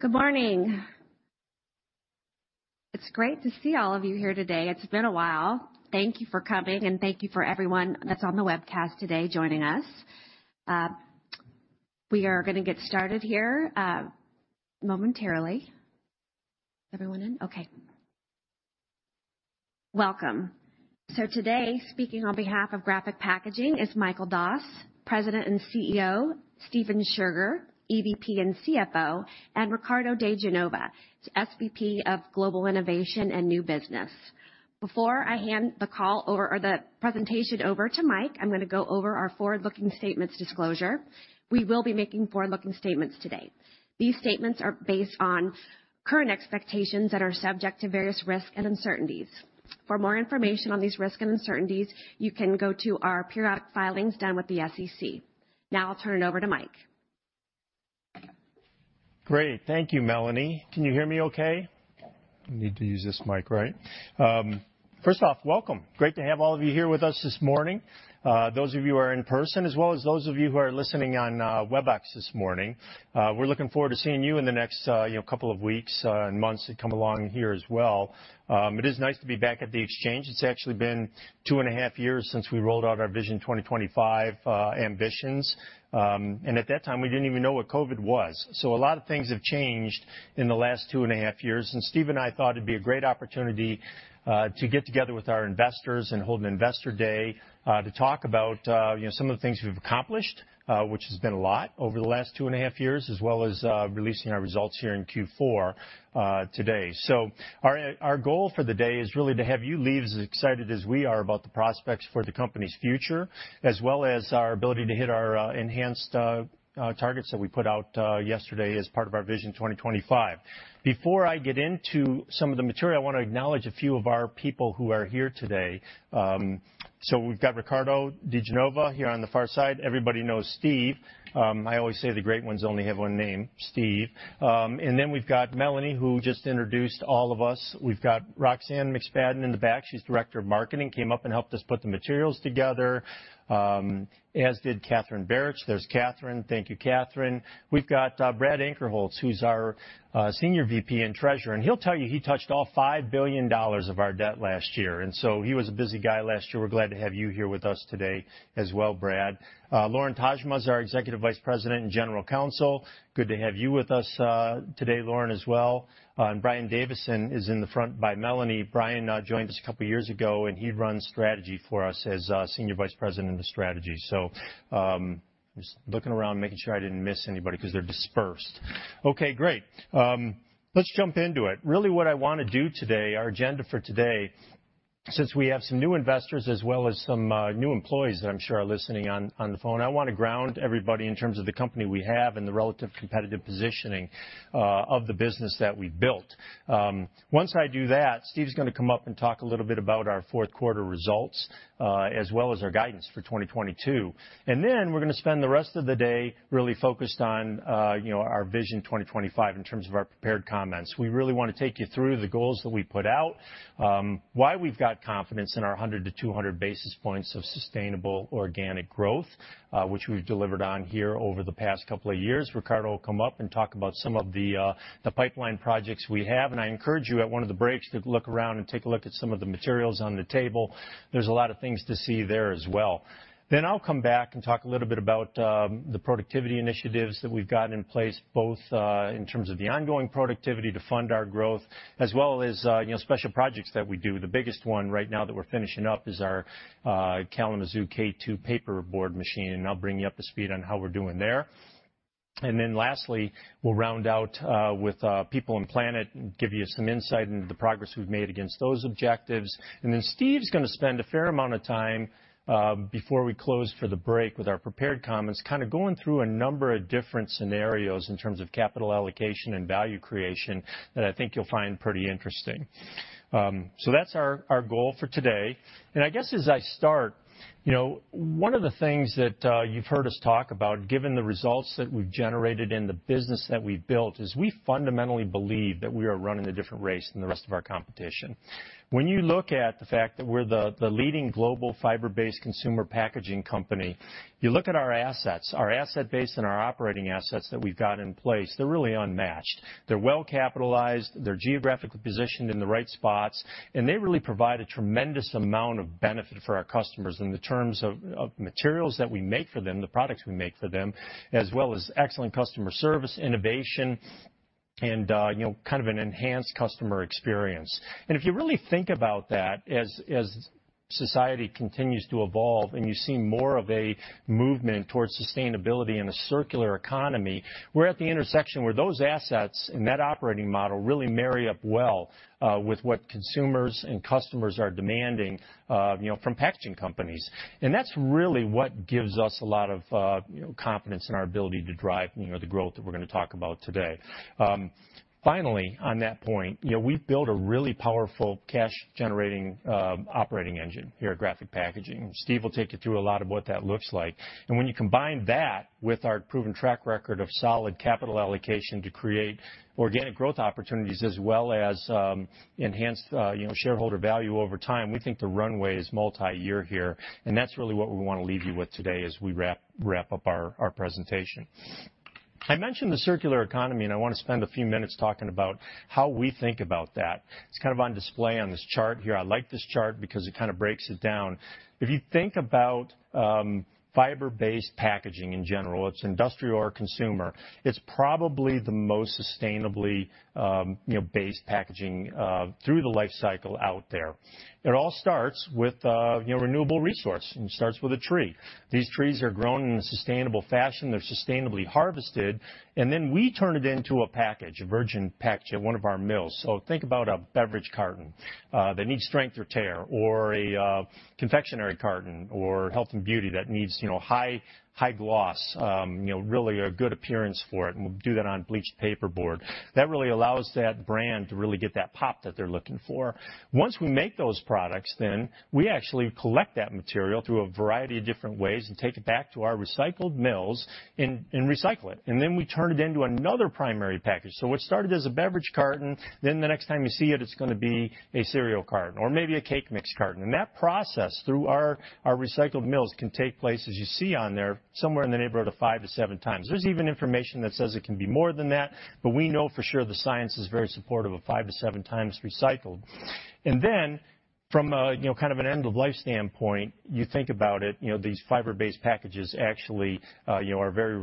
Good morning. It's great to see all of you here today. It's been a while. Thank you for coming, and thank you for everyone that's on the webcast today joining us. We are gonna get started here momentarily. Everyone in? Okay. Welcome. Today, speaking on behalf of Graphic Packaging is Michael Doss, President and CEO, Stephen Scherger, EVP and CFO, and Ricardo De Genova, SVP of Global Innovation and New Business. Before I hand the call over or the presentation over to Mike, I'm gonna go over our forward-looking statements disclosure. We will be making forward-looking statements today. These statements are based on current expectations that are subject to various risks and uncertainties. For more information on these risks and uncertainties, you can go to our periodic filings done with the SEC. Now I'll turn it over to Mike. Great. Thank you, Melanie. Can you hear me okay? I need to use this mic right. First off, welcome. Great to have all of you here with us this morning. Those of you who are in person, as well as those of you who are listening on Webex this morning, we're looking forward to seeing you in the next, you know, couple of weeks and months that come along here as well. It is nice to be back at the Exchange. It's actually been two and a half years since we rolled out our Vision 2025 ambitions. At that time, we didn't even know what COVID was. A lot of things have changed in the last two and a half years, and Steve and I thought it'd be a great opportunity to get together with our investors and hold an investor day to talk about you know some of the things we've accomplished, which has been a lot over the last two and a half years, as well as releasing our results here in Q4 today. Our goal for the day is really to have you leave as excited as we are about the prospects for the company's future, as well as our ability to hit our enhanced targets that we put out yesterday as part of our Vision 2025. Before I get into some of the material, I wanna acknowledge a few of our people who are here today. We've got Ricardo De Genova here on the far side. Everybody knows Steve. I always say the great ones only have one name, Steve. We've got Melanie, who just introduced all of us. We've got Roxanne McSpadden in the back. She's Director of Marketing, came up and helped us put the materials together, as did Katherine Berridge. There's Katherine. Thank you, Katherine. We've got Brad Ankerholz, who's our Senior VP and Treasurer, and he'll tell you, he touched all $5 billion of our debt last year, and so he was a busy guy last year. We're glad to have you here with us today as well, Brad. Lauren Tashma is our Executive Vice President and General Counsel. Good to have you with us today, Lauren, as well. Brian Davison is in the front by Melanie. Brian joined us a couple years ago, and he runs strategy for us as Senior Vice President of Strategy. Just looking around, making sure I didn't miss anybody 'cause they're dispersed. Okay, great. Let's jump into it. Really what I wanna do today, our agenda for today, since we have some new investors as well as some new employees that I'm sure are listening on the phone, I wanna ground everybody in terms of the company we have and the relative competitive positioning of the business that we've built. Once I do that, Steve's gonna come up and talk a little bit about our fourth quarter results as well as our guidance for 2022. We're gonna spend the rest of the day really focused on, you know, our Vision 2025 in terms of our prepared comments. We really wanna take you through the goals that we put out, why we've got confidence in our 100 basis points-200 basis points of sustainable organic growth, which we've delivered on here over the past couple of years. Ricardo will come up and talk about some of the pipeline projects we have, and I encourage you at one of the breaks to look around and take a look at some of the materials on the table. There's a lot of things to see there as well. I'll come back and talk a little bit about the productivity initiatives that we've got in place, both in terms of the ongoing productivity to fund our growth, as well as you know, special projects that we do. The biggest one right now that we're finishing up is our Kalamazoo K2 paperboard machine, and I'll bring you up to speed on how we're doing there. Lastly, we'll round out with people and planet and give you some insight into the progress we've made against those objectives. Steve's gonna spend a fair amount of time before we close for the break with our prepared comments, kind of going through a number of different scenarios in terms of capital allocation and value creation that I think you'll find pretty interesting. That's our goal for today. I guess as I start, you know, one of the things that you've heard us talk about, given the results that we've generated and the business that we've built, is we fundamentally believe that we are running a different race than the rest of our competition. When you look at the fact that we're the leading global fiber-based consumer packaging company, you look at our assets, our asset base and our operating assets that we've got in place, they're really unmatched. They're well capitalized, they're geographically positioned in the right spots, and they really provide a tremendous amount of benefit for our customers in terms of materials that we make for them, the products we make for them, as well as excellent customer service, innovation, and you know, kind of an enhanced customer experience. If you really think about that as society continues to evolve, and you see more of a movement towards sustainability and a circular economy, we're at the intersection where those assets and that operating model really marry up well with what consumers and customers are demanding, you know, from packaging companies. That's really what gives us a lot of confidence in our ability to drive the growth that we're gonna talk about today. Finally, on that point, you know, we've built a really powerful cash-generating operating engine here at Graphic Packaging. Steve will take you through a lot of what that looks like. When you combine that with our proven track record of solid capital allocation to create organic growth opportunities as well as, enhanced, you know, shareholder value over time, we think the runway is multi-year here, and that's really what we wanna leave you with today as we wrap up our presentation. I mentioned the circular economy, and I want to spend a few minutes talking about how we think about that. It's kind of on display on this chart here. I like this chart because it kind of breaks it down. If you think about, fiber-based packaging in general, it's industrial or consumer, it's probably the most sustainably, you know, based packaging, through the life cycle out there. It all starts with, you know, renewable resource, and it starts with a tree. These trees are grown in a sustainable fashion. They're sustainably harvested, and then we turn it into a package, a virgin package at one of our mills. Think about a beverage carton that needs strength or tear or a confectionary carton or health and beauty that needs, you know, high gloss, really a good appearance for it, and we'll do that on bleached paperboard. That really allows that brand to really get that pop that they're looking for. Once we make those products, then we actually collect that material through a variety of different ways and take it back to our recycled mills and recycle it, and then we turn it into another primary package. What started as a beverage carton, then the next time you see it's gonna be a cereal carton or maybe a cake mix carton. That process through our recycled mills can take place, as you see on there, somewhere in the neighborhood of five to seven times. There's even information that says it can be more than that, but we know for sure the science is very supportive of five to seven times recycled. From a, you know, kind of an end-of-life standpoint, you think about it, you know, these fiber-based packages actually, you know, are very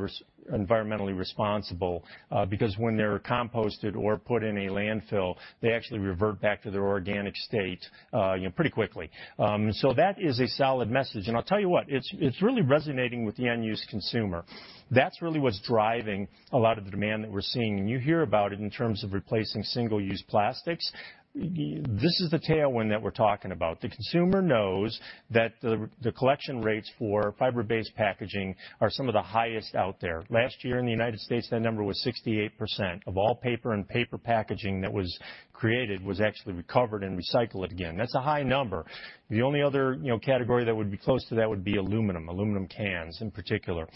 environmentally responsible, because when they're composted or put in a landfill, they actually revert back to their organic state, you know, pretty quickly. That is a solid message, and I'll tell you what, it's really resonating with the end-use consumer. That's really what's driving a lot of the demand that we're seeing, and you hear about it in terms of replacing single-use plastics. This is the tailwind that we're talking about. The consumer knows that the collection rates for fiber-based packaging are some of the highest out there. Last year in the United States, that number was 68% of all paper and paper packaging that was created was actually recovered and recycled again. That's a high number. The only other, you know, category that would be close to that would be aluminum cans in particular.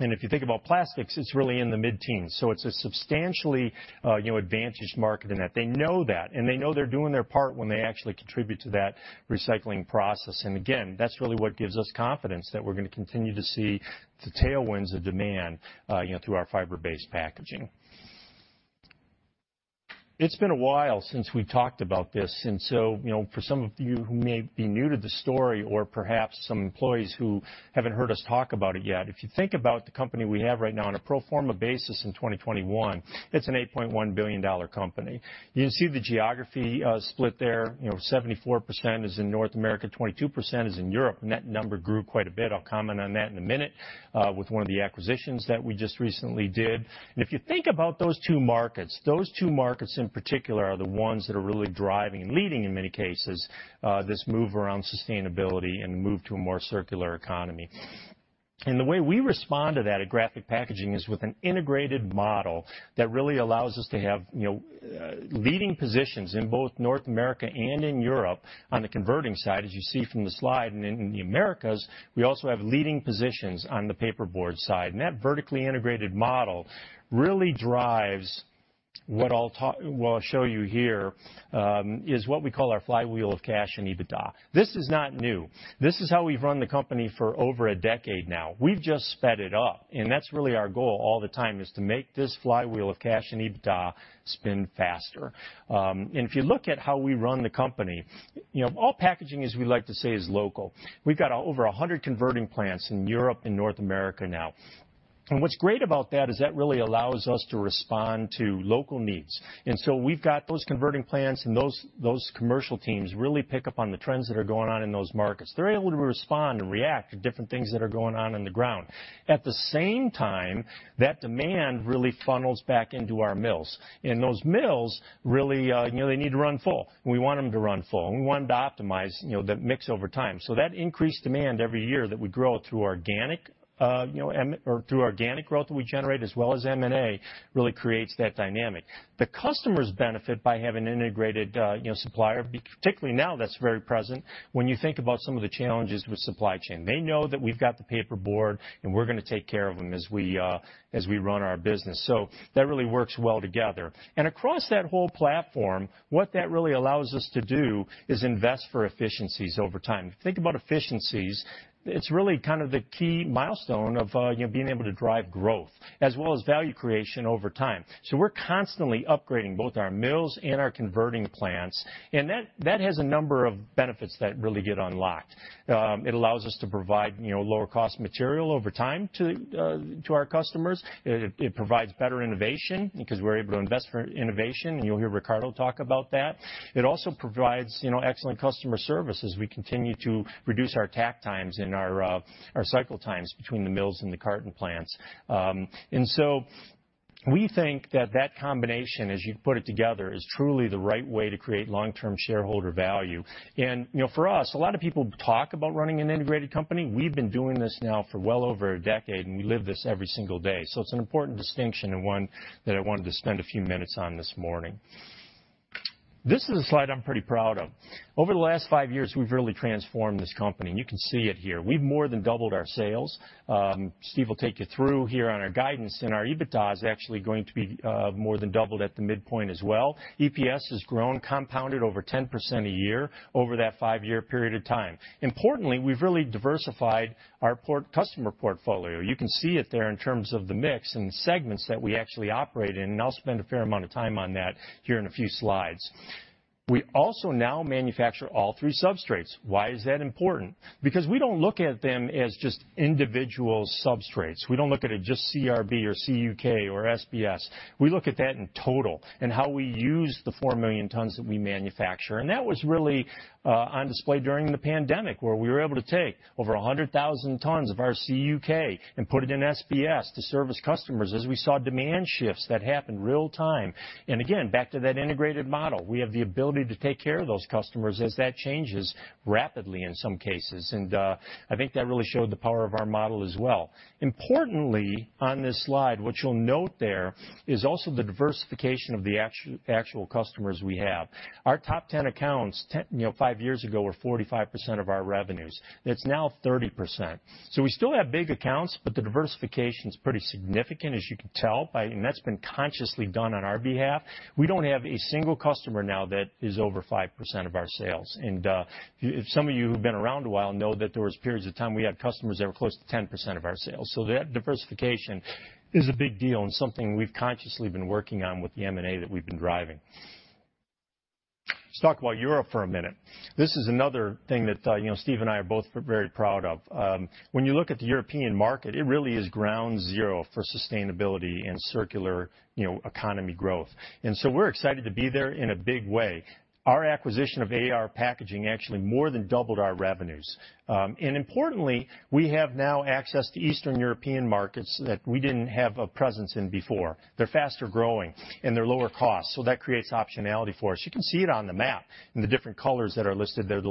And if you think about plastics, it's really in the mid-teens, so it's a substantially, you know, advantaged market in that they know that, and they know they're doing their part when they actually contribute to that recycling process. Again, that's really what gives us confidence that we're gonna continue to see the tailwinds of demand, you know, through our fiber-based packaging. It's been a while since we've talked about this, and so, you know, for some of you who may be new to the story or perhaps some employees who haven't heard us talk about it yet, if you think about the company we have right now on a pro forma basis in 2021, it's an $8.1 billion company. You can see the geography, split there. You know, 74% is in North America, 22% is in Europe. That number grew quite a bit, I'll comment on that in a minute, with one of the acquisitions that we just recently did. If you think about those two markets, those two markets in particular are the ones that are really driving and leading, in many cases, this move around sustainability and the move to a more circular economy. The way we respond to that at Graphic Packaging is with an integrated model that really allows us to have, you know, leading positions in both North America and in Europe on the converting side, as you see from the slide. In the Americas, we also have leading positions on the paperboard side. That vertically integrated model really drives what I'll show you here is what we call our flywheel of cash and EBITDA. This is not new. This is how we've run the company for over a decade now. We've just sped it up, and that's really our goal all the time is to make this flywheel of cash and EBITDA spin faster. If you look at how we run the company, you know, all packaging, as we like to say, is local. We've got over 100 converting plants in Europe and North America now. What's great about that is that really allows us to respond to local needs. We've got those converting plants, and those commercial teams really pick up on the trends that are going on in those markets. They're able to respond and react to different things that are going on on the ground. At the same time, that demand really funnels back into our mills, and those mills really, you know, they need to run full. We want them to run full, and we want to optimize, you know, the mix over time. That increased demand every year that we grow through organic or through organic growth that we generate as well as M&A really creates that dynamic. The customers benefit by having an integrated, you know, supplier, particularly now that's very present when you think about some of the challenges with supply chain. They know that we've got the paperboard, and we're gonna take care of them as we run our business. That really works well together. Across that whole platform, what that really allows us to do is invest for efficiencies over time. If you think about efficiencies, it's really kind of the key milestone of, you know, being able to drive growth as well as value creation over time. We're constantly upgrading both our mills and our converting plants, and that has a number of benefits that really get unlocked. It allows us to provide, you know, lower cost material over time to our customers. It provides better innovation because we're able to invest for innovation, and you'll hear Ricardo talk about that. It also provides, you know, excellent customer service as we continue to reduce our takt times and our cycle times between the mills and the carton plants. We think that combination, as you put it together, is truly the right way to create long-term shareholder value. You know, for us, a lot of people talk about running an integrated company. We've been doing this now for well over a decade, and we live this every single day. It's an important distinction and one that I wanted to spend a few minutes on this morning. This is a slide I'm pretty proud of. Over the last five years, we've really transformed this company, and you can see it here. We've more than doubled our sales. Steve will take you through here on our guidance, and our EBITDA is actually going to be more than doubled at the midpoint as well. EPS has grown compounded over 10% a year over that five-year period of time. Importantly, we've really diversified our customer portfolio. You can see it there in terms of the mix and the segments that we actually operate in, and I'll spend a fair amount of time on that here in a few slides. We also now manufacture all three substrates. Why is that important? Because we don't look at them as just individual substrates. We don't look at it just CRB or CUK or SBS. We look at that in total and how we use the 4 million tons that we manufacture. That was really on display during the pandemic, where we were able to take over 100,000 tons of our CUK and put it in SBS to service customers as we saw demand shifts that happened real time. Again, back to that integrated model, we have the ability to take care of those customers as that changes rapidly in some cases. I think that really showed the power of our model as well. Importantly, on this slide, what you'll note there is also the diversification of the actual customers we have. Our top ten accounts you know, five years ago were 45% of our revenues. That's now 30%. We still have big accounts, but the diversification's pretty significant, as you can tell by. That's been consciously done on our behalf. We don't have a single customer now that is over 5% of our sales. If some of you who've been around a while know that there was periods of time we had customers that were close to 10% of our sales. That diversification is a big deal and something we've consciously been working on with the M&A that we've been driving. Let's talk about Europe for a minute. This is another thing that, you know, Steve and I are both very proud of. When you look at the European market, it really is ground zero for sustainability and circular economy growth. We're excited to be there in a big way. Our acquisition of AR Packaging actually more than doubled our revenues. Importantly, we have now access to Eastern European markets that we didn't have a presence in before. They're faster-growing, and they're lower cost, so that creates optionality for us. You can see it on the map in the different colors that are listed there, the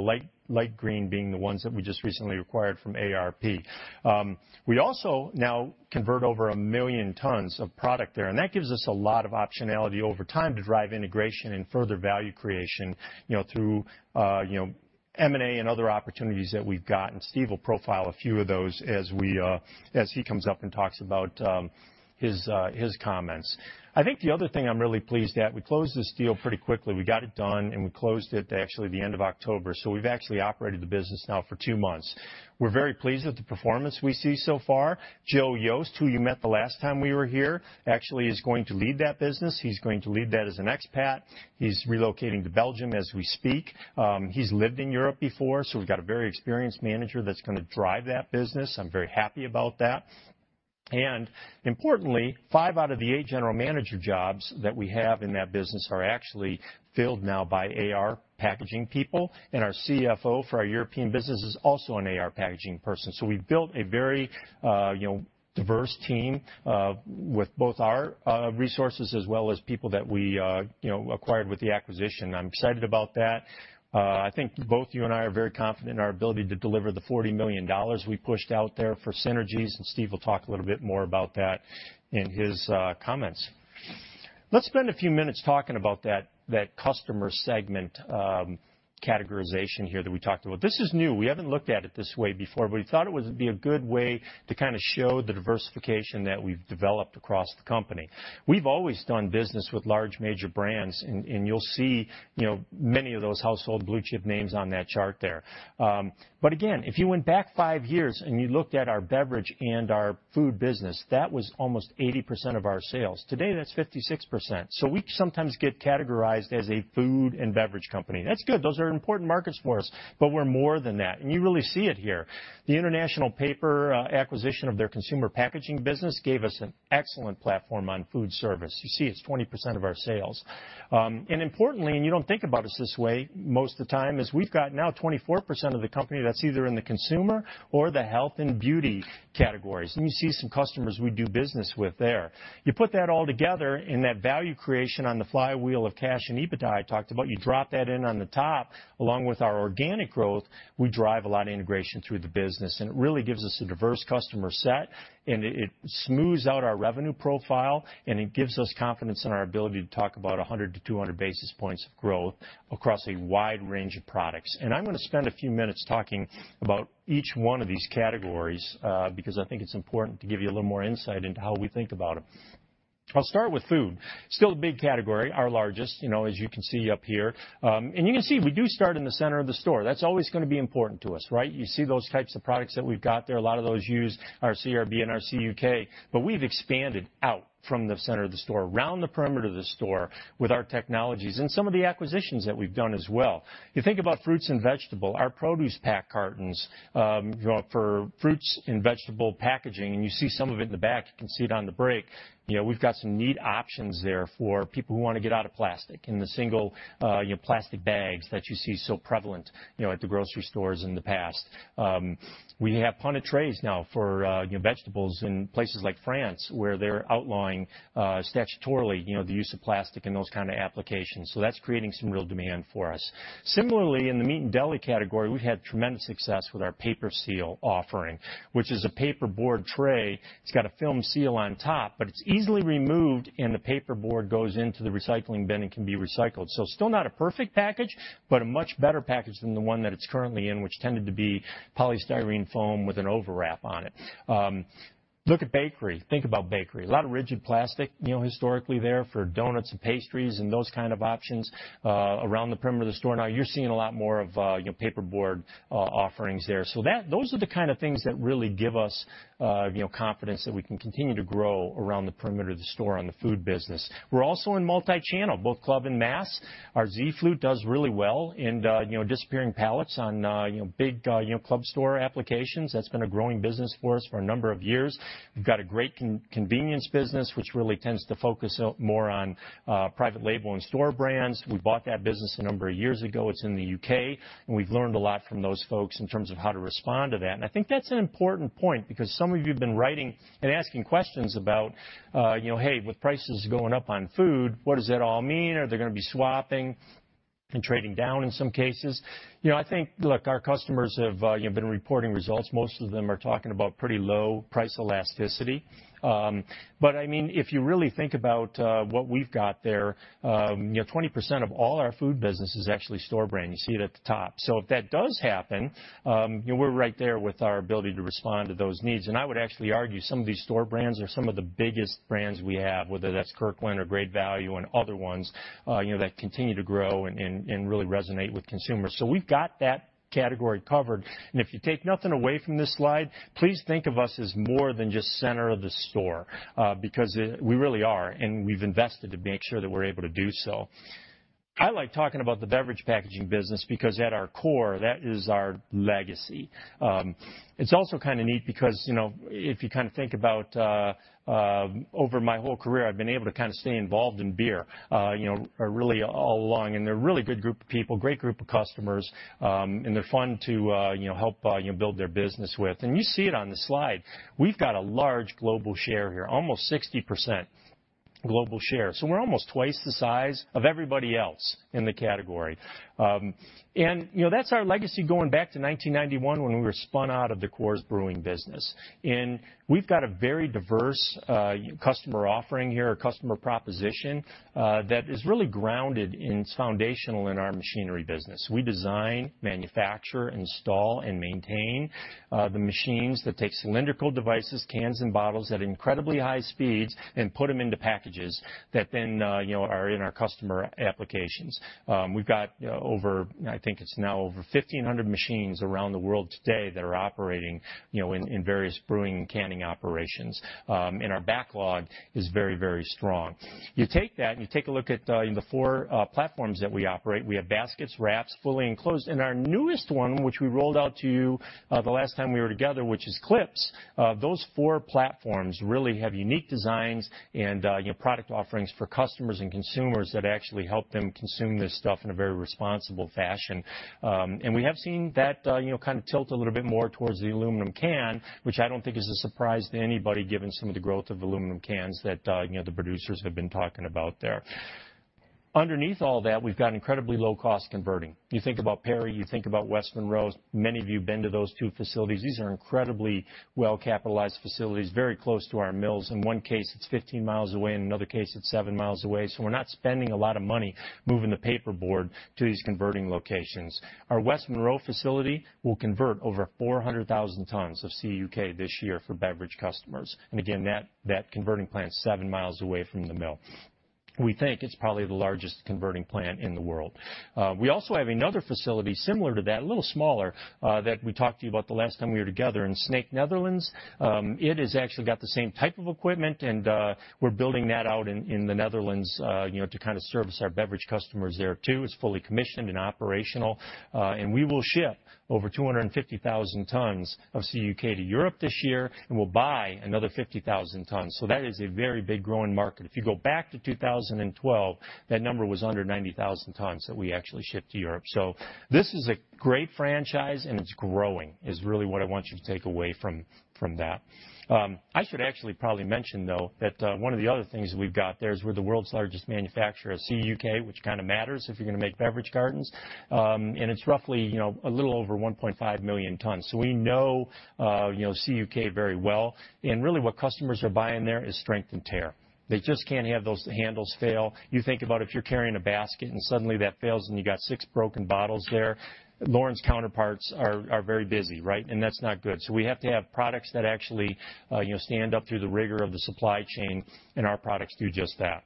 light green being the ones that we just recently acquired from AR Packaging. We also now convert over 1 million tons of product there, and that gives us a lot of optionality over time to drive integration and further value creation, you know, through you know, M&A and other opportunities that we've got, and Steve will profile a few of those as he comes up and talks about his comments. I think the other thing I'm really pleased at, we closed this deal pretty quickly. We got it done, and we closed it actually the end of October, so we've actually operated the business now for two months. We're very pleased with the performance we see so far. Joe Yost, who you met the last time we were here, actually is going to lead that business. He's going to lead that as an expat. He's relocating to Belgium as we speak. He's lived in Europe before, so we've got a very experienced manager that's gonna drive that business. I'm very happy about that. Importantly, five out of the eight general manager jobs that we have in that business are actually filled now by AR Packaging people, and our CFO for our European business is also an AR Packaging person. We've built a very, you know, diverse team with both our resources as well as people that we, you know, acquired with the acquisition. I'm excited about that. I think both you and I are very confident in our ability to deliver the $40 million we pushed out there for synergies, and Steve will talk a little bit more about that in his comments. Let's spend a few minutes talking about that customer segment categorization here that we talked about. This is new. We haven't looked at it this way before, but we thought it'd be a good way to kinda show the diversification that we've developed across the company. We've always done business with large major brands, and you'll see, you know, many of those household blue chip names on that chart there. If you went back five years and you looked at our beverage and our food business, that was almost 80% of our sales. Today, that's 56%. We sometimes get categorized as a food and beverage company. That's good. Those are important markets for us, but we're more than that, and you really see it here. The International Paper acquisition of their consumer packaging business gave us an excellent platform on food service. You see it's 20% of our sales. Importantly, and you don't think about us this way most of the time, is we've got now 24% of the company that's either in the consumer or the health and beauty categories, and you see some customers we do business with there. You put that all together in that value creation on the flywheel of cash and EBITDA I talked about, you drop that in on the top, along with our organic growth, we drive a lot of integration through the business, and it really gives us a diverse customer set, and it smooths out our revenue profile, and it gives us confidence in our ability to talk about 100-200 basis points of growth across a wide range of products. I'm gonna spend a few minutes talking about each one of these categories, because I think it's important to give you a little more insight into how we think about them. I'll start with food. Still a big category, our largest, you know, as you can see up here. You can see we do start in the center of the store. That's always gonna be important to us, right? You see those types of products that we've got there. A lot of those use our CRB and our CUK. But we've expanded out from the center of the store, around the perimeter of the store, with our technologies and some of the acquisitions that we've done as well. You think about fruits and vegetables, our ProducePack cartons, you know, for fruits and vegetables packaging, and you see some of it in the back. You can see it on the break. You know, we've got some neat options there for people who wanna get out of plastic in the single plastic bags that you see so prevalent, you know, at the grocery stores in the past. We have Punnet trays now for, you know, vegetables in places like France, where they're outlawing, statutorily, you know, the use of plastic in those kind of applications. That's creating some real demand for us. Similarly, in the meat and deli category, we've had tremendous success with our PaperSeal offering, which is a paperboard tray. It's got a film seal on top, but it's easily removed, and the paperboard goes into the recycling bin and can be recycled. Still not a perfect package, but a much better package than the one that it's currently in, which tended to be polystyrene foam with an overwrap on it. Look at bakery. Think about bakery. A lot of rigid plastic, you know, historically there for donuts and pastries and those kind of options, around the perimeter of the store. Now you're seeing a lot more of, you know, paperboard offerings there. Those are the kind of things that really give us, you know, confidence that we can continue to grow around the perimeter of the store on the food business. We're also in multi-channel, both club and mass. Our Z-Flute does really well in, you know, disappearing pallets on, you know, big, you know, club store applications. That's been a growing business for us for a number of years. We've got a great convenience business which really tends to focus out more on, private label and store brands. We bought that business a number of years ago, it's in the U.K., and we've learned a lot from those folks in terms of how to respond to that. I think that's an important point because some of you have been writing and asking questions about, you know, "Hey, with prices going up on food, what does that all mean? Are they gonna be swapping and trading down in some cases?" You know, look, our customers have, you know, been reporting results. Most of them are talking about pretty low price elasticity. But, I mean, if you really think about what we've got there, you know, 20% of all our food business is actually store brand. You see it at the top. So if that does happen, you know, we're right there with our ability to respond to those needs. I would actually argue some of these store brands are some of the biggest brands we have, whether that's Kirkland or Great Value and other ones, you know, that continue to grow and really resonate with consumers. So we've got that category covered. If you take nothing away from this slide, please think of us as more than just center of the store, because we really are, and we've invested to make sure that we're able to do so. I like talking about the beverage packaging business because at our core, that is our legacy. It's also kinda neat because, you know, if you kinda think about over my whole career, I've been able to kinda stay involved in beer, you know, or really all along. They're a really good group of people, great group of customers, and they're fun to, you know, help, you know, build their business with. You see it on the slide. We've got a large global share here, almost 60% global share, so we're almost twice the size of everybody else in the category. You know, that's our legacy going back to 1991 when we were spun out of the Molson Coors brewing business. We've got a very diverse customer offering here or customer proposition that is really grounded and it's foundational in our machinery business. We design, manufacture, install, and maintain the machines that take cylindrical devices, cans and bottles, at incredibly high speeds and put them into packages that then, you know, are in our customer applications. We've got over... I think it's now over 1,500 machines around the world today that are operating, you know, in various brewing and canning operations. Our backlog is very, very strong. You take that, and you take a look at the four platforms that we operate. We have baskets, wraps, fully enclosed, and our newest one, which we rolled out to you the last time we were together, which is clips. Those four platforms really have unique designs and, you know, product offerings for customers and consumers that actually help them consume this stuff in a very responsible fashion. We have seen that, you know, kind of tilt a little bit more towards the aluminum can, which I don't think is a surprise to anybody given some of the growth of aluminum cans that, you know, the producers have been talking about there. Underneath all that, we've got incredibly low-cost converting. You think about Perry, you think about West Monroe. Many of you have been to those two facilities. These are incredibly well-capitalized facilities, very close to our mills. In one case, it's 15 mi away, and in another case, it's 7 mi away, so we're not spending a lot of money moving the paperboard to these converting locations. Our West Monroe facility will convert over 400,000 tons of CUK this year for beverage customers. Again, that converting plant's 7 mi away from the mill. We think it's probably the largest converting plant in the world. We also have another facility similar to that, a little smaller, that we talked to you about the last time we were together in Sneek, Netherlands. It has actually got the same type of equipment, and we're building that out in the Netherlands, you know, to kind of service our beverage customers there too. It's fully commissioned and operational. We will ship over 250,000 tons of CUK to Europe this year, and we'll buy another 50,000 tons. That is a very big growing market. If you go back to 2012, that number was under 90,000 tons that we actually shipped to Europe. This is a great franchise, and it's growing, is really what I want you to take away from that. I should actually probably mention, though, that one of the other things that we've got there is we're the world's largest manufacturer of CUK, which kinda matters if you're gonna make beverage cartons. It's roughly a little over 1.5 million tons. We know CUK very well. Really what customers are buying there is strength and tear. They just can't have those handles fail. You think about if you're carrying a basket and suddenly that fails, and you got six broken bottles there, Lauren's counterparts are very busy, right? That's not good. We have to have products that actually stand up through the rigor of the supply chain, and our products do just that.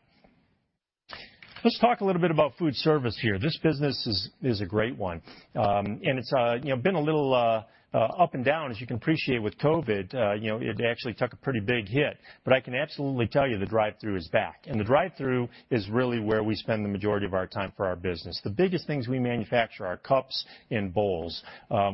Let's talk a little bit about food service here. This business is a great one. It's been a little up and down, as you can appreciate with COVID. It actually took a pretty big hit, but I can absolutely tell you the drive-through is back. The drive-through is really where we spend the majority of our time for our business. The biggest things we manufacture are cups and bowls.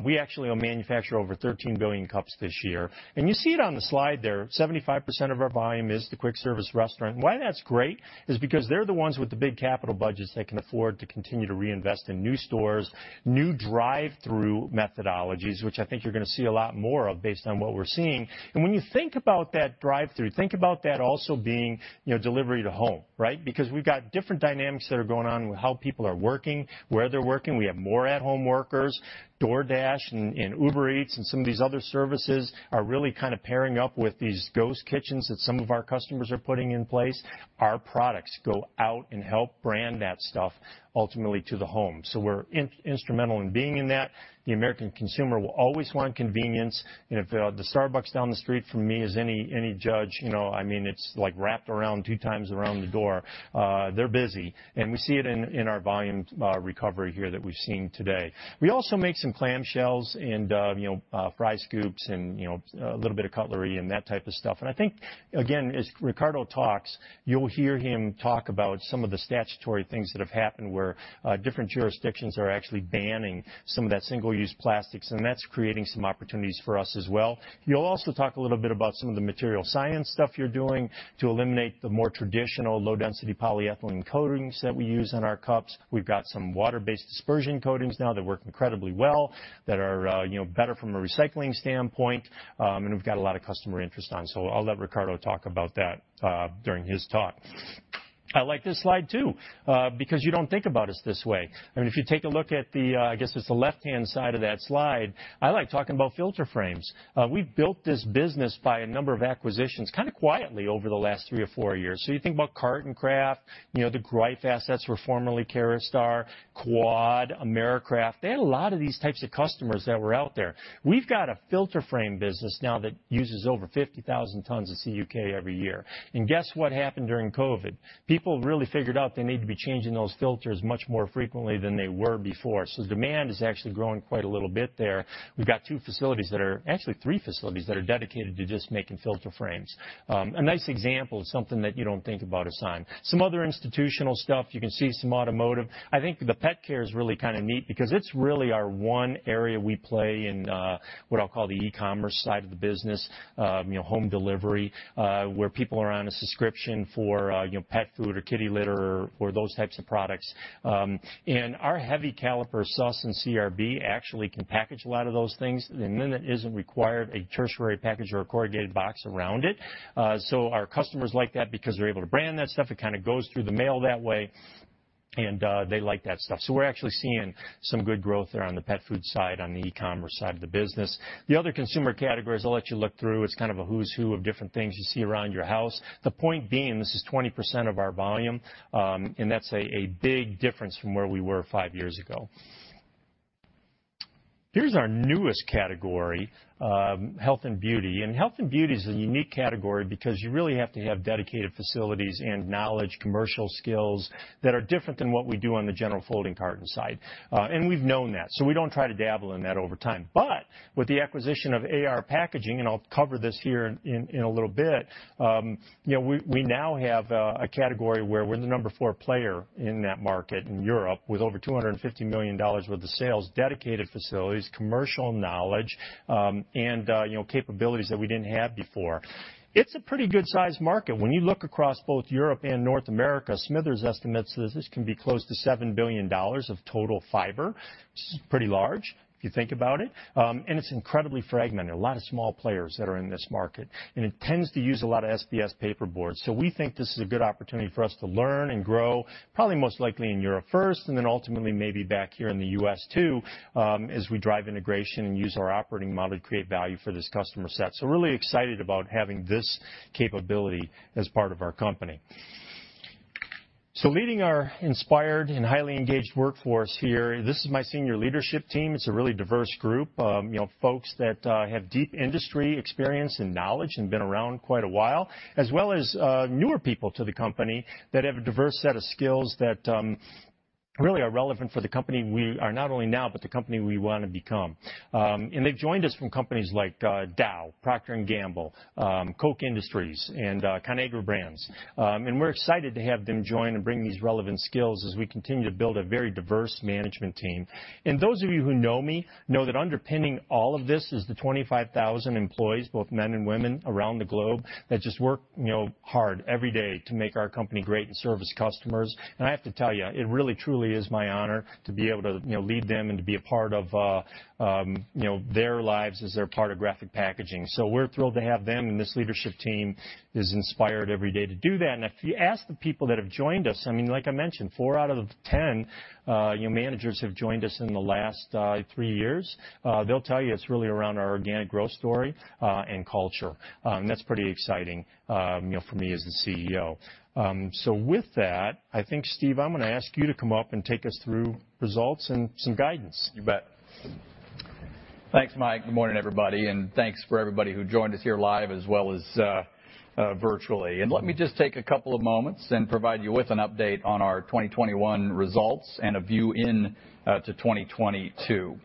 We actually will manufacture over 13 billion cups this year. You see it on the slide there, 75% of our volume is the quick service restaurant. Why that's great is because they're the ones with the big capital budgets that can afford to continue to reinvest in new stores, new drive-through methodologies, which I think you're gonna see a lot more of based on what we're seeing. When you think about that drive-through, think about that also being, you know, delivery to home, right? Because we've got different dynamics that are going on with how people are working, where they're working. We have more at-home workers. DoorDash and Uber Eats and some of these other services are really kind of pairing up with these ghost kitchens that some of our customers are putting in place. Our products go out and help brand that stuff ultimately to the home. We're instrumental in being in that. The American consumer will always want convenience. If the Starbucks down the street from me is any judge, you know, I mean, it's, like, wrapped around two times around the door. They're busy. We see it in our volume recovery here that we've seen today. We also make some clamshells and, you know, fry scoops and, you know, a little bit of cutlery and that type of stuff. I think, again, as Ricardo talks, you'll hear him talk about some of the statutory things that have happened, where different jurisdictions are actually banning some of that single-use plastics, and that's creating some opportunities for us as well. He'll also talk a little bit about some of the material science stuff you're doing to eliminate the more traditional low-density polyethylene coatings that we use on our cups. We've got some water-based dispersion coatings now that work incredibly well, that are, you know, better from a recycling standpoint, and we've got a lot of customer interest in. I'll let Ricardo talk about that, during his talk. I like this slide too, because you don't think about us this way. I mean, if you take a look at the, I guess it's the left-hand side of that slide, I like talking about filter frames. We built this business by a number of acquisitions kind of quietly over the last three or four years. You think about Carton Craft, you know, the Greif assets were formerly Caraustar, Quad, Americraft. They had a lot of these types of customers that were out there. We've got a filter frame business now that uses over 50,000 tons of CUK every year. Guess what happened during COVID? People really figured out they need to be changing those filters much more frequently than they were before. Demand is actually growing quite a little bit there. We've got two facilities, actually three facilities that are dedicated to just making filter frames. A nice example of something that you don't think about us on. Some other institutional stuff. You can see some automotive. I think the pet care is really kind of neat because it's really our one area we play in, what I'll call the e-commerce side of the business, you know, home delivery, where people are on a subscription for, you know, pet food or kitty litter or those types of products. Our heavy caliper SBS and CRB actually can package a lot of those things. It isn't required a tertiary package or a corrugated box around it. Our customers like that because they're able to brand that stuff. It kind of goes through the mail that way, and they like that stuff. We're actually seeing some good growth there on the pet food side, on the e-commerce side of the business. The other consumer categories I'll let you look through. It's kind of a who's who of different things you see around your house. The point being, this is 20% of our volume, and that's a big difference from where we were five years ago. Here's our newest category, health and beauty. Health and beauty is a unique category because you really have to have dedicated facilities and knowledge, commercial skills that are different than what we do on the general folding carton side. We've known that, so we don't try to dabble in that over time. With the acquisition of AR Packaging, and I'll cover this here in a little bit, you know, we now have a category where we're the number four player in that market in Europe with over $250 million worth of sales, dedicated facilities, commercial knowledge, and, you know, capabilities that we didn't have before. It's a pretty good-sized market. When you look across both Europe and North America, Smithers estimates that this can be close to $7 billion of total fiber, which is pretty large if you think about it. It's incredibly fragmented, a lot of small players that are in this market. It tends to use a lot of SBS paperboards. We think this is a good opportunity for us to learn and grow, probably most likely in Europe first, and then ultimately maybe back here in the U.S. too, as we drive integration and use our operating model to create value for this customer set. Really excited about having this capability as part of our company. Leading our inspired and highly engaged workforce here, this is my senior leadership team. It's a really diverse group. You know, folks that have deep industry experience and knowledge and been around quite a while, as well as newer people to the company that have a diverse set of skills that really are relevant for the company we are not only now, but the company we wanna become. They've joined us from companies like Dow, Procter & Gamble, Koch Industries, and Conagra Brands. We're excited to have them join and bring these relevant skills as we continue to build a very diverse management team. Those of you who know me know that underpinning all of this is the 25,000 employees, both men and women around the globe, that just work, you know, hard every day to make our company great and serve customers. I have to tell you, it really truly is my honor to be able to, you know, lead them and to be a part of, you know, their lives as they're a part of Graphic Packaging. We're thrilled to have them, and this leadership team is inspired every day to do that. If you ask the people that have joined us, I mean, like I mentioned, four out of 10, you know, managers have joined us in the last three years, they'll tell you it's really around our organic growth story and culture. That's pretty exciting, you know, for me as the CEO. With that, I think, Steve, I'm gonna ask you to come up and take us through results and some guidance. You bet. Thanks, Mike. Good morning, everybody, and thanks for everybody who joined us here live as well as virtually. Let me just take a couple of moments and provide you with an update on our 2021 results and a view into 2022.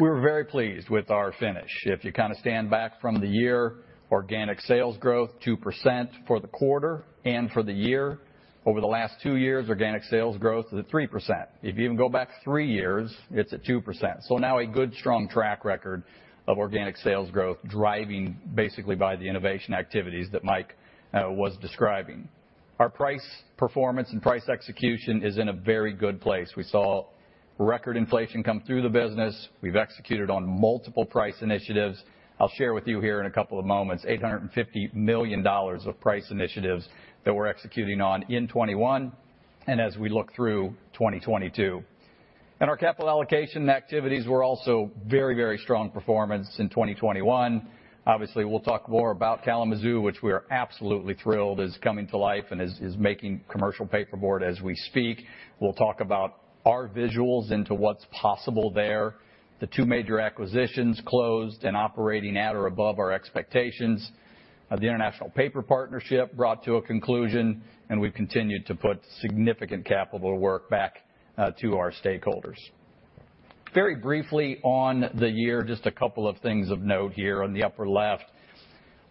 We were very pleased with our finish. If you kind of stand back from the year, organic sales growth 2% for the quarter and for the year. Over the last two years, organic sales growth is at 3%. If you even go back three years, it's at 2%. Now a good, strong track record of organic sales growth driving basically by the innovation activities that Mike was describing. Our price performance and price execution is in a very good place. We saw record inflation come through the business. We've executed on multiple price initiatives. I'll share with you here in a couple of moments $850 million of price initiatives that we're executing on in 2021 and as we look through 2022. Our capital allocation activities were also very, very strong performance in 2021. Obviously, we'll talk more about Kalamazoo, which we are absolutely thrilled is coming to life and is making commercial paperboard as we speak. We'll talk about our visuals into what's possible there. The two major acquisitions closed and operating at or above our expectations. The International Paper partnership brought to a conclusion, and we've continued to put significant capital to work back to our stakeholders. Very briefly on the year, just a couple of things of note here on the upper left.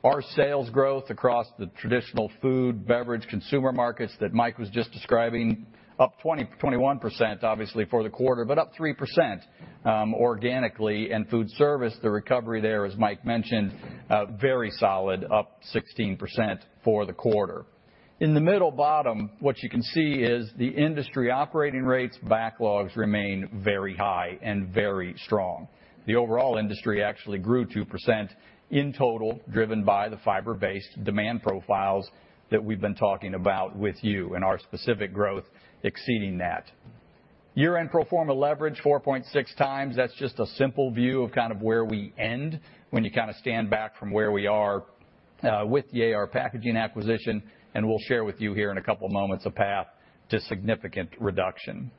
Our sales growth across the traditional food, beverage, consumer markets that Mike was just describing, up 21% obviously for the quarter, but up 3%, organically. Food service, the recovery there, as Mike mentioned, very solid, up 16% for the quarter. In the middle bottom, what you can see is the industry operating rates backlogs remain very high and very strong. The overall industry actually grew 2% in total, driven by the fiber-based demand profiles that we've been talking about with you and our specific growth exceeding that. Year-end pro forma leverage 4.6x. That's just a simple view of kind of where we end when you kind of stand back from where we are, with the AR Packaging acquisition, and we'll share with you here in a couple of moments a path to significant reduction.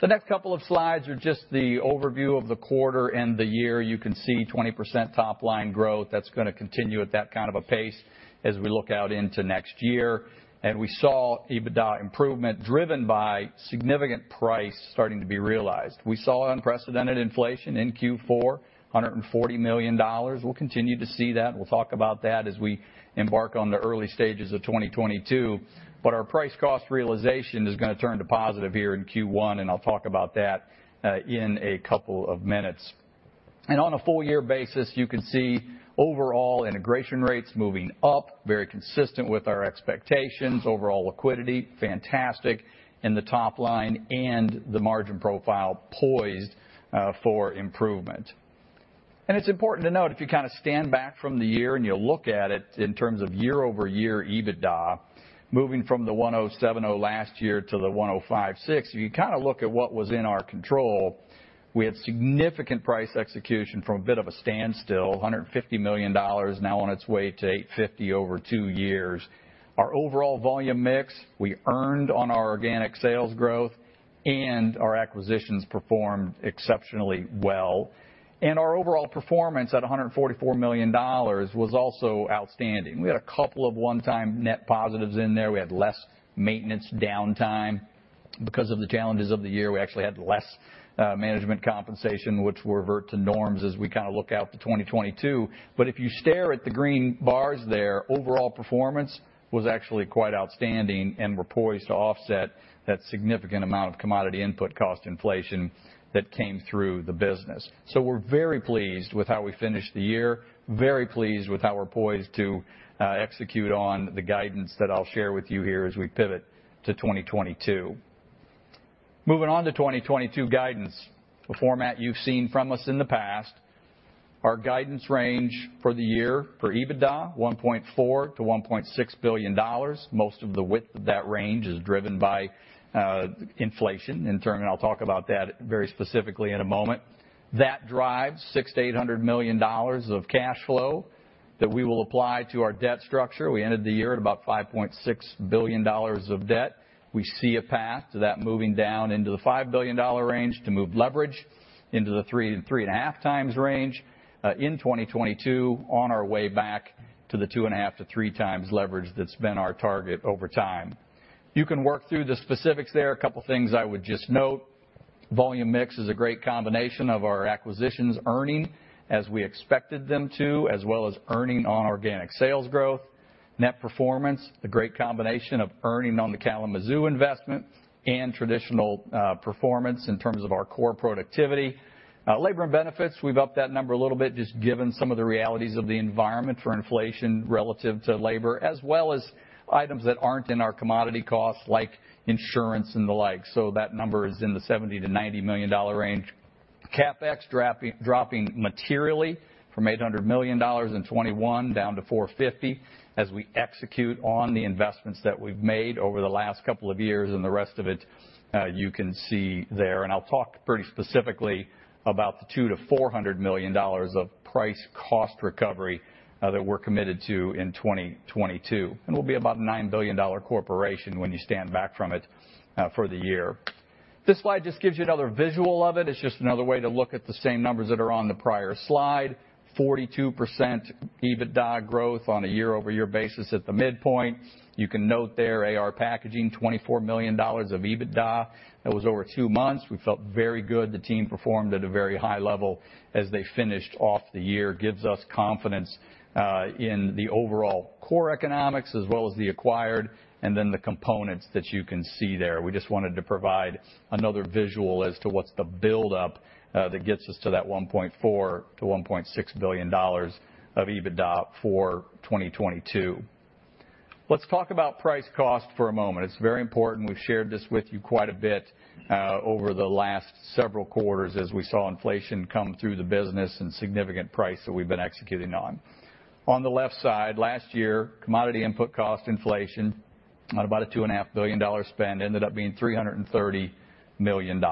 The next couple of slides are just the overview of the quarter and the year. You can see 20% top-line growth. That's gonna continue at that kind of a pace as we look out into next year. We saw EBITDA improvement driven by significant price starting to be realized. We saw unprecedented inflation in Q4, $140 million. We'll continue to see that and we'll talk about that as we embark on the early stages of 2022. Our price cost realization is gonna turn to positive here in Q1, and I'll talk about that in a couple of minutes. On a full year basis, you can see overall integration rates moving up, very consistent with our expectations. Overall liquidity, fantastic in the top line, and the margin profile poised for improvement. It's important to note if you kind of stand back from the year and you look at it in terms of year-over-year EBITDA, moving from the $1,070 last year to the $1,056, if you kind of look at what was in our control, we had significant price execution from a bit of a standstill, $150 million now on its way to $850 over two years. Our overall volume mix, we earned on our organic sales growth, and our acquisitions performed exceptionally well. Our overall performance at $144 million was also outstanding. We had a couple of one-time net positives in there. We had less maintenance downtime. Because of the challenges of the year, we actually had less management compensation, which we'll revert to norms as we kind of look out to 2022. If you stare at the green bars there, overall performance was actually quite outstanding, and we're poised to offset that significant amount of commodity input cost inflation that came through the business. We're very pleased with how we finished the year, very pleased with how we're poised to execute on the guidance that I'll share with you here as we pivot to 2022. Moving on to 2022 guidance, the format you've seen from us in the past. Our guidance range for the year for EBITDA is $1.4 billion-$1.6 billion. Most of the width of that range is driven by inflation. In turn, I'll talk about that very specifically in a moment. That drives $600 million-$800 million of cash flow that we will apply to our debt structure. We ended the year at about $5.6 billion of debt. We see a path to that moving down into the $5 billion range to move leverage into the 3x-3.5x range in 2022 on our way back to the 2.5x-3x leverage that's been our target over time. You can work through the specifics there. A couple of things I would just note. Volume mix is a great combination of our acquisitions earning as we expected them to, as well as earning on organic sales growth. Net performance, a great combination of earning on the Kalamazoo investment and traditional performance in terms of our core productivity. Labor and benefits, we've upped that number a little bit just given some of the realities of the environment for inflation relative to labor, as well as items that aren't in our commodity costs like insurance and the like. So that number is in the $70 million-$90 million range. CapEx dropping materially from $800 million in 2021 down to $450 million as we execute on the investments that we've made over the last couple of years, and the rest of it, you can see there. I'll talk pretty specifically about the $200 million-$400 million of price cost recovery that we're committed to in 2022. We'll be about a $9 billion corporation when you stand back from it for the year. This slide just gives you another visual of it. It's just another way to look at the same numbers that are on the prior slide. 42% EBITDA growth on a year-over-year basis at the midpoint. You can note there, AR Packaging, $24 million of EBITDA. That was over two months. We felt very good. The team performed at a very high level as they finished off the year, gives us confidence in the overall core economics as well as the acquired and then the components that you can see there. We just wanted to provide another visual as to what's the buildup that gets us to that $1.4 billion-$1.6 billion of EBITDA for 2022. Let's talk about price cost for a moment. It's very important. We've shared this with you quite a bit over the last several quarters as we saw inflation come through the business and significant price that we've been executing on. On the left side, last year, commodity input cost inflation at about a $2.5 billion spend ended up being $330 million.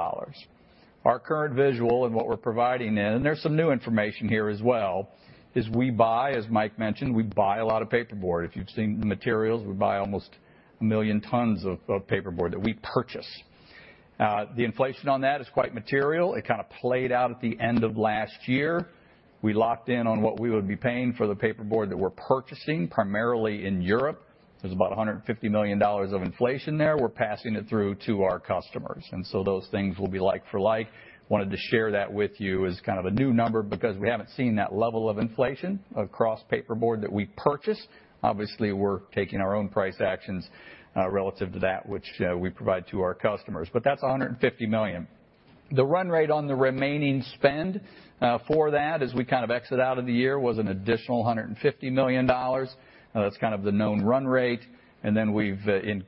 Our current visual and what we're providing then, there's some new information here as well, is we buy, as Mike mentioned, a lot of paperboard. If you've seen the materials, we buy almost 1 million tons of paperboard that we purchase. The inflation on that is quite material. It kind of played out at the end of last year. We locked in on what we would be paying for the paperboard that we're purchasing, primarily in Europe. There's about $150 million of inflation there. We're passing it through to our customers. Those things will be like for like. Wanted to share that with you as kind of a new number because we haven't seen that level of inflation across paperboard that we purchase. Obviously, we're taking our own price actions relative to that which we provide to our customers. That's $150 million. The run rate on the remaining spend for that as we kind of exit out of the year was an additional $150 million. Now that's kind of the known run rate, and then we've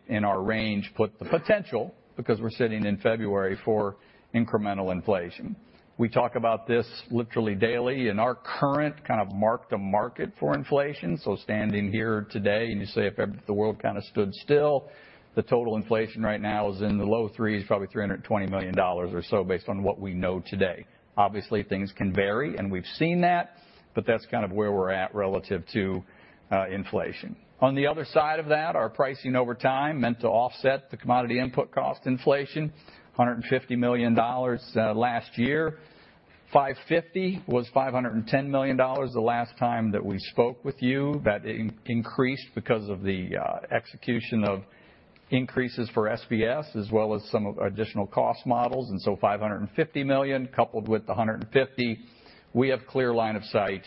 in our range put the potential, because we're sitting in February, for incremental inflation. We talk about this literally daily in our current kind of mark-to-market for inflation. Standing here today, if the world kind of stood still, the total inflation right now is in the low 300s, probably $320 million or so based on what we know today. Obviously, things can vary, and we've seen that, but that's kind of where we're at relative to inflation. On the other side of that, our pricing over time meant to offset the commodity input cost inflation, $150 million last year. $550 million was $510 million the last time that we spoke with you. That increased because of the execution of increases for SBS as well as some of additional cost models, and five hundred and fifty million coupled with the hundred and fifty, we have clear line of sight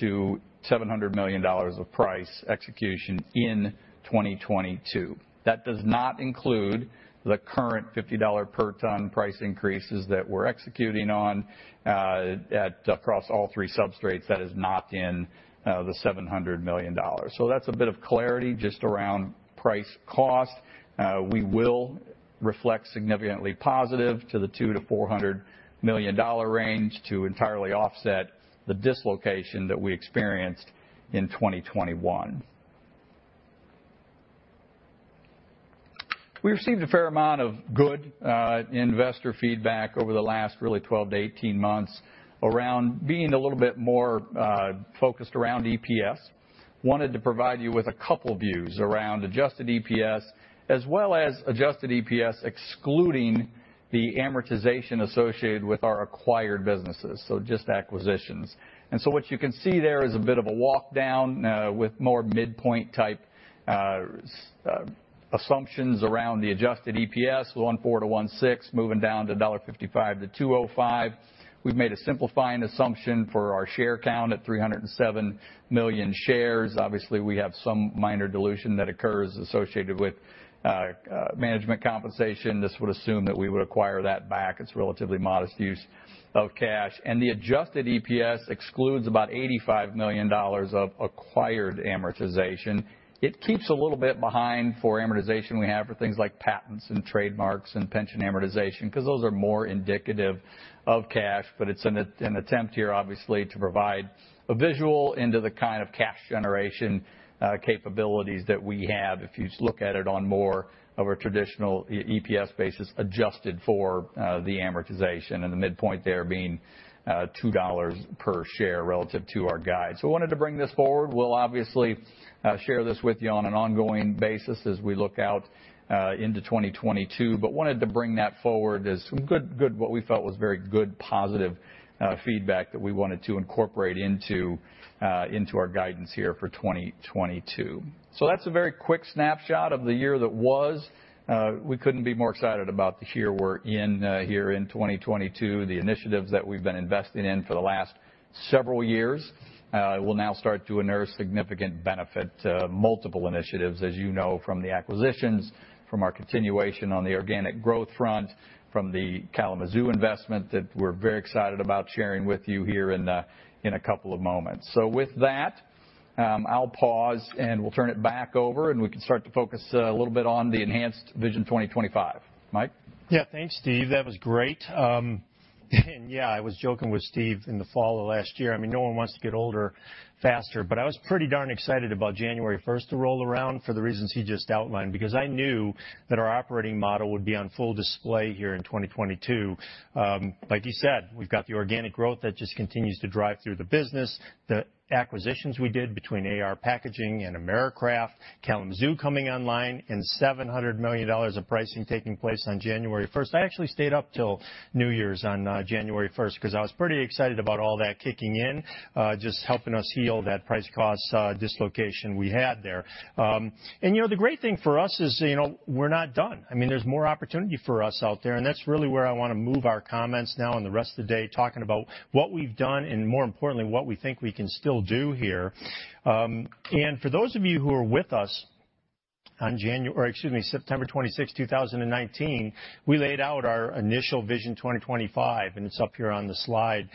to $700 million of price execution in 2022. That does not include the current $50 per ton price increases that we're executing on at across all three substrates. That is not in the $700 million. That's a bit of clarity just around price cost. We will reflect significantly positive to the $200 million-$400 million range to entirely offset the dislocation that we experienced in 2021. We received a fair amount of good investor feedback over the last really 12-18 months around being a little bit more focused around EPS. wanted to provide you with a couple views around adjusted EPS as well as adjusted EPS excluding the amortization associated with our acquired businesses, so just acquisitions. What you can see there is a bit of a walk down with more midpoint-type assumptions around the adjusted EPS, $1.4-$1.6, moving down to $1.55-$2.05. We've made a simplifying assumption for our share count at 307 million shares. Obviously, we have some minor dilution that occurs associated with management compensation. This would assume that we would acquire that back. It's relatively modest use of cash. The adjusted EPS excludes about $85 million of acquired amortization. It keeps a little bit behind for amortization we have for things like patents and trademarks and pension amortization, 'cause those are more indicative of cash, but it's an attempt here obviously to provide a visual into the kind of cash generation capabilities that we have if you look at it on more of a traditional EPS basis adjusted for the amortization, and the midpoint there being $2 per share relative to our guide. Wanted to bring this forward. We'll obviously share this with you on an ongoing basis as we look out into 2022, but wanted to bring that forward as some good what we felt was very good, positive feedback that we wanted to incorporate into into our guidance here for 2022. That's a very quick snapshot of the year that was. We couldn't be more excited about the year we're in here in 2022. The initiatives that we've been investing in for the last several years will now start to unearth significant benefit to multiple initiatives as you know from the acquisitions, from our continuation on the organic growth front, from the Kalamazoo investment that we're very excited about sharing with you here in a couple of moments. With that, I'll pause, and we'll turn it back over, and we can start to focus a little bit on the enhanced Vision 2025. Mike? Yeah. Thanks, Steve. That was great. Yeah, I was joking with Steve in the fall of last year. I mean, no one wants to get older faster, but I was pretty darn excited about January first to roll around for the reasons he just outlined because I knew that our operating model would be on full display here in 2022. Like he said, we've got the organic growth that just continues to drive through the business, the acquisitions we did between AR Packaging and Americraft, Kalamazoo coming online, and $700 million of pricing taking place on January first. I actually stayed up till New Year's on January first 'cause I was pretty excited about all that kicking in, just helping us heal that price-cost dislocation we had there. You know, the great thing for us is, you know, we're not done. I mean, there's more opportunity for us out there, and that's really where I wanna move our comments now and the rest of the day, talking about what we've done and more importantly, what we think we can still do here. For those of you who were with us on September 26, 2019, we laid out our initial Vision 2025, and it's up here on the slide.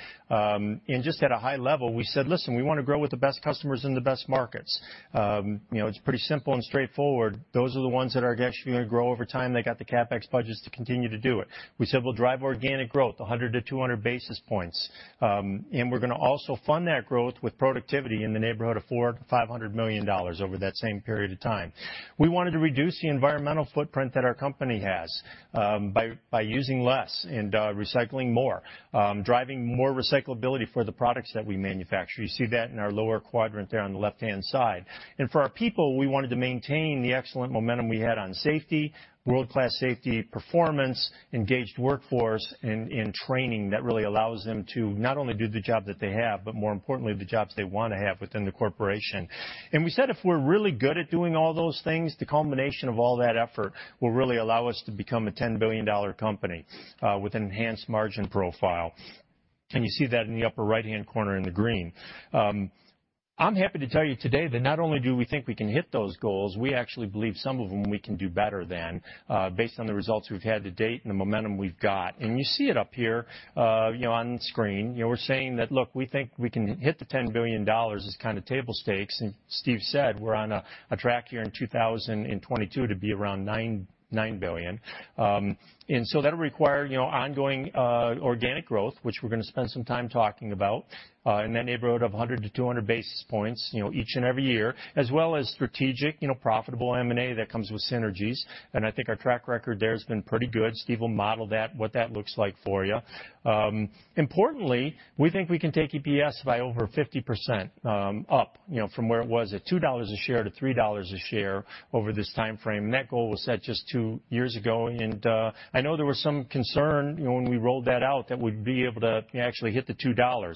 Just at a high level, we said, "Listen, we wanna grow with the best customers in the best markets." You know, it's pretty simple and straightforward. Those are the ones that are actually gonna grow over time. They got the CapEx budgets to continue to do it. We said we'll drive organic growth 100-200 basis points, and we're gonna also fund that growth with productivity in the neighborhood of $400 million-$500 million over that same period of time. We wanted to reduce the environmental footprint that our company has, by using less and recycling more, driving more recyclability for the products that we manufacture. You see that in our lower quadrant there on the left-hand side. For our people, we wanted to maintain the excellent momentum we had on safety, world-class safety performance, engaged workforce, and training that really allows them to not only do the job that they have, but more importantly, the jobs they wanna have within the corporation. We said if we're really good at doing all those things, the culmination of all that effort will really allow us to become a $10 billion company with enhanced margin profile. You see that in the upper right-hand corner in the green. I'm happy to tell you today that not only do we think we can hit those goals, we actually believe some of them we can do better than based on the results we've had to date and the momentum we've got. You see it up here, you know, on the screen. You know, we're saying that, look, we think we can hit the $10 billion as kind of table stakes. Steve said, we're on a track here in 2022 to be around $9 billion. That'll require ongoing organic growth, which we're gonna spend some time talking about, in that neighborhood of 100-200 basis points each and every year, as well as strategic profitable M&A that comes with synergies. I think our track record there has been pretty good. Steve will model that, what that looks like for you. Importantly, we think we can take EPS by over 50%, up from where it was at $2 a share to $3 a share over this timeframe. That goal was set just two years ago, and I know there was some concern when we rolled that out, that we'd be able to actually hit the $2.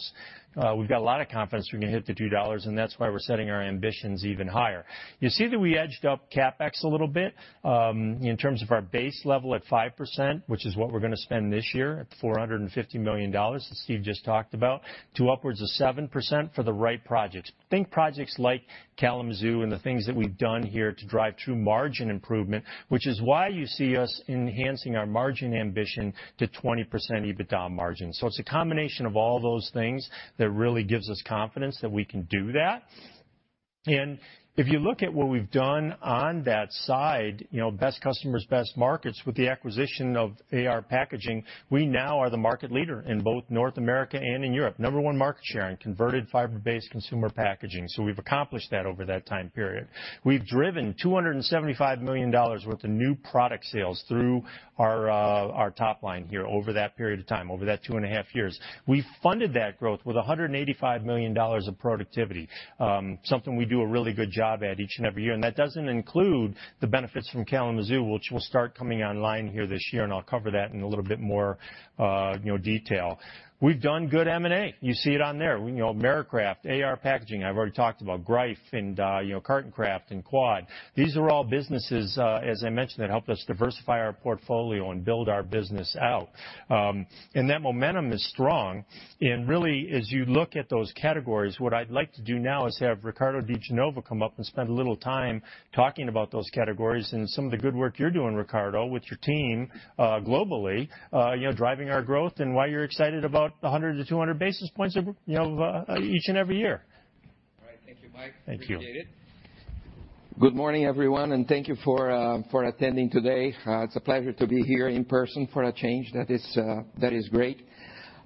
We've got a lot of confidence we're gonna hit the $2, and that's why we're setting our ambitions even higher. You see that we edged up CapEx a little bit, in terms of our base level at 5%, which is what we're gonna spend this year at $450 million, as Steve just talked about, to upwards of 7% for the right projects. Think projects like Kalamazoo and the things that we've done here to drive true margin improvement, which is why you see us enhancing our margin ambition to 20% EBITDA margin. It's a combination of all those things that really gives us confidence that we can do that. If you look at what we've done on that side, you know, Best Customers, Best Markets with the acquisition of AR Packaging, we now are the market leader in both North America and in Europe. Number one market share in converted fiber-based consumer packaging, so we've accomplished that over that time period. We've driven $275 million worth of new product sales through our top line here over that period of time, over that 2.5 years. We funded that growth with $185 million of productivity, something we do a really good job at each and every year. That doesn't include the benefits from Kalamazoo, which will start coming online here this year, and I'll cover that in a little bit more, you know, detail. We've done good M&A. You see it on there. You know, Americraft, AR Packaging, I've already talked about Greif and, you know, Carton Craft and Quad. These are all businesses, as I mentioned, that help us diversify our portfolio and build our business out. That momentum is strong. Really, as you look at those categories, what I'd like to do now is have Ricardo De Genova come up and spend a little time talking about those categories and some of the good work you're doing, Ricardo, with your team, globally, you know, driving our growth and why you're excited about 100-200 basis points of, you know, each and every year. All right. Thank you, Mike. Thank you. Good morning, everyone, and thank you for attending today. It's a pleasure to be here in person for a change. That is great.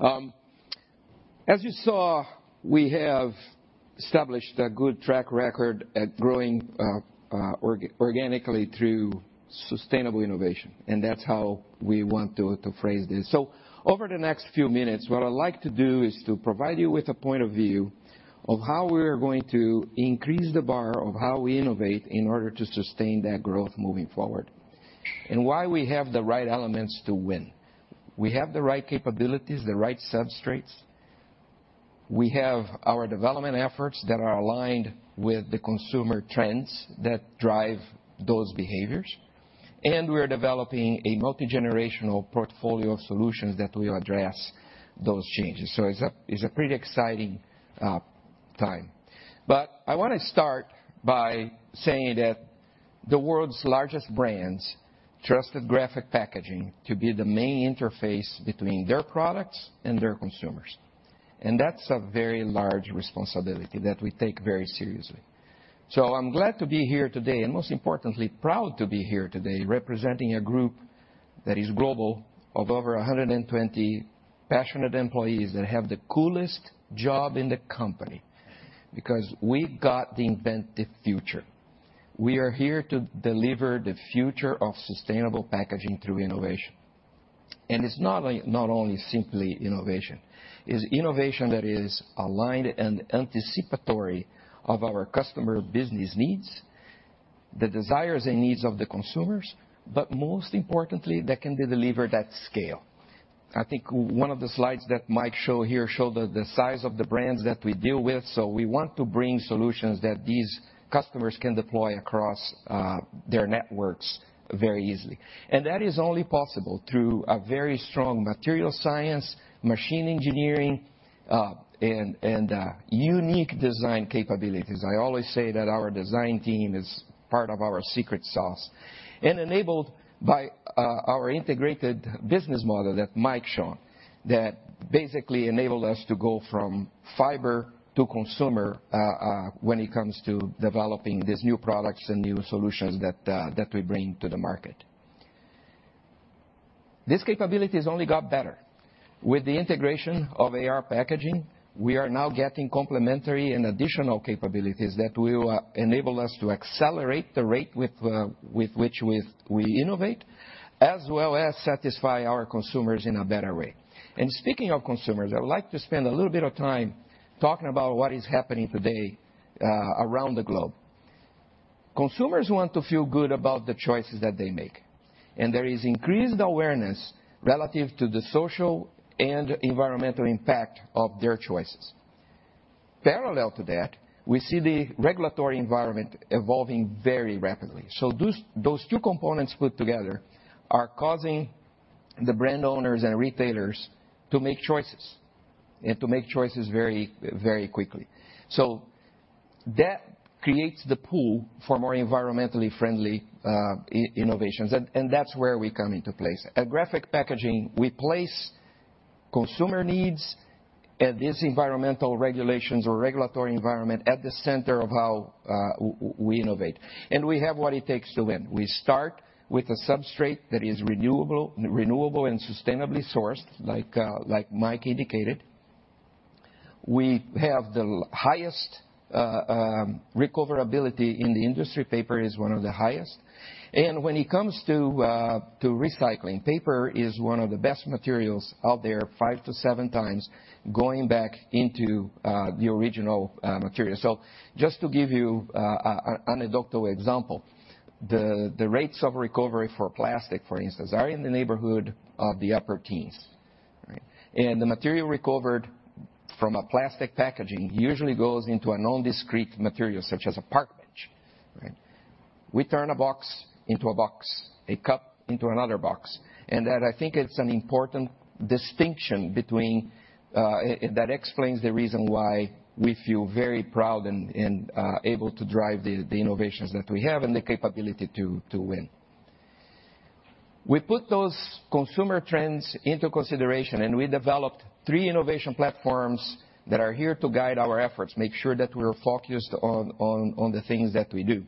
As you saw, we have established a good track record at growing organically through sustainable innovation, and that's how we want to phrase this. Over the next few minutes, what I'd like to do is to provide you with a point of view of how we're going to increase the bar of how we innovate in order to sustain that growth moving forward, and why we have the right elements to win. We have the right capabilities, the right substrates. We have our development efforts that are aligned with the consumer trends that drive those behaviors. We're developing a multigenerational portfolio of solutions that will address those changes. It's a pretty exciting time. I wanna start by saying that the world's largest brands trusted Graphic Packaging to be the main interface between their products and their consumers, and that's a very large responsibility that we take very seriously. I'm glad to be here today, and most importantly, proud to be here today representing a group that is global of over 120 passionate employees that have the coolest job in the company, because we've got to invent the future. We are here to deliver the future of sustainable packaging through innovation. It's not only simply innovation. It's innovation that is aligned and anticipatory of our customer business needs, the desires and needs of the consumers, but most importantly, that can be delivered at scale. I think one of the slides that Mike shows here shows the size of the brands that we deal with. We want to bring solutions that these customers can deploy across their networks very easily. That is only possible through a very strong material science, machine engineering and unique design capabilities. I always say that our design team is part of our secret sauce. Enabled by our integrated business model that Mike showed, that basically enabled us to go from fiber to consumer when it comes to developing these new products and new solutions that we bring to the market. These capabilities only got better. With the integration of AR Packaging, we are now getting complementary and additional capabilities that will enable us to accelerate the rate with which we innovate, as well as satisfy our consumers in a better way. Speaking of consumers, I would like to spend a little bit of time talking about what is happening today around the globe. Consumers want to feel good about the choices that they make, and there is increased awareness relative to the social and environmental impact of their choices. Parallel to that, we see the regulatory environment evolving very rapidly. Those two components put together are causing the brand owners and retailers to make choices, and to make choices very, very quickly. That creates the pool for more environmentally friendly innovations. That's where we come into place. At Graphic Packaging, we place consumer needs and these environmental regulations or regulatory environment at the center of how we innovate. We have what it takes to win. We start with a substrate that is renewable and sustainably sourced, like Mike indicated. We have the highest recoverability in the industry. Paper is one of the highest. When it comes to recycling, paper is one of the best materials out there, five to seven times going back into the original material. So just to give you an anecdotal example, the rates of recovery for plastic, for instance, are in the neighborhood of the upper teens, right? The material recovered from a plastic packaging usually goes into a non-discrete material, such as a park bench, right? We turn a box into a box, a cup into another box. That explains the reason why we feel very proud and able to drive the innovations that we have and the capability to win. We put those consumer trends into consideration, and we developed three innovation platforms that are here to guide our efforts, make sure that we're focused on the things that we do.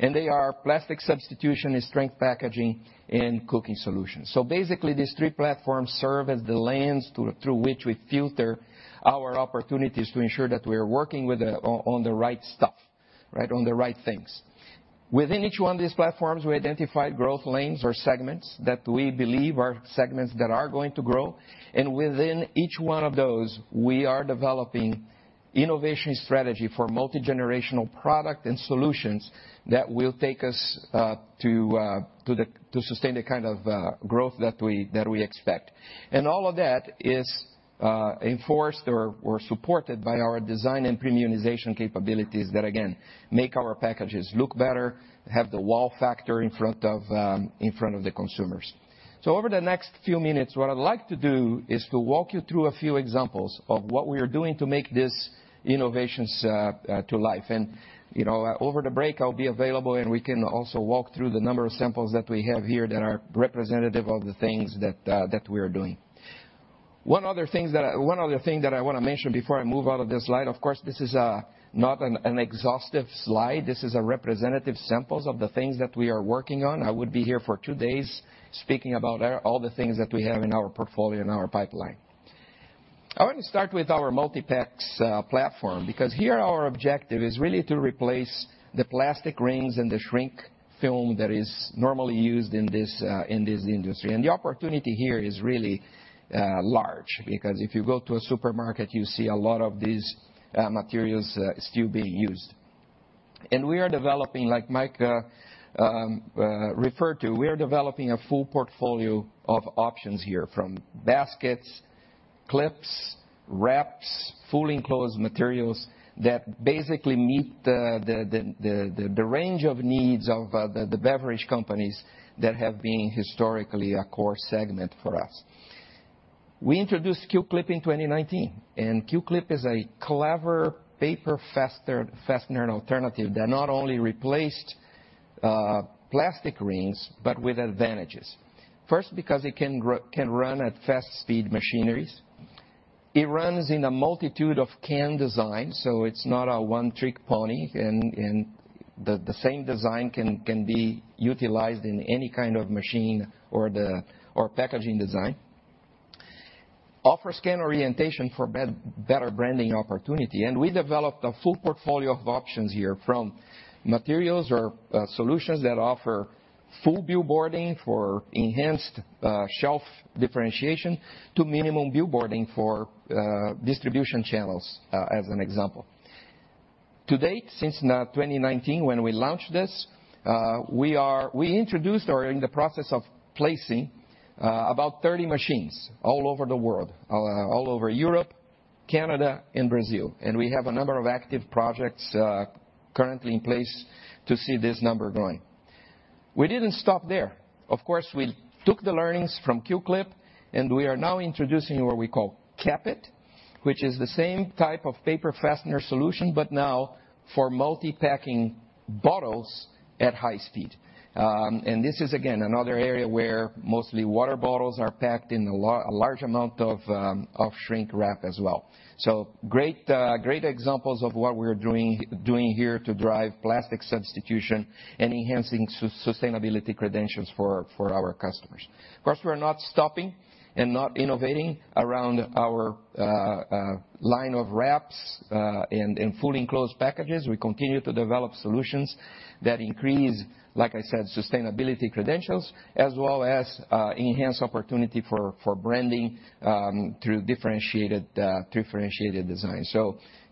They are plastic substitution and strength packaging and cooking solutions. Basically, these three platforms serve as the lens through which we filter our opportunities to ensure that we're working on the right stuff, right, on the right things. Within each one of these platforms, we identified growth lanes or segments that we believe are going to grow. Within each one of those, we are developing innovation strategy for multigenerational product and solutions that will take us to sustain the kind of growth that we expect. All of that is enforced or supported by our design and premiumization capabilities that again make our packages look better, have the wow factor in front of the consumers. Over the next few minutes, what I'd like to do is to walk you through a few examples of what we are doing to make these innovations to life. You know, over the break, I'll be available, and we can also walk through a number of samples that we have here that are representative of the things that we are doing. One other thing that I wanna mention before I move out of this slide. Of course, this is not an exhaustive slide. This is a representative sample of the things that we are working on. I would be here for two days speaking about all the things that we have in our portfolio and our pipeline. I want to start with our Multipacks platform, because here our objective is really to replace the plastic rings and the shrink film that is normally used in this industry. The opportunity here is really large, because if you go to a supermarket, you see a lot of these materials still being used. We are developing, like Mike referred to, a full portfolio of options here, from baskets, clips, wraps, full enclosed materials that basically meet the range of needs of the beverage companies that have been historically a core segment for us. We introduced KeelClip in 2019, and KeelClip is a clever paper fastener alternative that not only replaced plastic rings, but with advantages. First, because it can run at high-speed machineries. It runs in a multitude of can designs, so it's not a one-trick pony and the same design can be utilized in any kind of machine or packaging design. It offers can orientation for better branding opportunity. We developed a full portfolio of options here, from materials or solutions that offer full billboarding for enhanced shelf differentiation to minimum billboarding for distribution channels as an example. To date, since 2019 when we launched this, we introduced or are in the process of placing about 30 machines all over the world, all over Europe, Canada and Brazil. We have a number of active projects currently in place to see this number growing. We didn't stop there. Of course, we took the learnings from KeelClip, and we are now introducing what we call Cap-It, which is the same type of paper fastener solution, but now for multi-packing bottles at high speed. This is again, another area where mostly water bottles are packed in a large amount of shrink wrap as well. Great examples of what we're doing here to drive plastic substitution and enhancing sustainability credentials for our customers. Of course, we are not stopping and not innovating around our line of wraps and full enclosed packages. We continue to develop solutions that increase, like I said, sustainability credentials as well as enhance opportunity for branding through differentiated design.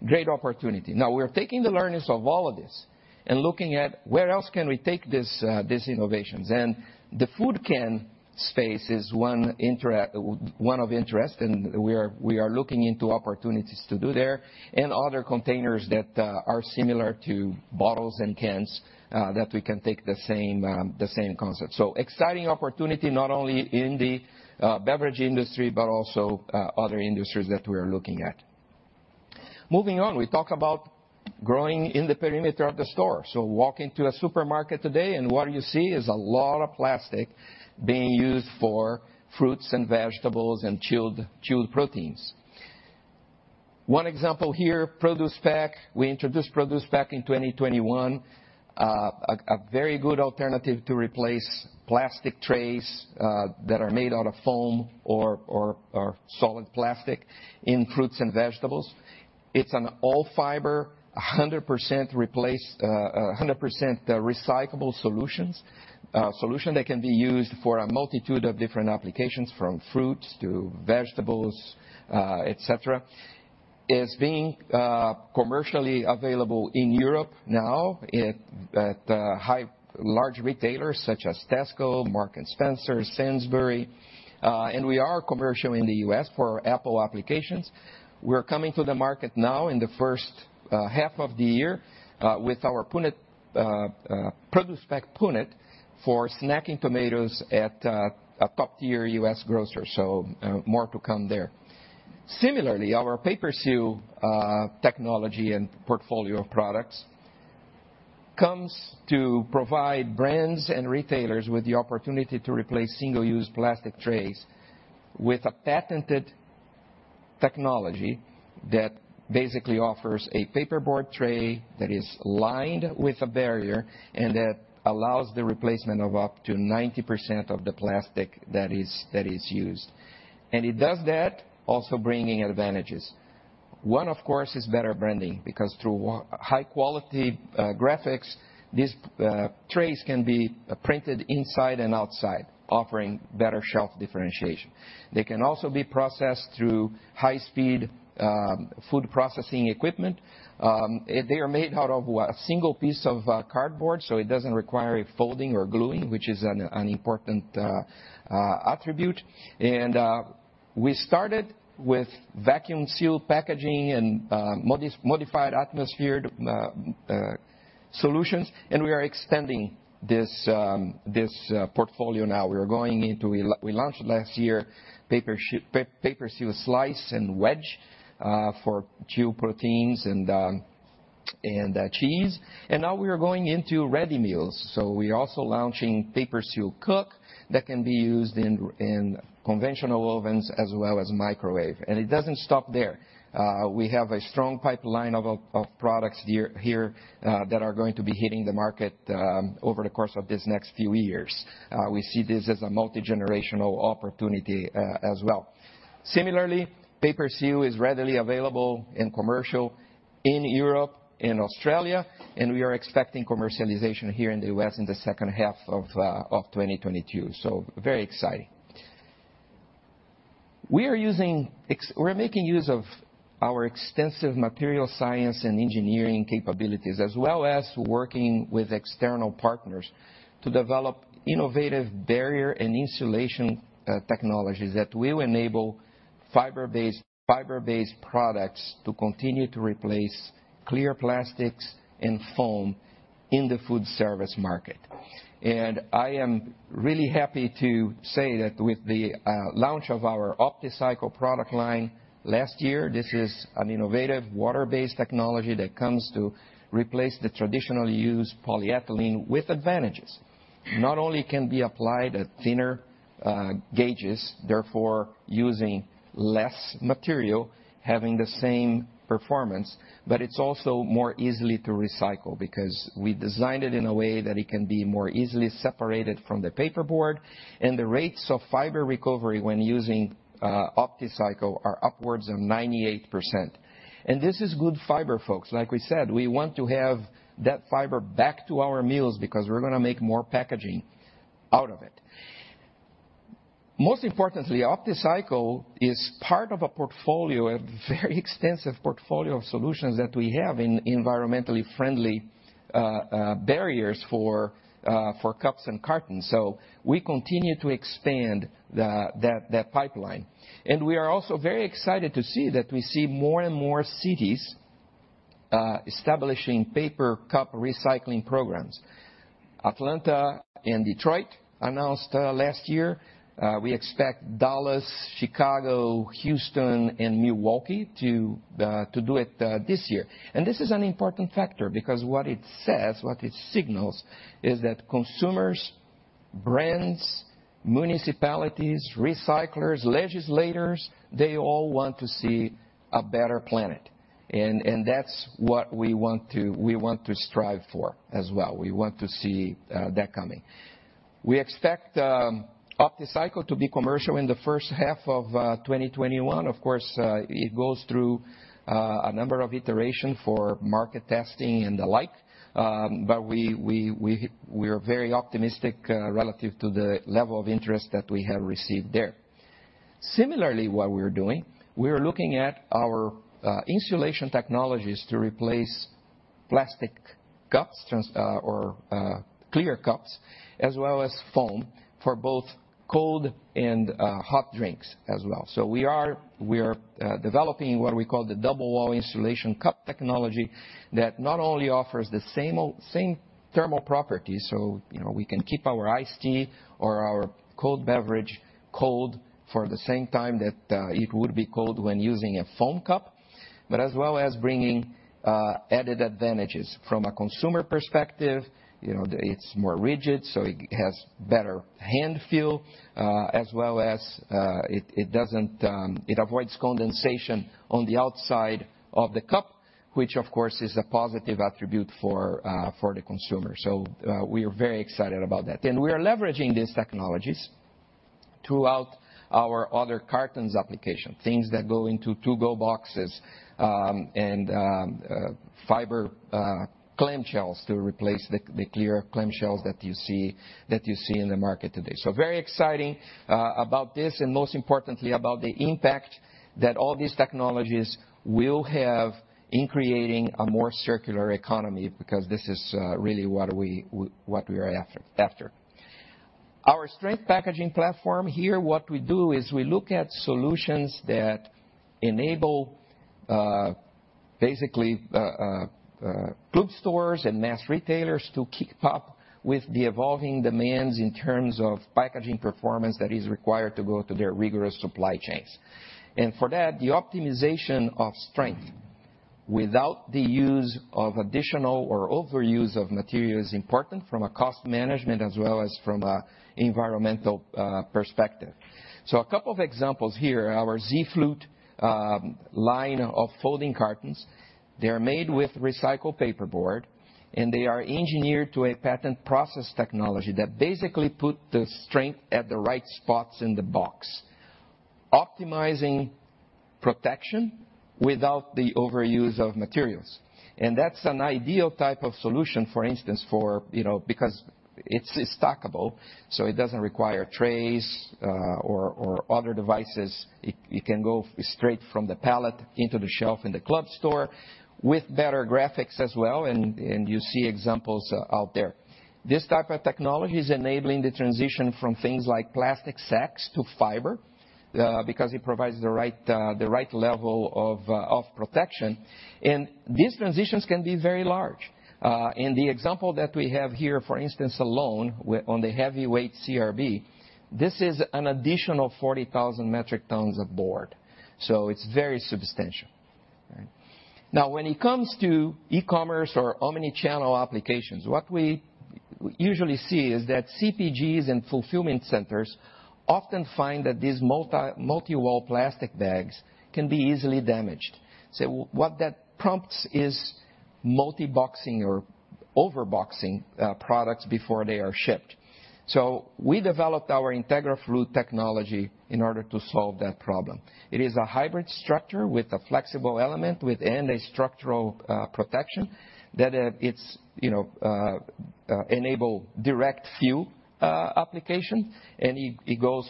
Great opportunity. Now, we're taking the learnings of all of this and looking at where else can we take this innovations. The food can space is one of interest, and we are looking into opportunities to do there, and other containers that are similar to bottles and cans that we can take the same concept. Exciting opportunity, not only in the beverage industry, but also other industries that we are looking at. Moving on, we talk about growing in the perimeter of the store. Walk into a supermarket today and what you see is a lot of plastic being used for fruits and vegetables and chilled proteins. One example here, ProducePack. We introduced ProducePack in 2021. A very good alternative to replace plastic trays that are made out of foam or solid plastic in fruits and vegetables. It's an all fiber, 100% replaced. 100% recyclable solution that can be used for a multitude of different applications, from fruits to vegetables, et cetera. It's commercially available in Europe now at high large retailers such as Tesco, Marks & Spencer, Sainsbury's. We are commercial in the U.S. for apple applications. We're coming to the market now in the first half of the year with our ProducePack Punnet for snacking tomatoes at a top-tier U.S. grocer, so more to come there. Similarly, our PaperSeal technology and portfolio of products comes to provide brands and retailers with the opportunity to replace single-use plastic trays with a patented technology that basically offers a paperboard tray that is lined with a barrier and that allows the replacement of up to 90% of the plastic that is used. It does that also bringing advantages. One, of course, is better branding, because through high-quality graphics, these trays can be printed inside and outside, offering better shelf differentiation. They can also be processed through high-speed food processing equipment. They are made out of a single piece of cardboard, so it doesn't require folding or gluing, which is an important attribute. We started with vacuum-sealed packaging and modified atmosphere solutions, and we are extending this portfolio now. We launched last year PaperSeal Slice and Wedge for chilled proteins and cheese. We are going into ready meals. We're also launching PaperSeal Cook that can be used in conventional ovens as well as microwave. It doesn't stop there. We have a strong pipeline of products here that are going to be hitting the market over the course of these next few years. We see this as a multigenerational opportunity as well. Similarly, PaperSeal is readily available commercially in Europe, in Australia, and we are expecting commercialization here in the U.S. in the second half of 2022. Very exciting. We're making use of our extensive materials science and engineering capabilities, as well as working with external partners to develop innovative barrier and insulation technologies that will enable fiber-based products to continue to replace clear plastics and foam in the food service market. I am really happy to say that with the launch of our OptiCycle product line last year, this is an innovative water-based technology that comes to replace the traditionally used polyethylene with advantages. Not only can it be applied at thinner gauges, therefore using less material, having the same performance, but it's also easier to recycle because we designed it in a way that it can be more easily separated from the paperboard. The rates of fiber recovery when using OptiCycle are upwards of 98%. This is good fiber, folks. Like we said, we want to have that fiber back to our mills because we're gonna make more packaging out of it. Most importantly, OptiCycle is part of a portfolio, a very extensive portfolio of solutions that we have in environmentally friendly barriers for cups and cartons. We continue to expand the pipeline. We are also very excited to see that we see more and more cities establishing paper cup recycling programs. Atlanta and Detroit announced last year. We expect Dallas, Chicago, Houston, and Milwaukee to do it this year. This is an important factor because what it says, what it signals, is that consumers, brands, municipalities, recyclers, legislators, they all want to see a better planet. That's what we want to strive for as well. We want to see that coming. We expect OptiCycle to be commercial in the first half of 2021. Of course, it goes through a number of iterations for market testing and the like. We're very optimistic relative to the level of interest that we have received there. Similarly, what we're doing, we are looking at our insulation technologies to replace plastic cups or clear cups as well as foam for both cold and hot drinks as well. We are developing what we call the double wall insulation cup technology that not only offers the same old-same thermal properties, we can keep our iced tea or our cold beverage cold for the same time that it would be cold when using a foam cup, but as well as bringing added advantages. From a consumer perspective, it's more rigid, so it has better hand feel as well as it avoids condensation on the outside of the cup, which of course is a positive attribute for the consumer. We are very excited about that. We are leveraging these technologies throughout our other cartons application, things that go into to-go boxes, and fiber clamshells to replace the clear clamshells that you see in the market today. Very exciting about this, and most importantly about the impact that all these technologies will have in creating a more circular economy because this is really what we are after. Our sustainable packaging platform here, what we do is we look at solutions that enable basically club stores and mass retailers to keep up with the evolving demands in terms of packaging performance that is required to go through their rigorous supply chains. For that, the optimization of strength without the use of additional or overuse of material is important from a cost management as well as from an environmental perspective. A couple of examples here. Our Z-Flute line of folding cartons, they're made with recycled paperboard, and they are engineered to a patent process technology that basically put the strength at the right spots in the box, optimizing protection without the overuse of materials. That's an ideal type of solution, for instance, you know, because it's stackable, so it doesn't require trays or other devices. It can go straight from the pallet into the shelf in the club store with better graphics as well and you see examples out there. This type of technology is enabling the transition from things like plastic sacks to fiber, because it provides the right, the right level of protection, and these transitions can be very large. The example that we have here, for instance, alone on the heavyweight CRB, this is an additional 40,000 metric tons of board, so it's very substantial. Now, when it comes to e-commerce or omni-channel applications, what we usually see is that CPGs and fulfillment centers often find that these multi-wall plastic bags can be easily damaged. What that prompts is multi-boxing or over-boxing, products before they are shipped. We developed our IntegraFlute technology in order to solve that problem. It is a hybrid structure with a flexible element within a structural protection that enables direct fill application, and it goes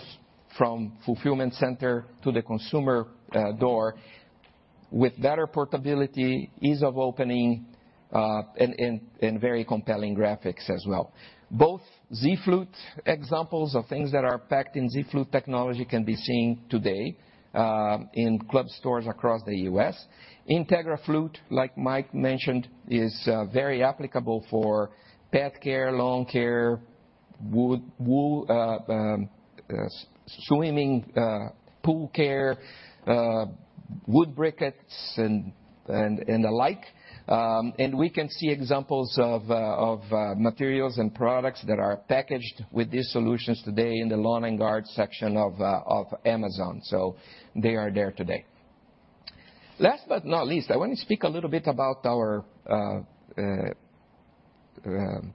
from fulfillment center to the consumer door with better portability, ease of opening, and very compelling graphics as well. Both Z-Flute examples of things that are packed in Z-Flute technology can be seen today in club stores across the U.S. IntegraFlute, like Mike mentioned, is very applicable for pet care, lawn care, wool, swimming pool care, wood briquettes, and the like. We can see examples of materials and products that are packaged with these solutions today in the lawn and garden section of Amazon. They are there today. Last but not least, I want to speak a little bit about our- Microwave.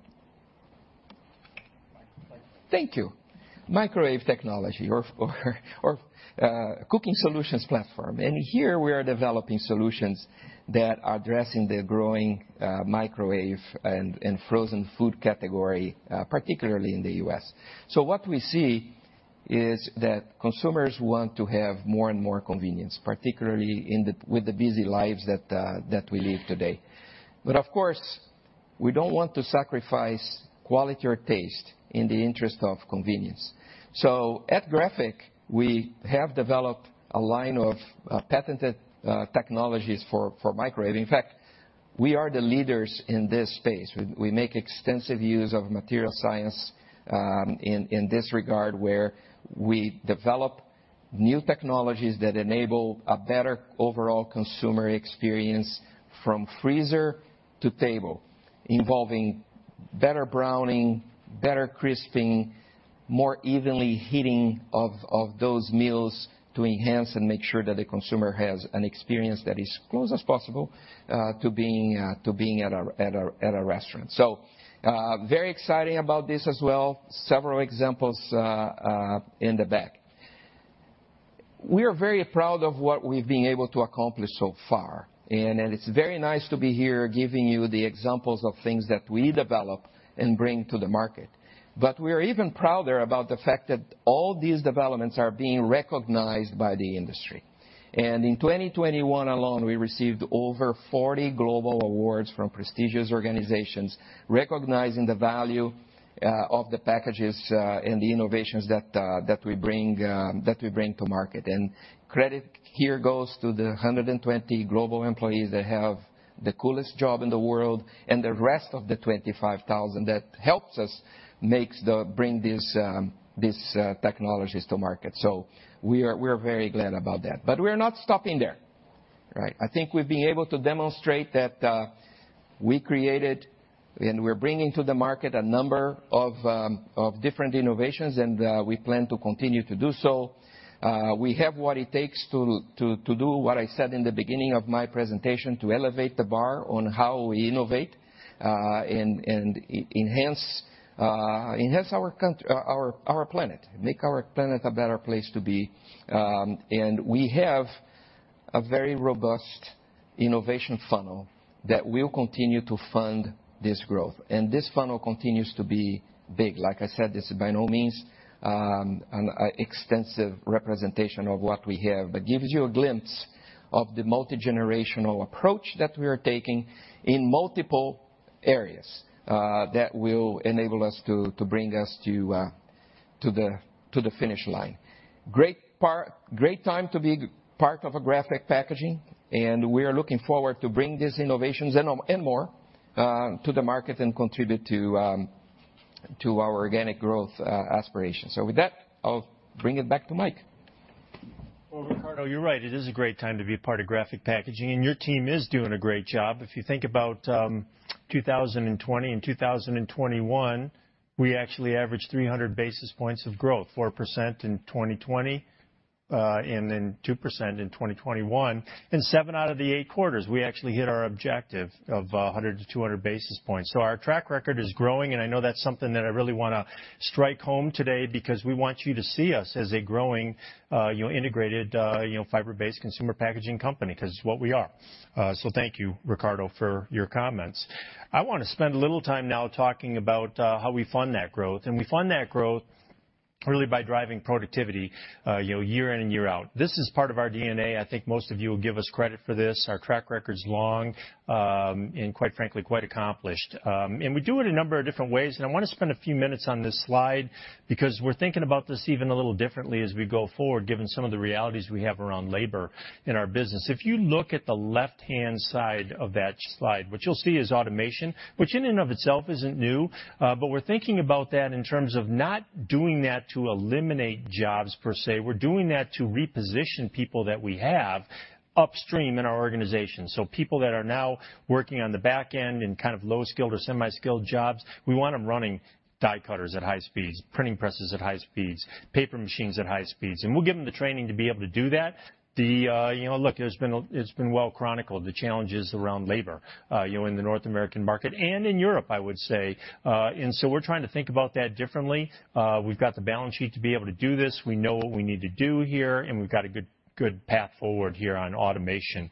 Thank you. Microwave technology or for cooking solutions platform. Here we are developing solutions that are addressing the growing microwave and frozen food category, particularly in the U.S. What we see is that consumers want to have more and more convenience, particularly with the busy lives that we live today. Of course, we don't want to sacrifice quality or taste in the interest of convenience. At Graphic, we have developed a line of patented technologies for microwave. In fact, we are the leaders in this space. We make extensive use of materials science in this regard, where we develop new technologies that enable a better overall consumer experience from freezer to table, involving better browning, better crisping, more evenly heating of those meals to enhance and make sure that the consumer has an experience that is as close as possible to being at a restaurant. Very exciting about this as well. Several examples in the back. We are very proud of what we've been able to accomplish so far, and it's very nice to be here giving you the examples of things that we develop and bring to the market. We're even prouder about the fact that all these developments are being recognized by the industry. In 2021 alone, we received over 40 global awards from prestigious organizations recognizing the value of the packages and the innovations that we bring to market. Credit here goes to the 120 global employees that have the coolest job in the world, and the rest of the 25,000 that helps us bring these technologies to market. We're very glad about that. We're not stopping there, right? I think we've been able to demonstrate that we created and we're bringing to the market a number of different innovations, and we plan to continue to do so. We have what it takes to do what I said in the beginning of my presentation, to elevate the bar on how we innovate, and enhance our planet, make our planet a better place to be. We have a very robust innovation funnel that will continue to fund this growth. This funnel continues to be big. Like I said, this is by no means an extensive representation of what we have, but gives you a glimpse of the multigenerational approach that we are taking in multiple areas that will enable us to bring us to the finish line. Great time to be part of Graphic Packaging, and we are looking forward to bring these innovations and more to the market and contribute to our organic growth aspiration. With that, I'll bring it back to Mike. Well, Ricardo, you're right. It is a great time to be a part of Graphic Packaging, and your team is doing a great job. If you think about 2020 and 2021, we actually averaged 300 basis points of growth, 4% in 2020, and then 2% in 2021. In seven out of the eight quarters, we actually hit our objective of 100-200 basis points. Our track record is growing, and I know that's something that I really wanna strike home today because we want you to see us as a growing, you know, integrated, you know, fiber-based consumer packaging company, 'cause it's what we are. Thank you, Ricardo, for your comments. I wanna spend a little time now talking about how we fund that growth. We fund that growth really by driving productivity, you know, year in and year out. This is part of our DNA. I think most of you will give us credit for this. Our track record's long, and quite frankly, quite accomplished. We do it a number of different ways, and I wanna spend a few minutes on this slide because we're thinking about this even a little differently as we go forward, given some of the realities we have around labor in our business. If you look at the left-hand side of that slide, what you'll see is automation, which in and of itself isn't new, but we're thinking about that in terms of not doing that to eliminate jobs per se. We're doing that to reposition people that we have upstream in our organization. People that are now working on the back end in kind of low-skilled or semi-skilled jobs, we want them running die cutters at high speeds, printing presses at high speeds, paper machines at high speeds, and we'll give them the training to be able to do that. Look, it's been well chronicled, the challenges around labor in the North American market and in Europe, I would say. We're trying to think about that differently. We've got the balance sheet to be able to do this. We know what we need to do here, and we've got a good path forward here on automation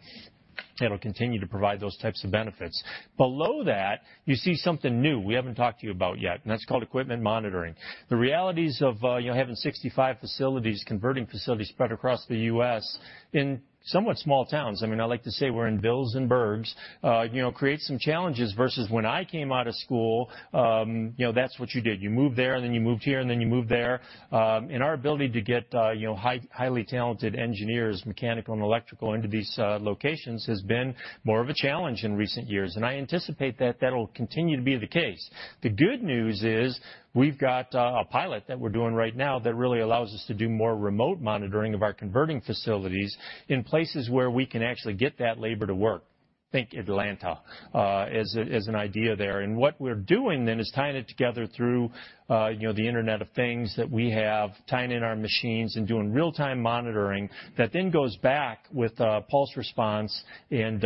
that'll continue to provide those types of benefits. Below that, you see something new we haven't talked to you about yet, and that's called equipment monitoring. The realities of, you know, having 65 facilities, converting facilities spread across the U.S. in somewhat small towns, I mean, I like to say we're in bills and burgs, you know, creates some challenges versus when I came out of school, you know. That's what you did. You moved there, and then you moved here, and then you moved there. Our ability to get, you know, highly talented engineers, mechanical and electrical, into these locations has been more of a challenge in recent years, and I anticipate that that'll continue to be the case. The good news is we've got a pilot that we're doing right now that really allows us to do more remote monitoring of our converting facilities in places where we can actually get that labor to work. Think Atlanta as an idea there. What we're doing then is tying it together through, you know, the Internet of Things that we have, tying in our machines and doing real-time monitoring that then goes back with a pulse response and,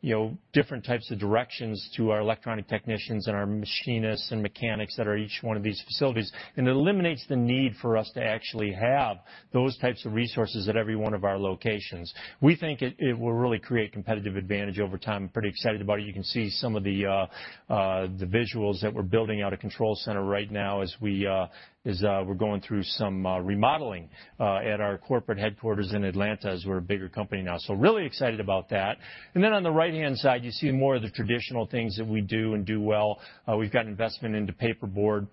you know, different types of directions to our electronic technicians and our machinists and mechanics that are at each one of these facilities. It eliminates the need for us to actually have those types of resources at every one of our locations. We think it will really create competitive advantage over time. I'm pretty excited about it. You can see some of the visuals that we're building out a control center right now as we're going through some remodeling at our corporate headquarters in Atlanta, as we're a bigger company now. Really excited about that. On the right-hand side, you see more of the traditional things that we do and do well. We've got investment into paperboard.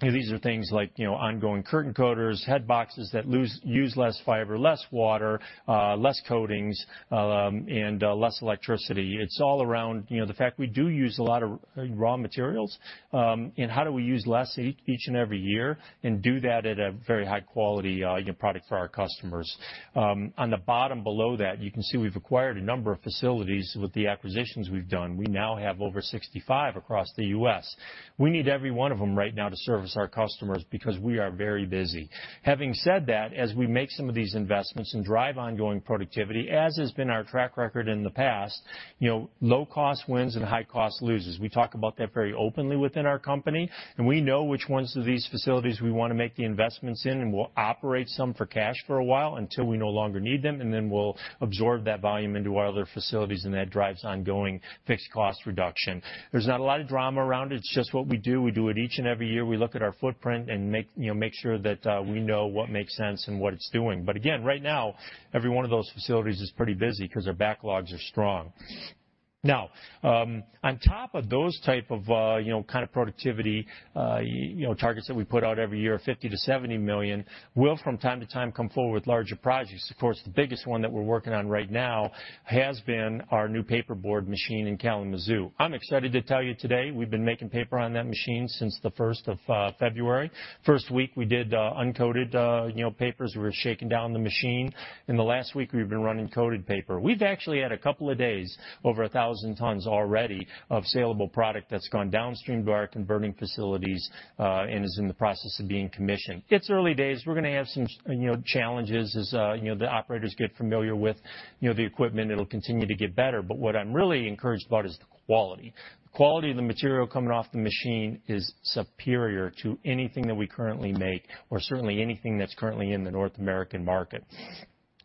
These are things like, you know, ongoing curtain coaters, headboxes that use less fiber, less water, less coatings, and less electricity. It's all around, you know, the fact we do use a lot of raw materials, and how do we use less each and every year and do that at a very high quality, you know, product for our customers. On the bottom below that, you can see we've acquired a number of facilities with the acquisitions we've done. We now have over 65 across the U.S. We need every one of them right now to service our customers because we are very busy. Having said that, as we make some of these investments and drive ongoing productivity, as has been our track record in the past, you know, low cost wins and high cost loses. We talk about that very openly within our company, and we know which ones of these facilities we wanna make the investments in, and we'll operate some for cash for a while until we no longer need them, and then we'll absorb that volume into our other facilities, and that drives ongoing fixed cost reduction. There's not a lot of drama around it. It's just what we do. We do it each and every year. We look at our footprint and, you know, make sure that we know what makes sense and what it's doing. Again, right now, every one of those facilities is pretty busy because our backlogs are strong. Now, on top of those type of, you know, kind of productivity, you know, targets that we put out every year, $50 million-$70 million, we'll from time to time come forward with larger projects. Of course, the biggest one that we're working on right now has been our new paperboard machine in Kalamazoo. I'm excited to tell you today we've been making paper on that machine since the first of February. First week we did uncoated papers. We were shaking down the machine. In the last week, we've been running coated paper. We've actually had a couple of days over 1,000 tons already of saleable product that's gone downstream to our converting facilities, and is in the process of being commissioned. It's early days. We're gonna have some shit, you know, challenges as, you know, the operators get familiar with, you know, the equipment. It'll continue to get better. What I'm really encouraged about is the quality. The quality of the material coming off the machine is superior to anything that we currently make or certainly anything that's currently in the North American market.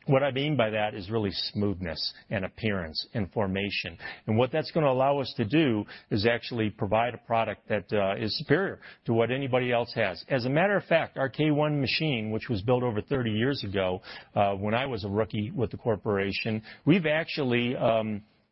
What I mean by that is really smoothness and appearance and formation, and what that's gonna allow us to do is actually provide a product that is superior to what anybody else has. As a matter of fact, our K1 machine, which was built over 30 years ago, when I was a rookie with the corporation, we've actually,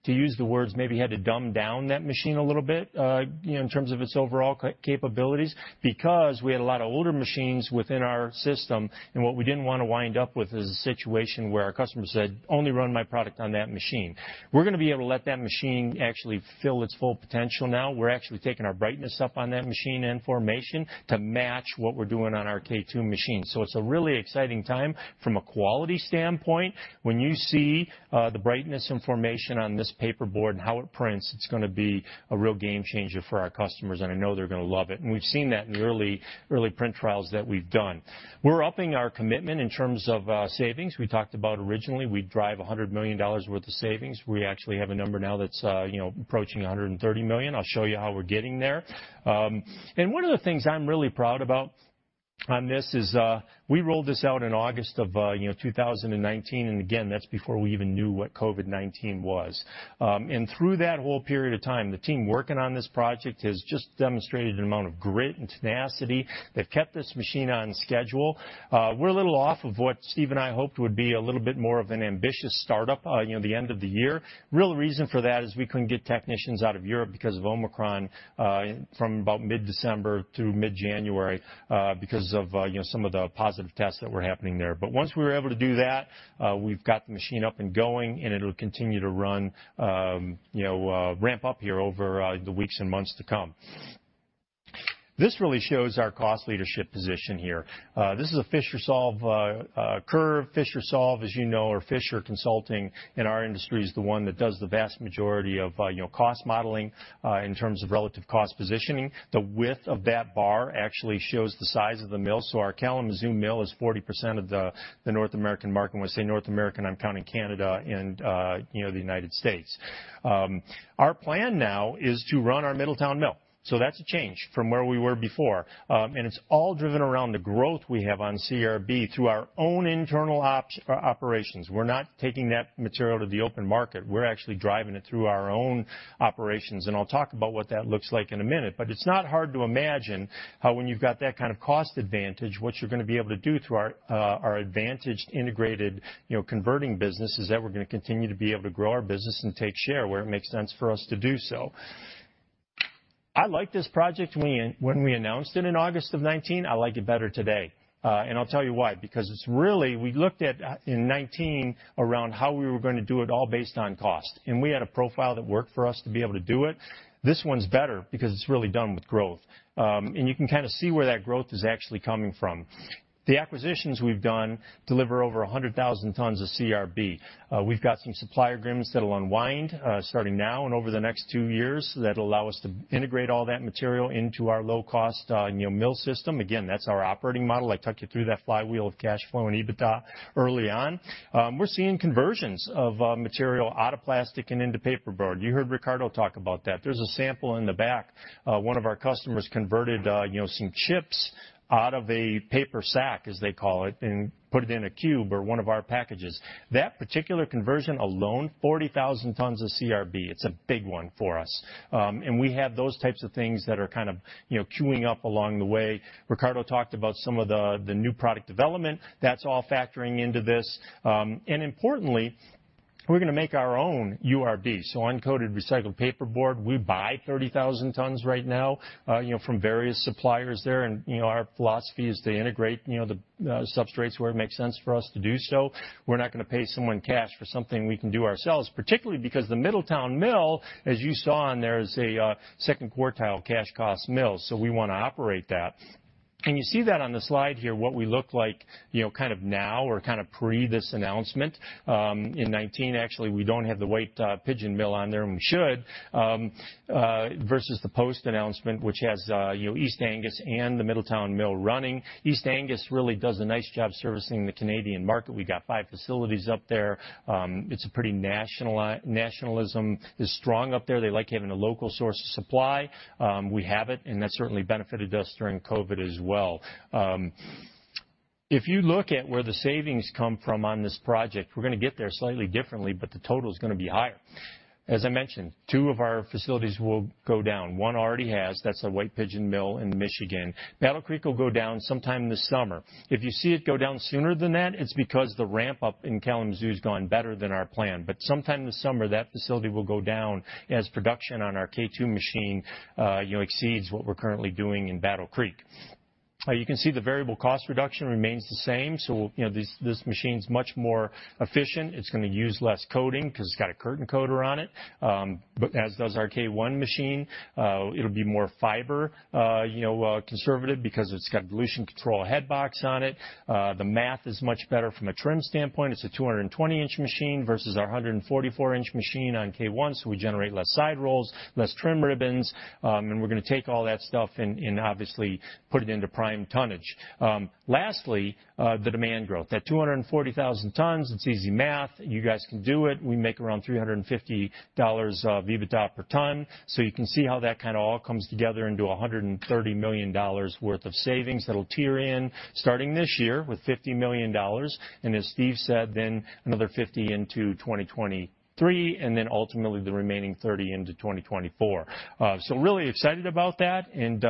to use the words, maybe had to dumb down that machine a little bit, you know, in terms of its overall capabilities because we had a lot of older machines within our system. What we didn't wanna wind up with is a situation where our customers said, "Only run my product on that machine." We're gonna be able to let that machine actually fill its full potential now. We're actually taking our brightness up on that machine and formation to match what we're doing on our K2 machine. It's a really exciting time from a quality standpoint. When you see the brightness and formation on this paperboard and how it prints, it's gonna be a real game changer for our customers, and I know they're gonna love it, and we've seen that in the early print trials that we've done. We're upping our commitment in terms of savings. We talked about originally we'd drive $100 million worth of savings. We actually have a number now that's you know approaching $130 million. I'll show you how we're getting there. One of the things I'm really proud about on this is we rolled this out in August of you know 2019, and again, that's before we even knew what COVID-19 was. Through that whole period of time, the team working on this project has just demonstrated an amount of grit and tenacity that kept this machine on schedule. We're a little off of what Steve and I hoped would be a little bit more of an ambitious startup, you know, the end of the year. Real reason for that is we couldn't get technicians out of Europe because of Omicron, from about mid-December through mid-January, because of, you know, some of the positive tests that were happening there. Once we were able to do that, we've got the machine up and going, and it'll continue to run, you know, ramp up here over the weeks and months to come. This really shows our cost leadership position here. This is a FisherSolve curve. FisherSolve, as you know, or Fisher Consulting in our industry is the one that does the vast majority of, you know, cost modeling, in terms of relative cost positioning. The width of that bar actually shows the size of the mill. Our Kalamazoo Mill is 40% of the North American market. When I say North American, I'm counting Canada and, you know, the United States. Our plan now is to run our Middletown Mill, so that's a change from where we were before. It's all driven around the growth we have on CRB through our own internal ops, operations. We're not taking that material to the open market. We're actually driving it through our own operations, and I'll talk about what that looks like in a minute. It's not hard to imagine how when you've got that kind of cost advantage, what you're gonna be able to do through our advantaged, integrated, you know, converting business is that we're gonna continue to be able to grow our business and take share where it makes sense for us to do so. I liked this project when we announced it in August of 2019. I like it better today, and I'll tell you why. It's really, we looked at in 2019 around how we were gonna do it all based on cost, and we had a profile that worked for us to be able to do it. This one's better because it's really done with growth. You can kind of see where that growth is actually coming from. The acquisitions we've done deliver over 100,000 tons of CRB. We've got some supplier agreements that'll unwind, starting now and over the next two years that'll allow us to integrate all that material into our low-cost, you know, mill system. Again, that's our operating model. I took you through that flywheel of cash flow and EBITDA early on. We're seeing conversions of material out of plastic and into paperboard. You heard Ricardo talk about that. There's a sample in the back. One of our customers converted, you know, some chips out of a paper sack, as they call it, and put it in a cube or one of our packages. That particular conversion alone, 40,000 tons of CRB. It's a big one for us. We have those types of things that are kind of, you know, queuing up along the way. Ricardo talked about some of the new product development. That's all factoring into this. Importantly, we're gonna make our own URD, so uncoated recycled paperboard. We buy 30,000 tons right now, you know, from various suppliers there. Our philosophy is to integrate the substrates where it makes sense for us to do so. We're not gonna pay someone cash for something we can do ourselves, particularly because the Middletown mill, as you saw on there, is a second quartile cash cost mill, so we wanna operate that. You see that on the slide here, what we look like, you know, kind of now or kind of pre this announcement. In 2019, actually, we don't have the White Pigeon mill on there, and we should. Versus the post-announcement, which has, you know, East Angus and the Middletown mill running. East Angus really does a nice job servicing the Canadian market. We got five facilities up there. Nationalism is strong up there. They like having a local source of supply. We have it, and that certainly benefited us during COVID as well. If you look at where the savings come from on this project, we're gonna get there slightly differently, but the total's gonna be higher. As I mentioned, two of our facilities will go down. One already has. That's the White Pigeon mill in Michigan. Battle Creek will go down sometime this summer. If you see it go down sooner than that, it's because the ramp up in Kalamazoo's gone better than our plan. Sometime this summer, that facility will go down as production on our K2 machine, you know, exceeds what we're currently doing in Battle Creek. You can see the variable cost reduction remains the same, so, you know, this machine's much more efficient. It's gonna use less coating 'cause it's got a curtain coater on it, but as does our K1 machine. It'll be more fiber, you know, conservative because it's got dilution control headbox on it. The math is much better from a trim standpoint. It's a 220-inch machine versus our 144-inch machine on K1, so we generate less side rolls, less trim ribbons, and we're gonna take all that stuff and obviously put it into prime tonnage. Lastly, the demand growth. At 240,000 tons, it's easy math. You guys can do it. We make around $350 of EBITDA per ton, so you can see how that kinda all comes together into $130 million worth of savings that'll tier in starting this year with $50 million, and as Steve said, then another $50 million into 2023, and then ultimately the remaining $30 million into 2024. Really excited about that, and,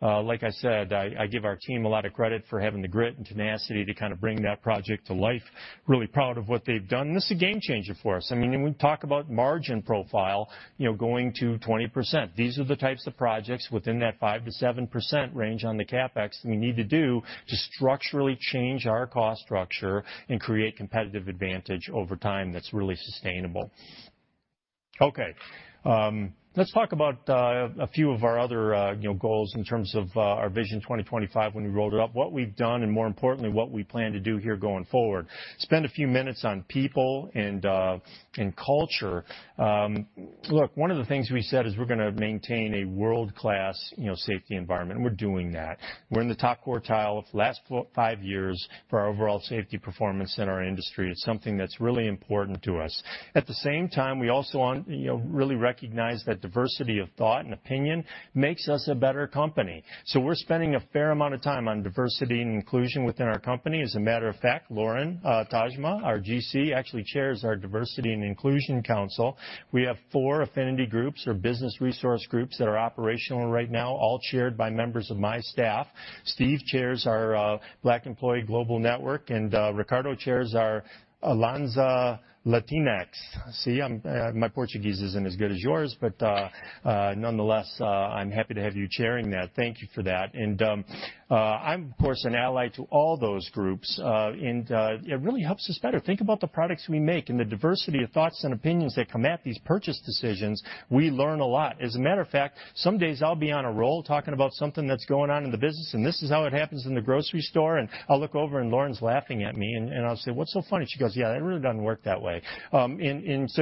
like I said, I give our team a lot of credit for having the grit and tenacity to kinda bring that project to life. Really proud of what they've done. This is a game changer for us. I mean, we talk about margin profile, you know, going to 20%. These are the types of projects within that 5%-7% range on the CapEx that we need to do to structurally change our cost structure and create competitive advantage over time that's really sustainable. Okay. Let's talk about a few of our other, you know, goals in terms of our Vision 2025 when we rolled it up, what we've done, and more importantly, what we plan to do here going forward. Spend a few minutes on people and culture. Look, one of the things we said is we're gonna maintain a world-class, you know, safety environment, and we're doing that. We're in the top quartile of last five years for our overall safety performance in our industry. It's something that's really important to us. At the same time, we also want, you know, really recognize that diversity of thought and opinion makes us a better company, so we're spending a fair amount of time on diversity and inclusion within our company. As a matter of fact, Lauren Tashma, our GC, actually chairs our Diversity and Inclusion Council. We have four affinity groups or business resource groups that are operational right now, all chaired by members of my staff. Steve chairs our Black Employee Global Network, and Ricardo chairs our Alianza Latinx+. See, my Portuguese isn't as good as yours, but nonetheless, I'm happy to have you chairing that. Thank you for that. I'm of course an ally to all those groups. It really helps us better think about the products we make and the diversity of thoughts and opinions that come at these purchase decisions. We learn a lot. As a matter of fact, some days I'll be on a roll talking about something that's going on in the business, and this is how it happens in the grocery store, and I'll look over and Lauren's laughing at me, and I'll say, "What's so funny?" She goes, "Yeah, it really doesn't work that way."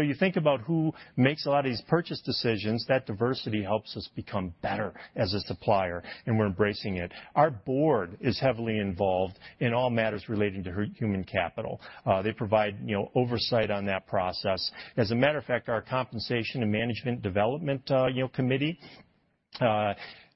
You think about who makes a lot of these purchase decisions, that diversity helps us become better as a supplier, and we're embracing it. Our board is heavily involved in all matters relating to human capital. They provide, you know, oversight on that process. As a matter of fact, our Compensation and Management Development Committee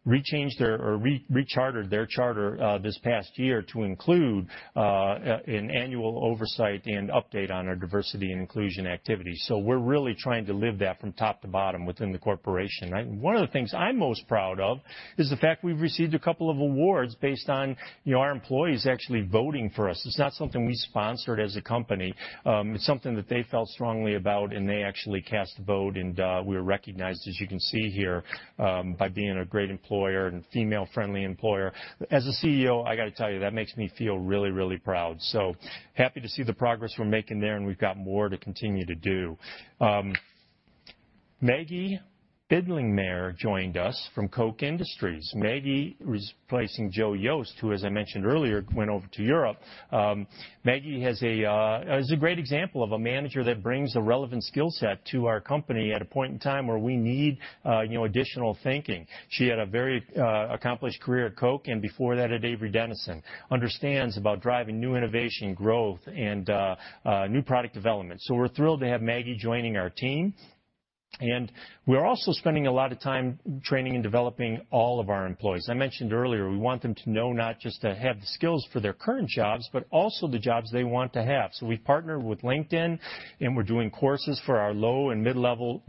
rechartered their charter this past year to include an annual oversight and update on our diversity and inclusion activity, so we're really trying to live that from top to bottom within the corporation. One of the things I'm most proud of is the fact we've received a couple of awards based on, you know, our employees actually voting for us. It's not something we sponsored as a company. It's something that they felt strongly about, and they actually cast a vote, and we were recognized, as you can see here, by being a great employer and female-friendly employer. As a CEO, I gotta tell you, that makes me feel really, really proud. Happy to see the progress we're making there, and we've got more to continue to do. Maggie Bidlingmaier joined us from Koch Industries. Maggie is replacing Joe Yost, who, as I mentioned earlier, went over to Europe. Maggie is a great example of a manager that brings a relevant skill set to our company at a point in time where we need, you know, additional thinking. She had a very accomplished career at Koch and before that at Avery Dennison, understands about driving new innovation growth and new product development, so we're thrilled to have Maggie joining our team. We're also spending a lot of time training and developing all of our employees. I mentioned earlier, we want them to know not just to have the skills for their current jobs, but also the jobs they want to have. We've partnered with LinkedIn, and we're doing courses for our low and mid-level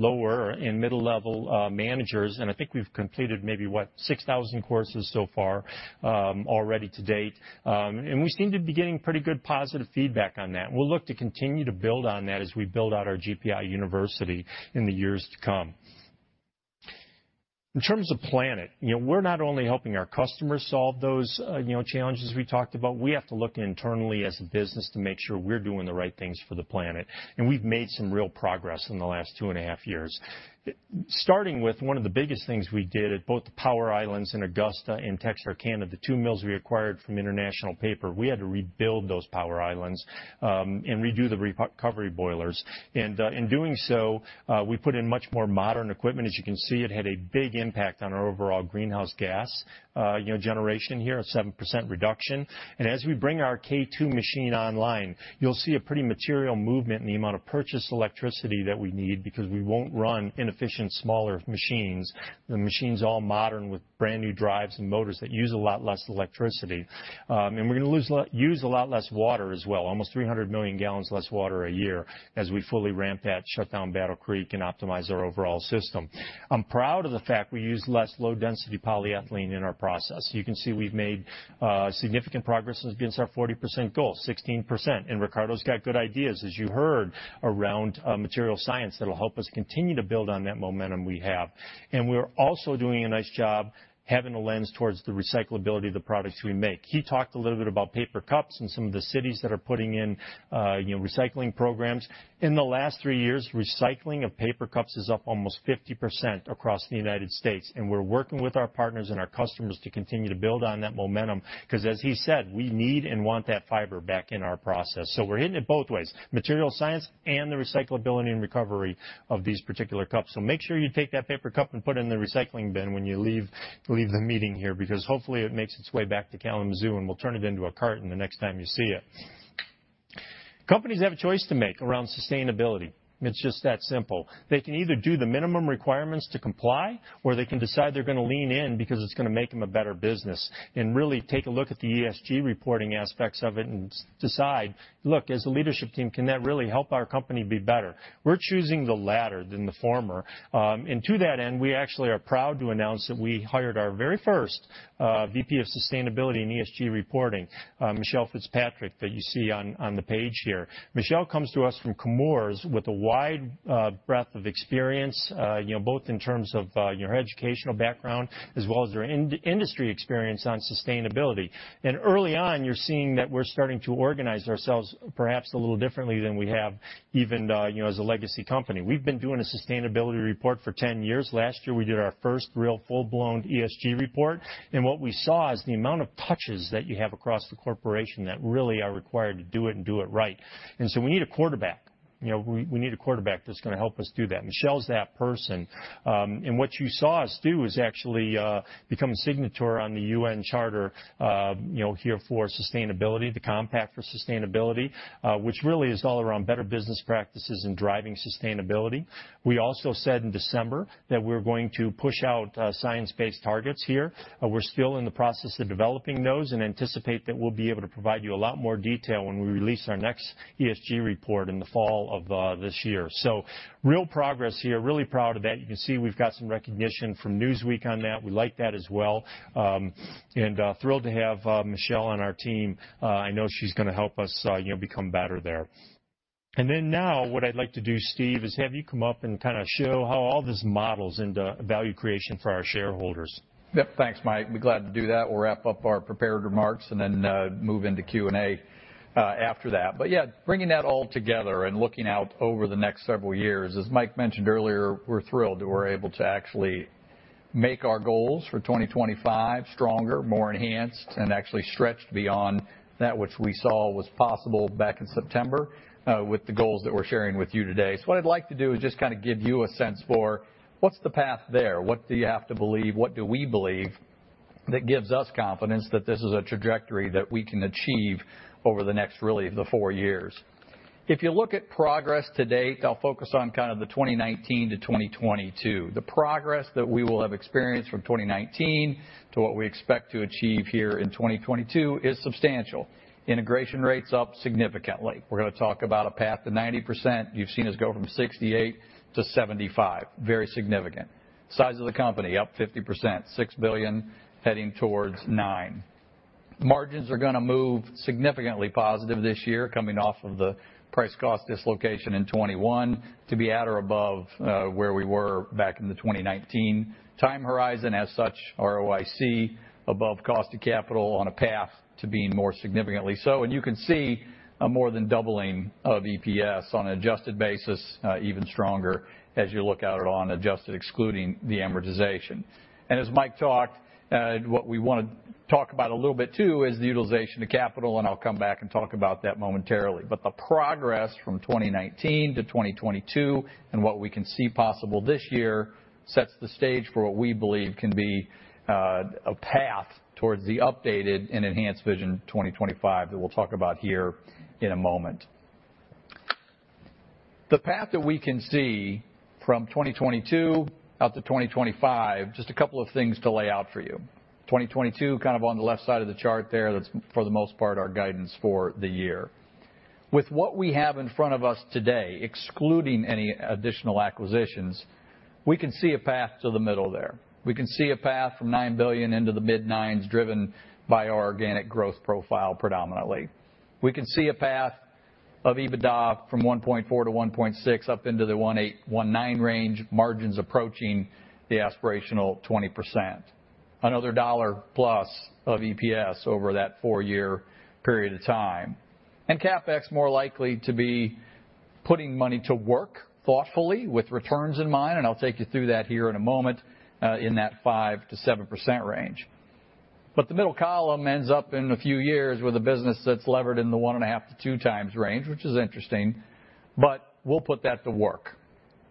managers, and I think we've completed maybe 6,000 courses so far already to date. We seem to be getting pretty good positive feedback on that, and we'll look to continue to build on that as we build out our GPI University in the years to come. In terms of planet, you know, we're not only helping our customers solve those, you know, challenges we talked about, we have to look internally as a business to make sure we're doing the right things for the planet. We've made some real progress in the last two and a half years. Starting with one of the biggest things we did at both the power islands in Augusta and Texarkana, the two mills we acquired from International Paper, we had to rebuild those power islands, and redo the recovery boilers. In doing so, we put in much more modern equipment. As you can see, it had a big impact on our overall greenhouse gas, you know, generation here, a 7% reduction. As we bring our K2 machine online, you'll see a pretty material movement in the amount of purchased electricity that we need because we won't run inefficient, smaller machines. The machine's all modern with brand-new drives and motors that use a lot less electricity. We're gonna use a lot less water as well, almost 300 million gallons less water a year as we fully ramp that, shut down Battle Creek, and optimize our overall system. I'm proud of the fact we use less low-density polyethylene in our process. You can see we've made significant progress against our 40% goal, 16%. Ricardo's got good ideas, as you heard, around material science that'll help us continue to build on that momentum we have. We're also doing a nice job having a lens towards the recyclability of the products we make. He talked a little bit about paper cups and some of the cities that are putting in, you know, recycling programs. In the last three years, recycling of paper cups is up almost 50% across the United States, and we're working with our partners and our customers to continue to build on that momentum, 'cause as he said, we need and want that fiber back in our process. We're hitting it both ways, material science and the recyclability and recovery of these particular cups. Make sure you take that paper cup and put it in the recycling bin when you leave the meeting here because hopefully it makes its way back to Kalamazoo, and we'll turn it into a carton the next time you see it. Companies have a choice to make around sustainability. It's just that simple. They can either do the minimum requirements to comply, or they can decide they're gonna lean in because it's gonna make them a better business and really take a look at the ESG reporting aspects of it and decide, look, as a leadership team, can that really help our company be better? We're choosing the latter than the former. To that end, we actually are proud to announce that we hired our very first VP of Sustainability and ESG Reporting, Michelle Fitzpatrick, that you see on the page here. Michelle comes to us from Chemours with a wide breadth of experience, you know, both in terms of your educational background as well as your industry experience on sustainability. Early on, you're seeing that we're starting to organize ourselves perhaps a little differently than we have even, you know, as a legacy company. We've been doing a sustainability report for 10 years. Last year, we did our first real full-blown ESG report, and what we saw is the amount of touches that you have across the corporation that really are required to do it and do it right. We need a quarterback. You know, we need a quarterback that's gonna help us do that. Michelle's that person. What you saw us do is actually become a signatory on the UN charter, you know, here for sustainability, the Compact for Sustainability, which really is all around better business practices and driving sustainability. We also said in December that we're going to push out science-based targets here. We're still in the process of developing those and anticipate that we'll be able to provide you a lot more detail when we release our next ESG report in the fall of this year. Real progress here. Really proud of that. You can see we've got some recognition from Newsweek on that. We like that as well. Thrilled to have Michelle on our team. I know she's gonna help us, you know, become better there. Now what I'd like to do, Steve, is have you come up and kinda show how all this models into value creation for our shareholders. Yep. Thanks, Mike. Be glad to do that. We'll wrap up our prepared remarks and then move into Q&A after that. Yeah, bringing that all together and looking out over the next several years, as Mike mentioned earlier, we're thrilled that we're able to actually make our goals for 2025 stronger, more enhanced, and actually stretched beyond that which we saw was possible back in September with the goals that we're sharing with you today. What I'd like to do is just kinda give you a sense for what's the path there. What do you have to believe, what do we believe that gives us confidence that this is a trajectory that we can achieve over the next really the four years. If you look at progress to date, I'll focus on kind of the 2019 to 2022. The progress that we will have experienced from 2019 to what we expect to achieve here in 2022 is substantial. Integration rate's up significantly. We're gonna talk about a path to 90%. You've seen us go from 68% to 75%, very significant. Size of the company up 50%, $6 billion heading towards $9 billion. Margins are gonna move significantly positive this year coming off of the price cost dislocation in 2021 to be at or above where we were back in the 2019 time horizon. As such, ROIC above cost of capital on a path to being more significantly so. You can see a more than doubling of EPS on an adjusted basis, even stronger as you look out on adjusted excluding the amortization. As Mike talked, what we wanna talk about a little bit too is the utilization of capital, and I'll come back and talk about that momentarily. The progress from 2019 to 2022 and what we can see possible this year sets the stage for what we believe can be a path towards the updated and enhanced Vision 2025 that we'll talk about here in a moment. The path that we can see from 2022 out to 2025, just a couple of things to lay out for you. 2022, kind of on the left side of the chart there, that's for the most part our guidance for the year. With what we have in front of us today, excluding any additional acquisitions, we can see a path to the middle there. We can see a path from $9 billion into the mid-$9 billion, driven by our organic growth profile predominantly. We can see a path of EBITDA from $1.4 billion to $1.6 billion up into the $1.8 billion-$1.9 billion range, margins approaching the aspirational 20%. Another $1+ of EPS over that four-year period of time. CapEx more likely to be putting money to work thoughtfully with returns in mind, and I'll take you through that here in a moment, in that 5%-7% range. The middle column ends up in a few years with a business that's levered in the 1.5x-2x range, which is interesting. We'll put that to work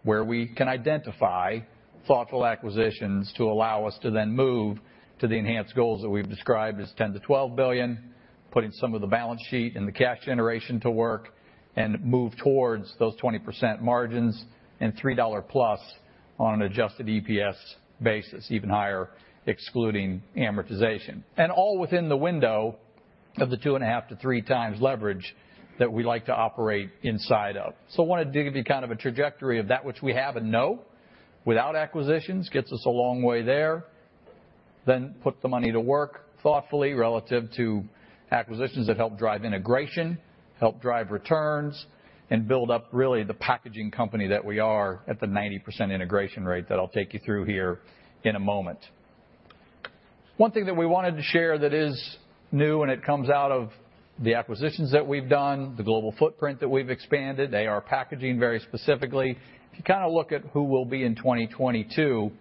where we can identify thoughtful acquisitions to allow us to then move to the enhanced goals that we've described as $10 billion-$12 billion, putting some of the balance sheet and the cash generation to work, and move towards those 20% margins and $3+ on an adjusted EPS basis, even higher excluding amortization. All within the window of the 2.5x-3x leverage that we like to operate inside of. I wanted to give you kind of a trajectory of that which we have and know without acquisitions gets us a long way there, then put the money to work thoughtfully relative to acquisitions that help drive integration, help drive returns, and build up really the packaging company that we are at the 90% integration rate that I'll take you through here in a moment. One thing that we wanted to share that is new, and it comes out of the acquisitions that we've done, the global footprint that we've expanded, AR Packaging very specifically. If you kinda look at who we'll be in 2022,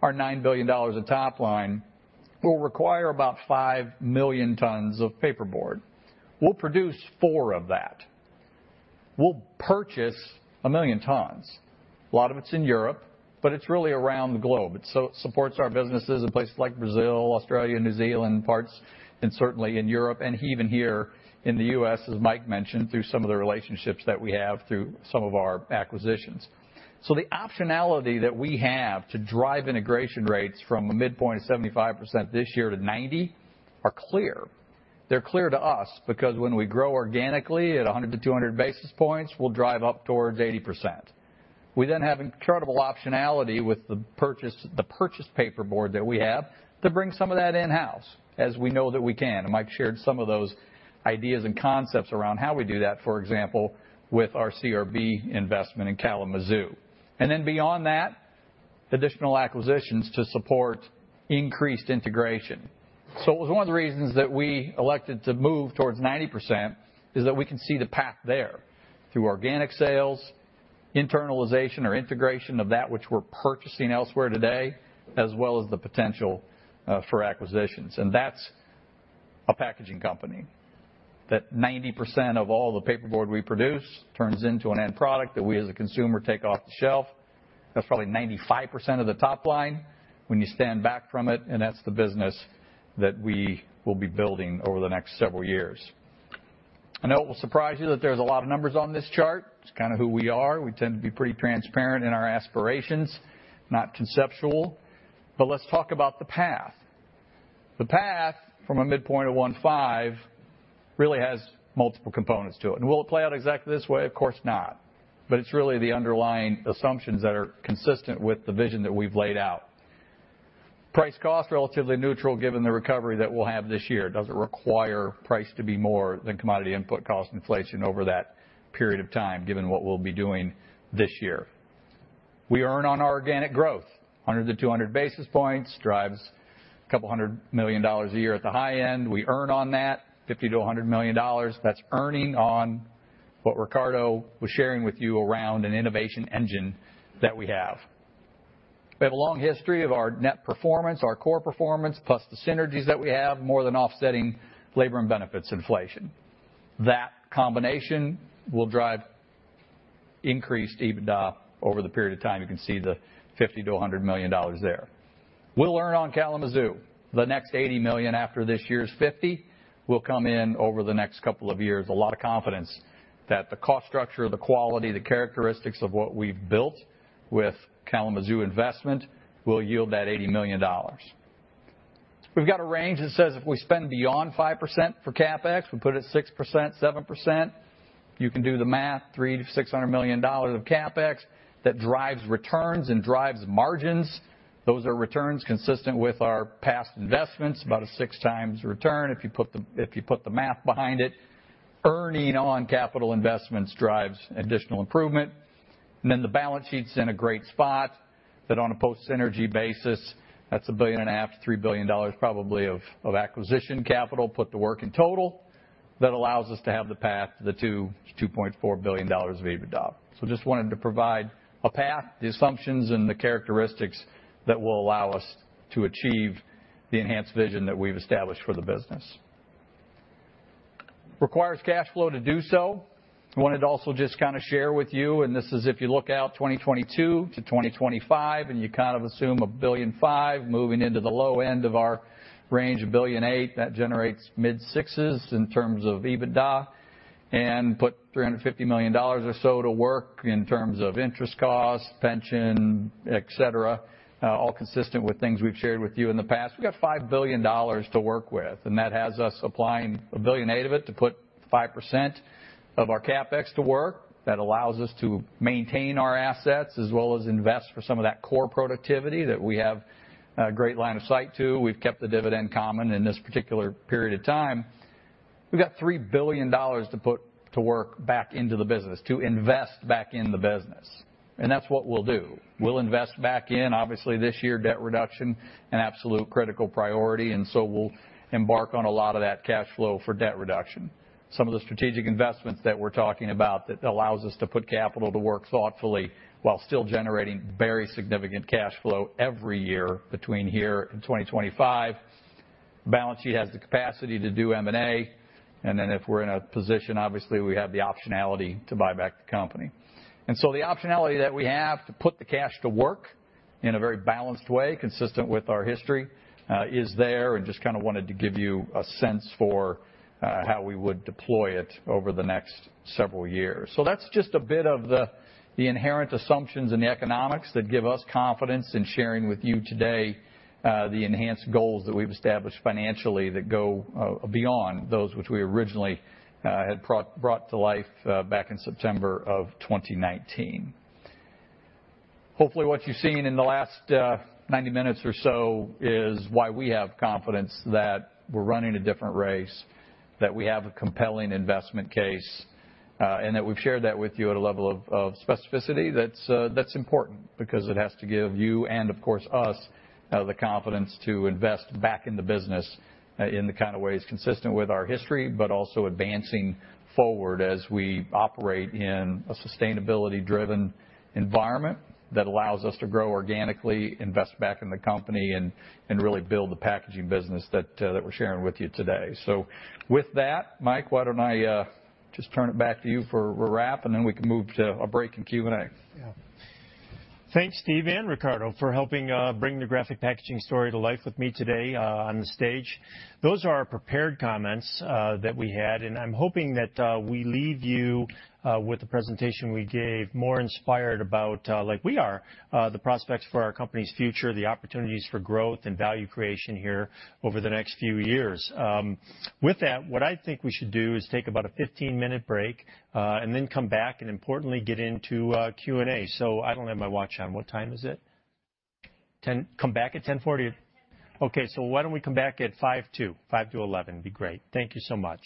our $9 billion of top line will require about 5 million tons of paperboard. We'll produce 4 million tons of that. We'll purchase 1 million tons. A lot of it's in Europe, but it's really around the globe. It supports our businesses in places like Brazil, Australia, New Zealand, parts, and certainly in Europe, and even here in the U.S., as Mike mentioned, through some of the relationships that we have through some of our acquisitions. The optionality that we have to drive integration rates from a midpoint of 75% this year to 90% are clear. They're clear to us because when we grow organically at 100-200 basis points, we'll drive up towards 80%. We then have incredible optionality with the purchase, the purchased paperboard that we have to bring some of that in-house as we know that we can, and Mike shared some of those ideas and concepts around how we do that, for example, with our CRB investment in Kalamazoo. Beyond that, additional acquisitions to support increased integration. It was one of the reasons that we elected to move towards 90% is that we can see the path there through organic sales, internalization or integration of that which we're purchasing elsewhere today, as well as the potential for acquisitions. That's a packaging company, that 90% of all the paperboard we produce turns into an end product that we, as a consumer, take off the shelf. That's probably 95% of the top line when you stand back from it, and that's the business that we will be building over the next several years. I know it will surprise you that there's a lot of numbers on this chart. It's kinda who we are. We tend to be pretty transparent in our aspirations, not conceptual. Let's talk about the path. The path from a midpoint of 1.5x really has multiple components to it. Will it play out exactly this way? Of course not. It's really the underlying assumptions that are consistent with the vision that we've laid out. Price cost, relatively neutral given the recovery that we'll have this year. It doesn't require price to be more than commodity input cost inflation over that period of time, given what we'll be doing this year. We earn on our organic growth. 100 basis points-200 basis points drives $200 million a year at the high end. We earn on that $50 million-$100 million. That's earning on what Ricardo was sharing with you around an innovation engine that we have. We have a long history of our net performance, our core performance, plus the synergies that we have more than offsetting labor and benefits inflation. That combination will drive increased EBITDA over the period of time. You can see the $50 million-$100 million there. We'll earn on Kalamazoo. The next $80 million after this year's $50 million will come in over the next couple of years. A lot of confidence that the cost structure, the quality, the characteristics of what we've built with Kalamazoo investment will yield that $80 million. We've got a range that says if we spend beyond 5% for CapEx, we put it 6%, 7%, you can do the math, $300 million-$600 million of CapEx that drives returns and drives margins. Those are returns consistent with our past investments, about a 6x return if you put the math behind it. Earning on capital investments drives additional improvement. The balance sheet's in a great spot that on a post-synergy basis, that's $1.5 billion-$3 billion probably of acquisition capital put to work in total that allows us to have the path to the $2 billion-$2.4 billion of EBITDA. Just wanted to provide a path, the assumptions, and the characteristics that will allow us to achieve the enhanced vision that we've established for the business. Requires cash flow to do so. Wanted to also just kind of share with you, and this is if you look out 2022 to 2025, and you kind of assume $1.05 billion moving into the low end of our range, $1.08 billion, that generates mid-6x in terms of EBITDA and put $350 million or so to work in terms of interest costs, pension, et cetera, all consistent with things we've shared with you in the past. We got $5 billion to work with, and that has us applying $1.08 billion of it to put 5% of our CapEx to work. That allows us to maintain our assets as well as invest for some of that core productivity that we have a great line of sight to. We've kept the dividend common in this particular period of time. We've got $3 billion to put to work back into the business, to invest back in the business. That's what we'll do. We'll invest back in, obviously, this year, debt reduction, an absolute critical priority, and so we'll embark on a lot of that cash flow for debt reduction. Some of the strategic investments that we're talking about that allows us to put capital to work thoughtfully while still generating very significant cash flow every year between here and 2025. Balance sheet has the capacity to do M&A. If we're in a position, obviously, we have the optionality to buy back the company. The optionality that we have to put the cash to work in a very balanced way, consistent with our history, is there, and just kind of wanted to give you a sense for how we would deploy it over the next several years. That's just a bit of the inherent assumptions and the economics that give us confidence in sharing with you today the enhanced goals that we've established financially that go beyond those which we originally had brought to life back in September of 2019. Hopefully, what you've seen in the last 90 minutes or so is why we have confidence that we're running a different race, that we have a compelling investment case, and that we've shared that with you at a level of specificity that's important because it has to give you and, of course, us, the confidence to invest back in the business in the kind of ways consistent with our history, but also advancing forward as we operate in a sustainability-driven environment that allows us to grow organically, invest back in the company, and really build the packaging business that we're sharing with you today. With that, Mike, why don't I just turn it back to you for a wrap, and then we can move to a break and Q&A. Thanks, Steve and Ricardo, for helping bring the Graphic Packaging story to life with me today on the stage. Those are our prepared comments that we had, and I'm hoping that we leave you with the presentation we gave more inspired about, like we are, the prospects for our company's future, the opportunities for growth and value creation here over the next few years. With that, what I think we should do is take about a 15-minute break and then come back and importantly get into Q&A. I don't have my watch on. What time is it? Come back at 10:40AM? Okay, why don't we come back at 10:55AM? Be great. Thank you so much.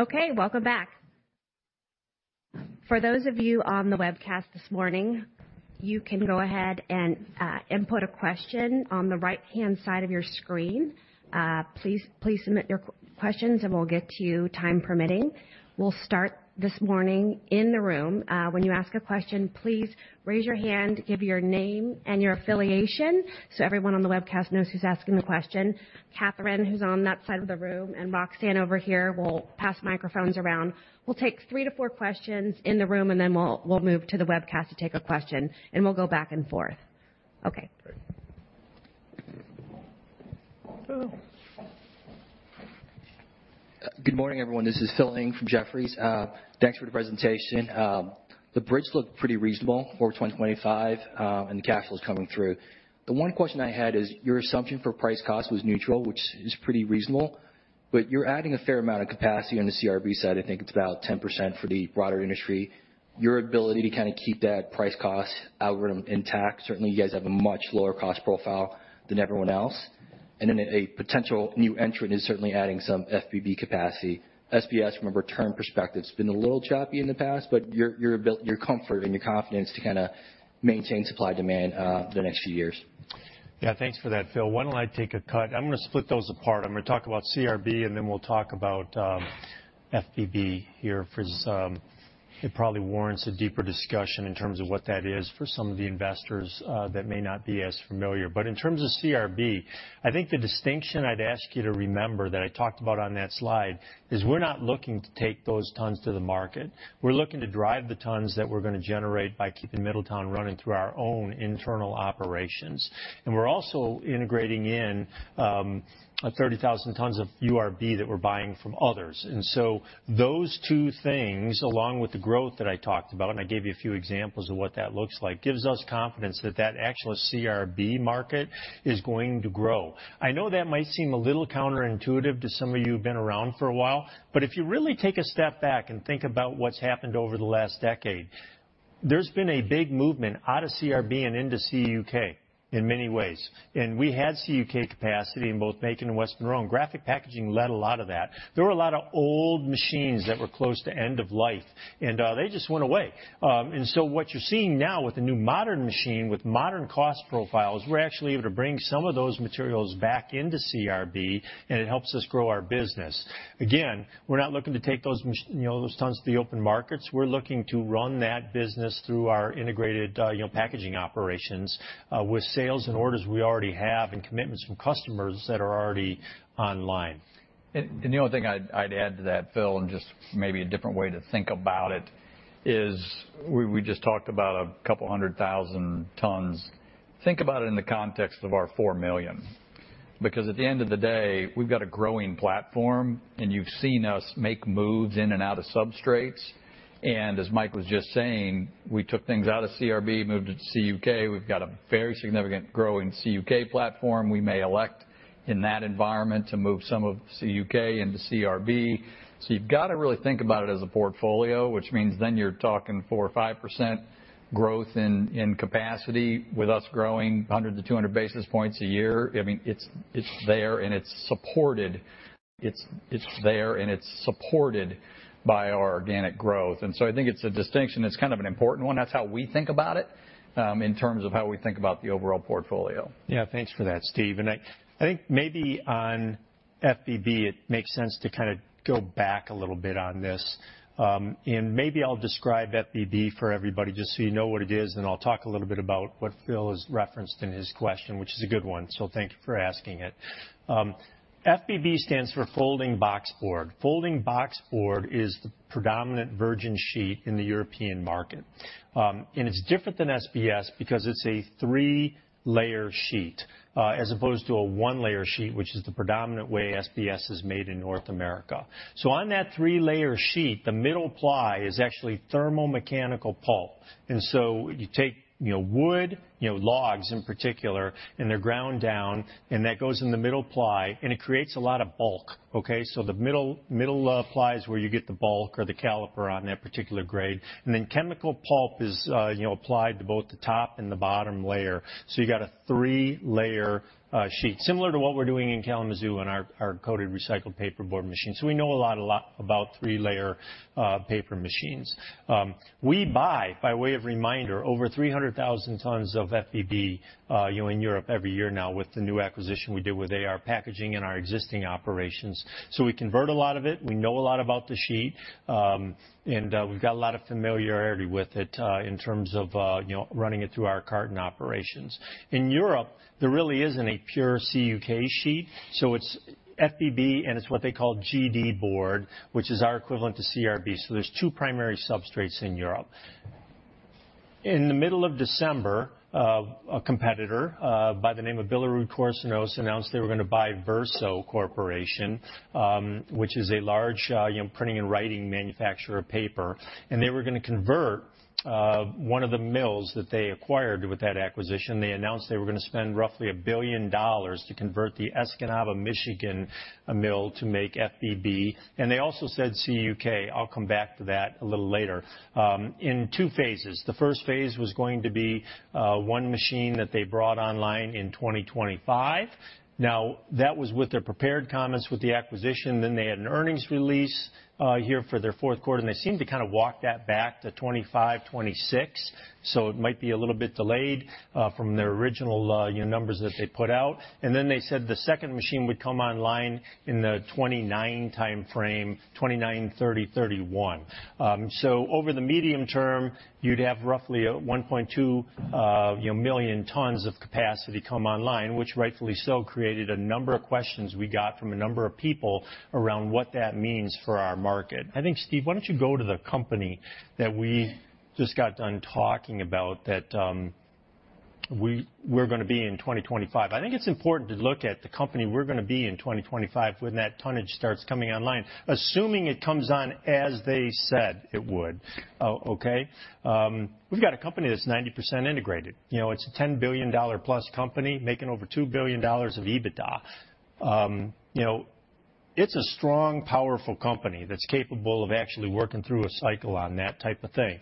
Okay, welcome back. For those of you on the webcast this morning, you can go ahead and input a question on the right-hand side of your screen. Please submit your questions, and we'll get to you time permitting. We'll start this morning in the room. When you ask a question, please raise your hand, give your name and your affiliation, so everyone on the webcast knows who's asking the question. Katherine, who's on that side of the room, and Roxanne over here will pass microphones around. We'll take three to four questions in the room, and then we'll move to the webcast to take a question, and we'll go back and forth. Okay. Great. Good morning, everyone. This is Philip Ng from Jefferies. Thanks for the presentation. The bridge looked pretty reasonable for 2025, and the cash flow's coming through. The one question I had is your assumption for price cost was neutral, which is pretty reasonable, but you're adding a fair amount of capacity on the CRB side. I think it's about 10% for the broader industry. Your ability to kinda keep that price cost algorithm intact, certainly you guys have a much lower cost profile than everyone else, and then a potential new entrant is certainly adding some FBB capacity. SBS, from a return perspective, has been a little choppy in the past, but your comfort and your confidence to kinda maintain supply-demand the next few years. Yeah. Thanks for that, Phil. Why don't I take a cut? I'm gonna split those apart. I'm gonna talk about CRB, and then we'll talk about FBB here for some. It probably warrants a deeper discussion in terms of what that is for some of the investors that may not be as familiar. But in terms of CRB, I think the distinction I'd ask you to remember that I talked about on that slide is we're not looking to take those tons to the market. We're looking to drive the tons that we're gonna generate by keeping Middletown running through our own internal operations. We're also integrating in 30,000 tons of URB that we're buying from others. Those two things, along with the growth that I talked about, and I gave you a few examples of what that looks like, gives us confidence that that actual CRB market is going to grow. I know that might seem a little counterintuitive to some of you who've been around for a while, but if you really take a step back and think about what's happened over the last decade, there's been a big movement out of CRB and into CUK in many ways. We had CUK capacity in both Macon and West Monroe, and Graphic Packaging led a lot of that. There were a lot of old machines that were close to end of life, and they just went away. What you're seeing now with the new modern machine with modern cost profiles, we're actually able to bring some of those materials back into CRB, and it helps us grow our business. Again, we're not looking to take those you know, those tons to the open markets. We're looking to run that business through our integrated, you know, packaging operations, with sales and orders we already have and commitments from customers that are already online. The only thing I'd add to that, Phil, and just maybe a different way to think about it is we just talked about couple of a hundred thousand tons. Think about it in the context of our 4 million because at the end of the day, we've got a growing platform, and you've seen us make moves in and out of substrates. As Mike was just saying, we took things out of CRB, moved it to CUK. We've got a very significant growing CUK platform. We may elect in that environment to move some of CUK into CRB. You've gotta really think about it as a portfolio, which means then you're talking 4% or 5% growth in capacity with us growing 100 basis points-200 basis points a year. I mean, it's there, and it's supported by our organic growth. I think it's a distinction that's kind of an important one. That's how we think about it, in terms of how we think about the overall portfolio. Yeah. Thanks for that, Steve. I think maybe on FBB it makes sense to kinda go back a little bit on this. Maybe I'll describe FBB for everybody just so you know what it is, and I'll talk a little bit about what Phil has referenced in his question, which is a good one, so thank you for asking it. FBB stands for folding box board. Folding box board is the predominant virgin sheet in the European market. It's different than SBS because it's a three-layer sheet, as opposed to a one-layer sheet, which is the predominant way SBS is made in North America. On that three-layer sheet, the middle ply is actually thermomechanical pulp. You take wood, logs in particular, and they're ground down, and that goes in the middle ply, and it creates a lot of bulk, okay? The middle ply is where you get the bulk or the caliper on that particular grade. Then chemical pulp is applied to both the top and the bottom layer, so you got a three-layer sheet, similar to what we're doing in Kalamazoo in our coated recycled paperboard machine. We know a lot about three-layer paper machines. We buy, by way of reminder, over 300,000 tons of FBB in Europe every year now with the new acquisition we did with AR Packaging and our existing operations. We convert a lot of it. We know a lot about the sheet, and we've got a lot of familiarity with it, in terms of, you know, running it through our carton operations. In Europe, there really isn't a pure CUK sheet, so it's FBB, and it's what they call GD board, which is our equivalent to CRB. There's two primary substrates in Europe. In the middle of December, a competitor, by the name of BillerudKorsnäs announced they were gonna buy Verso Corporation, which is a large, you know, printing and writing manufacturer of paper, and they were gonna convert, one of the mills that they acquired with that acquisition. They announced they were gonna spend roughly $1 billion to convert the Escanaba, Michigan mill to make FBB, and they also said CUK, I'll come back to that a little later, in two phases. The first phase was going to be one machine that they brought online in 2025. Now, that was with their prepared comments with the acquisition. They had an earnings release here for their fourth quarter, and they seemed to kinda walk that back to 2025-2026, so it might be a little bit delayed from their original you know numbers that they put out. They said the second machine would come online in the 2029 timeframe, 2029-2031. Over the medium term, you'd have roughly 1.2 million tons of capacity come online, which rightfully so created a number of questions we got from a number of people around what that means for our market. I think, Steve, why don't you go to the company that we just got done talking about that we're gonna be in 2025. I think it's important to look at the company we're gonna be in 2025 when that tonnage starts coming online, assuming it comes on as they said it would, okay? We've got a company that's 90% integrated. You know, it's a $10 billion+ company making over $2 billion of EBITDA. You know, it's a strong, powerful company that's capable of actually working through a cycle on that type of thing.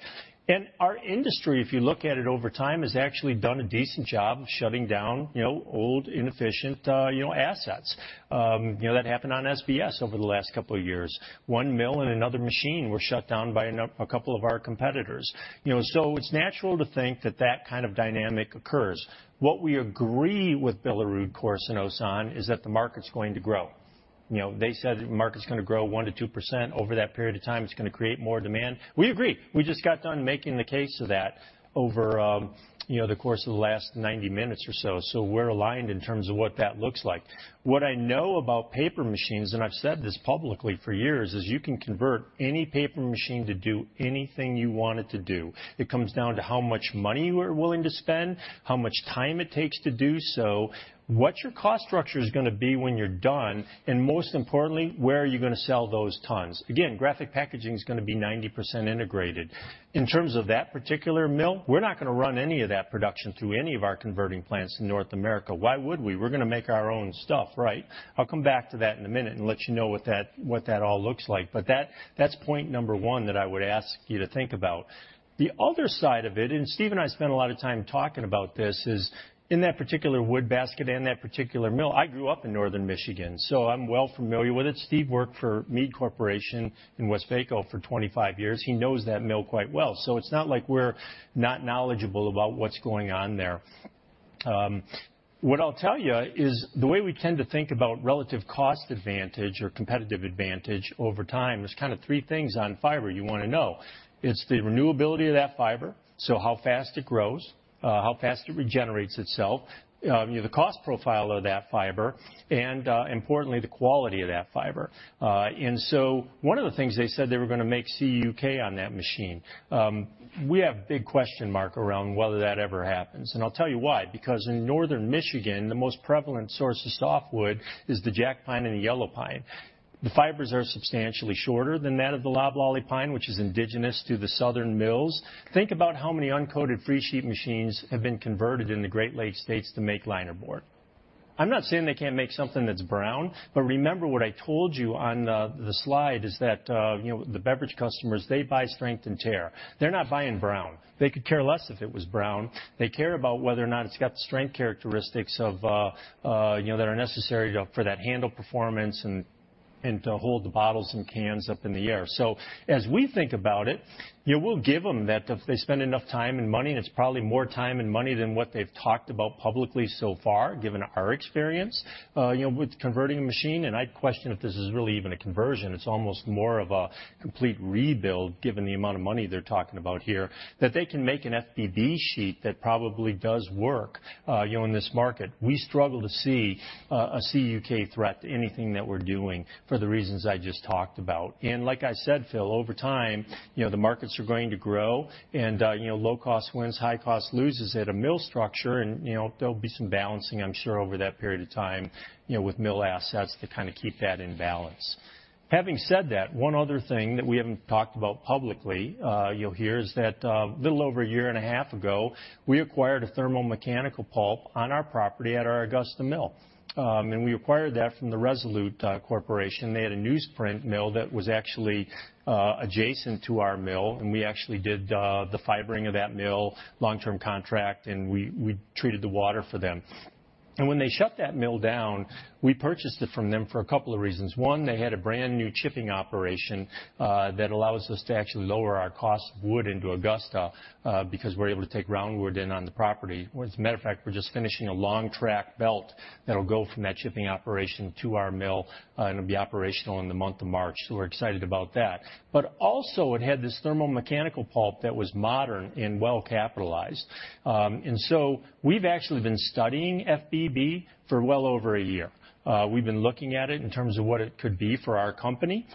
Our industry, if you look at it over time, has actually done a decent job of shutting down, you know, old, inefficient, you know, assets. You know, that happened on SBS over the last couple of years. One mill and another machine were shut down by a couple of our competitors. You know, it's natural to think that that kind of dynamic occurs. What we agree with BillerudKorsnäs on is that the market's going to grow. You know, they said the market's gonna grow 1%-2% over that period of time. It's gonna create more demand. We agree. We just got done making the case for that over, you know, the course of the last 90 minutes or so we're aligned in terms of what that looks like. What I know about paper machines, and I've said this publicly for years, is you can convert any paper machine to do anything you want it to do. It comes down to how much money you are willing to spend, how much time it takes to do so, what your cost structure's gonna be when you're done, and most importantly, where are you gonna sell those tons? Again, Graphic Packaging is gonna be 90% integrated. In terms of that particular mill, we're not gonna run any of that production through any of our converting plants in North America. Why would we? We're gonna make our own stuff, right? I'll come back to that in a minute and let you know what that all looks like. That, that's point number one that I would ask you to think about. The other side of it, and Steve and I spent a lot of time talking about this, is in that particular wood basket and that particular mill. I grew up in Northern Michigan, so I'm well familiar with it. Steve worked for MeadWestvaco Corporation in Westvaco for 25 years. He knows that mill quite well, so it's not like we're not knowledgeable about what's going on there. What I'll tell ya is the way we tend to think about relative cost advantage or competitive advantage over time. There's kind of three things on fiber you wanna know. It's the renewability of that fiber, so how fast it grows, how fast it regenerates itself, you know, the cost profile of that fiber, and, importantly, the quality of that fiber. One of the things they said they were gonna make CUK on that machine, we have a big question mark around whether that ever happens, and I'll tell you why. Because in Northern Michigan, the most prevalent source of softwood is the jack pine and the yellow pine. The fibers are substantially shorter than that of the loblolly pine, which is indigenous to the southern mills. Think about how many uncoated freesheet machines have been converted in the Great Lakes states to make linerboard. I'm not saying they can't make something that's brown, but remember what I told you on the slide is that, you know, the beverage customers, they buy strength and tear. They're not buying brown. They could care less if it was brown. They care about whether or not it's got the strength characteristics of, you know, that are necessary for that handle performance and to hold the bottles and cans up in the air. As we think about it, you know, we'll give them that if they spend enough time and money, and it's probably more time and money than what they've talked about publicly so far, given our experience, you know, with converting a machine. I'd question if this is really even a conversion. It's almost more of a complete rebuild given the amount of money they're talking about here, that they can make an FBB sheet that probably does work, you know, in this market. We struggle to see a CUK threat to anything that we're doing for the reasons I just talked about. Like I said, Phil, over time, you know, the markets are going to grow and, you know, low cost wins, high cost loses at a mill structure and, you know, there'll be some balancing I'm sure over that period of time, you know, with mill assets to kind of keep that in balance. Having said that, one other thing that we haven't talked about publicly, you'll hear is that a little over a year and a half ago, we acquired a thermomechanical pulp on our property at our Augusta mill. We acquired that from the Resolute Forest Products. They had a newsprint mill that was actually adjacent to our mill, and we actually did the fibering of that mill, long-term contract, and we treated the water for them. When they shut that mill down, we purchased it from them for a couple of reasons. One, they had a brand-new chipping operation that allows us to actually lower our cost of wood into Augusta because we're able to take round wood in on the property. As a matter of fact, we're just finishing a long track belt that'll go from that chipping operation to our mill, and it'll be operational in the month of March. We're excited about that. Also, it had this thermal mechanical pulp that was modern and well-capitalized. We've actually been studying FBB for well over a year. We've been looking at it in terms of what it could be for our company.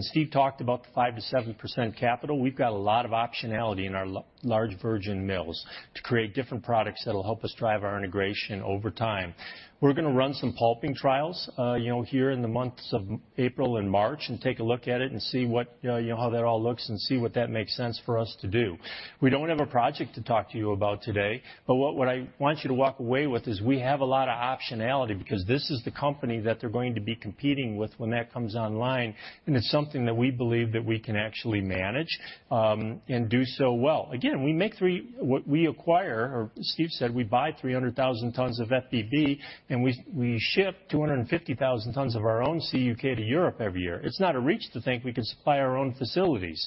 Steve talked about the 5%-7% capital. We've got a lot of optionality in our large virgin mills to create different products that'll help us drive our integration over time. We're gonna run some pulping trials, you know, here in the months of April and March and take a look at it and see what, you know, how that all looks and see what that makes sense for us to do. We don't have a project to talk to you about today, but what I want you to walk away with is we have a lot of optionality because this is the company that they're going to be competing with when that comes online, and it's something that we believe that we can actually manage, and do so well. Again, we acquire, or Steve said we buy 300,000 tons of FBB, and we ship 250,000 tons of our own CUK to Europe every year. It's not a reach to think we could supply our own facilities.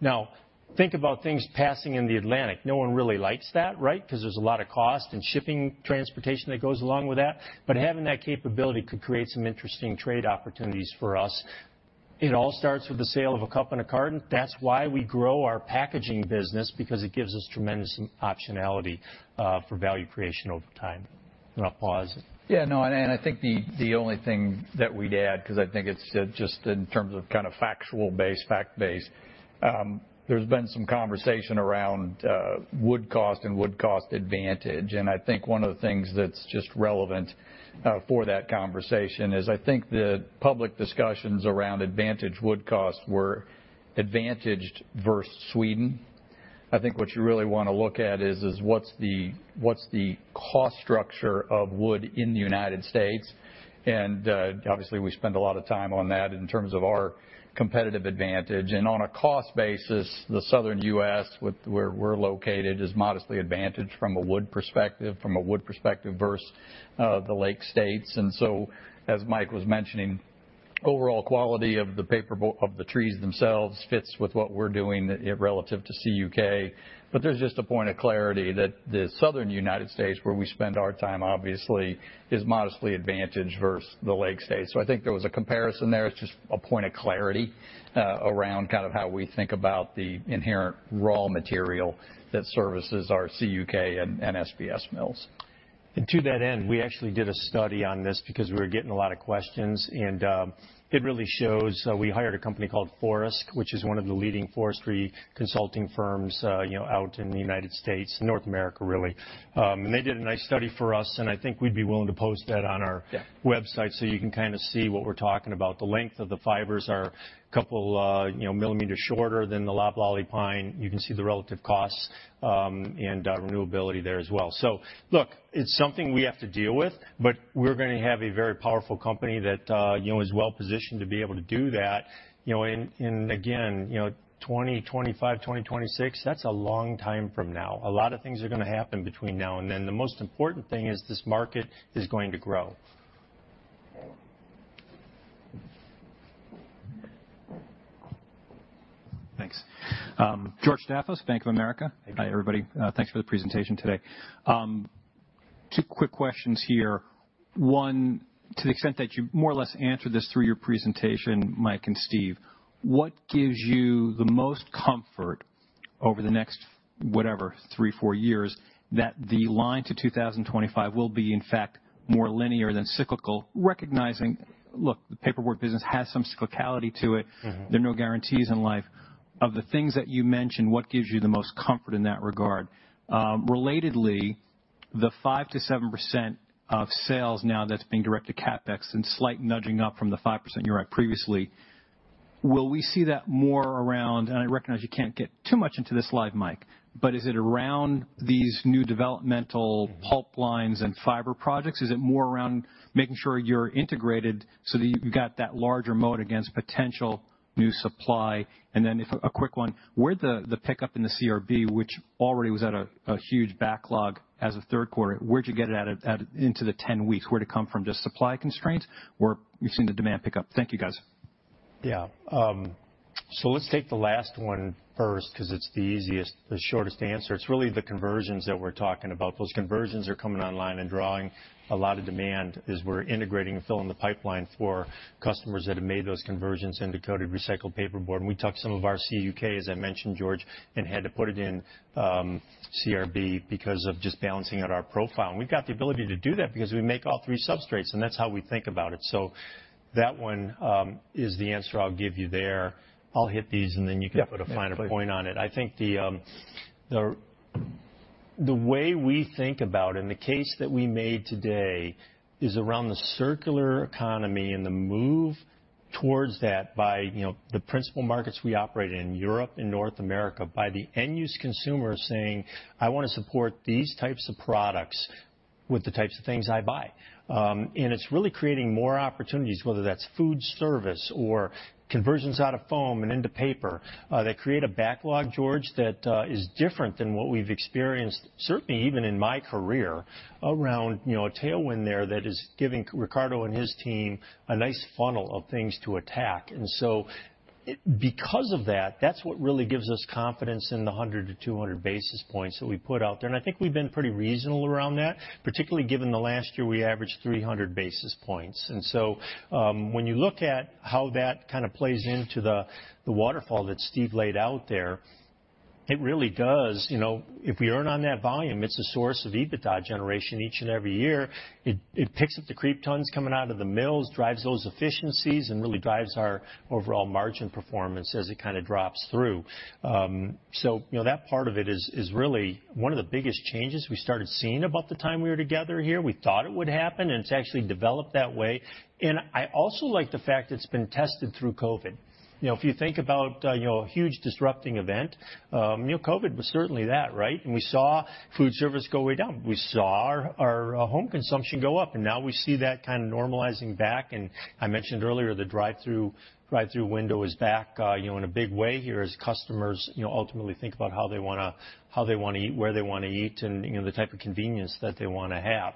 Now, think about things passing in the Atlantic. No one really likes that, right? 'Cause there's a lot of cost and shipping transportation that goes along with that. But having that capability could create some interesting trade opportunities for us. It all starts with the sale of a cup and a carton. That's why we grow our packaging business, because it gives us tremendous optionality for value creation over time. I'll pause. Yeah, no, I think the only thing that we'd add, because I think it's just in terms of kind of factual base, there's been some conversation around wood cost and wood cost advantage. I think one of the things that's just relevant for that conversation is I think the public discussions around advantage wood costs were advantaged versus Sweden. I think what you really wanna look at is what's the cost structure of wood in the United States. Obviously we spend a lot of time on that in terms of our competitive advantage. On a cost basis, the Southern U.S. with where we're located is modestly advantaged from a wood perspective versus the Lake States. As Mike was mentioning, overall quality of the trees themselves fits with what we're doing relative to CUK. There's just a point of clarity that the Southern United States, where we spend our time obviously, is modestly advantaged versus the Lake States. I think there was a comparison there. It's just a point of clarity around kind of how we think about the inherent raw material that services our CUK and SBS mills. To that end, we actually did a study on this because we were getting a lot of questions, and it really shows. We hired a company called Forest2Market, which is one of the leading forestry consulting firms, you know, out in the United States, North America, really. They did a nice study for us, and I think we'd be willing to post that on our website so you can kinda see what we're talking about. The length of the fibers are a couple, you know, millimeters shorter than the loblolly pine. You can see the relative costs and renewability there as well. Look, it's something we have to deal with, but we're gonna have a very powerful company that, you know, is well positioned to be able to do that. You know, and again, you know, 2025, 2026, that's a long time from now. A lot of things are gonna happen between now and then. The most important thing is this market is going to grow. Thanks. George Staphos, Bank of America. Hi, everybody. Thanks for the presentation today. Two quick questions here. One, to the extent that you more or less answered this through your presentation, Mike and Steve, what gives you the most comfort over the next, whatever, three, four years, that the line to 2025 will be, in fact, more linear than cyclical? Recognizing, look, the paperboard business has some cyclicality to it. Mm-hmm. There are no guarantees in life. Of the things that you mentioned, what gives you the most comfort in that regard? Relatedly, the 5%-7% of sales now that's being direct to CapEx and slight nudging up from the 5% you were at previously, will we see that more around and I recognize you can't get too much into this live, Mike. But is it around these new developmental Mm-hmm Pulp lines and fiber projects? Is it more around making sure you're integrated so that you've got that larger moat against potential new supply? A quick one, where'd the pickup in the CRB, which already was at a huge backlog as of third quarter, where'd you get it at into the 10 weeks? Where'd it come from? Just supply constraints or you've seen the demand pick up? Thank you, guys. Yeah. So let's take the last one first because it's the easiest, the shortest answer. It's really the conversions that we're talking about. Those conversions are coming online and drawing a lot of demand as we're integrating and filling the pipeline for customers that have made those conversions into coated recycled paperboard. We took some of our CUK, as I mentioned, George, and had to put it in CRB because of just balancing out our profile. We've got the ability to do that because we make all three substrates, and that's how we think about it. That one is the answer I'll give you there. I'll hit these. Yeah. Please put a finer point on it. I think the way we think about and the case that we made today is around the circular economy and the move towards that by, you know, the principal markets we operate in, Europe and North America, by the end use consumer saying, "I wanna support these types of products with the types of things I buy." It's really creating more opportunities, whether that's food service or conversions out of foam and into paper, that create a backlog, George, that is different than what we've experienced, certainly even in my career, around, you know, a tailwind there that is giving Ricardo and his team a nice funnel of things to attack. Because of that's what really gives us confidence in the 100 basis points-200 basis points that we put out there, and I think we've been pretty reasonable around that, particularly given the last year we averaged 300 basis points. When you look at how that kind of plays into the waterfall that Steve laid out there, it really does. You know, if we earn on that volume, it's a source of EBITDA generation each and every year. It picks up the creep tons coming out of the mills, drives those efficiencies, and really drives our overall margin performance as it kinda drops through. You know, that part of it is really one of the biggest changes we started seeing about the time we were together here. We thought it would happen, and it's actually developed that way. I also like the fact that it's been tested through COVID. You know, if you think about a huge disrupting event, you know, COVID was certainly that, right? We saw food service go way down. We saw our home consumption go up, and now we see that kind of normalizing back. I mentioned earlier the drive-through window is back, you know, in a big way here as customers, you know, ultimately think about how they wanna eat, where they wanna eat and, you know, the type of convenience that they wanna have.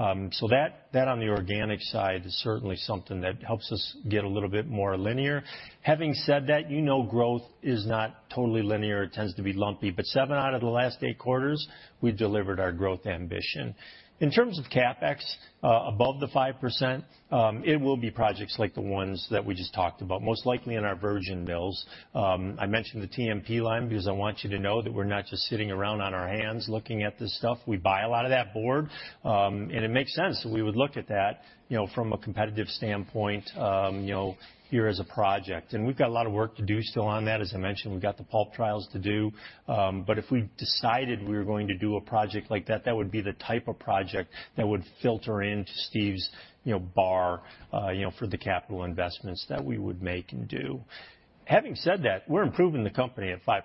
That on the organic side is certainly something that helps us get a little bit more linear. Having said that, you know growth is not totally linear. It tends to be lumpy. Seven out of the last eight quarters, we've delivered our growth ambition. In terms of CapEx, above the 5%, it will be projects like the ones that we just talked about, most likely in our virgin mills. I mentioned the TMP line because I want you to know that we're not just sitting around on our hands looking at this stuff. We buy a lot of that board, and it makes sense that we would look at that, you know, from a competitive standpoint, you know, here as a project. We've got a lot of work to do still on that. As I mentioned, we've got the pulp trials to do. If we decided we were going to do a project like that would be the type of project that would filter into Steve's, you know, bar, you know, for the capital investments that we would make and do. Having said that, we're improving the company at 5%.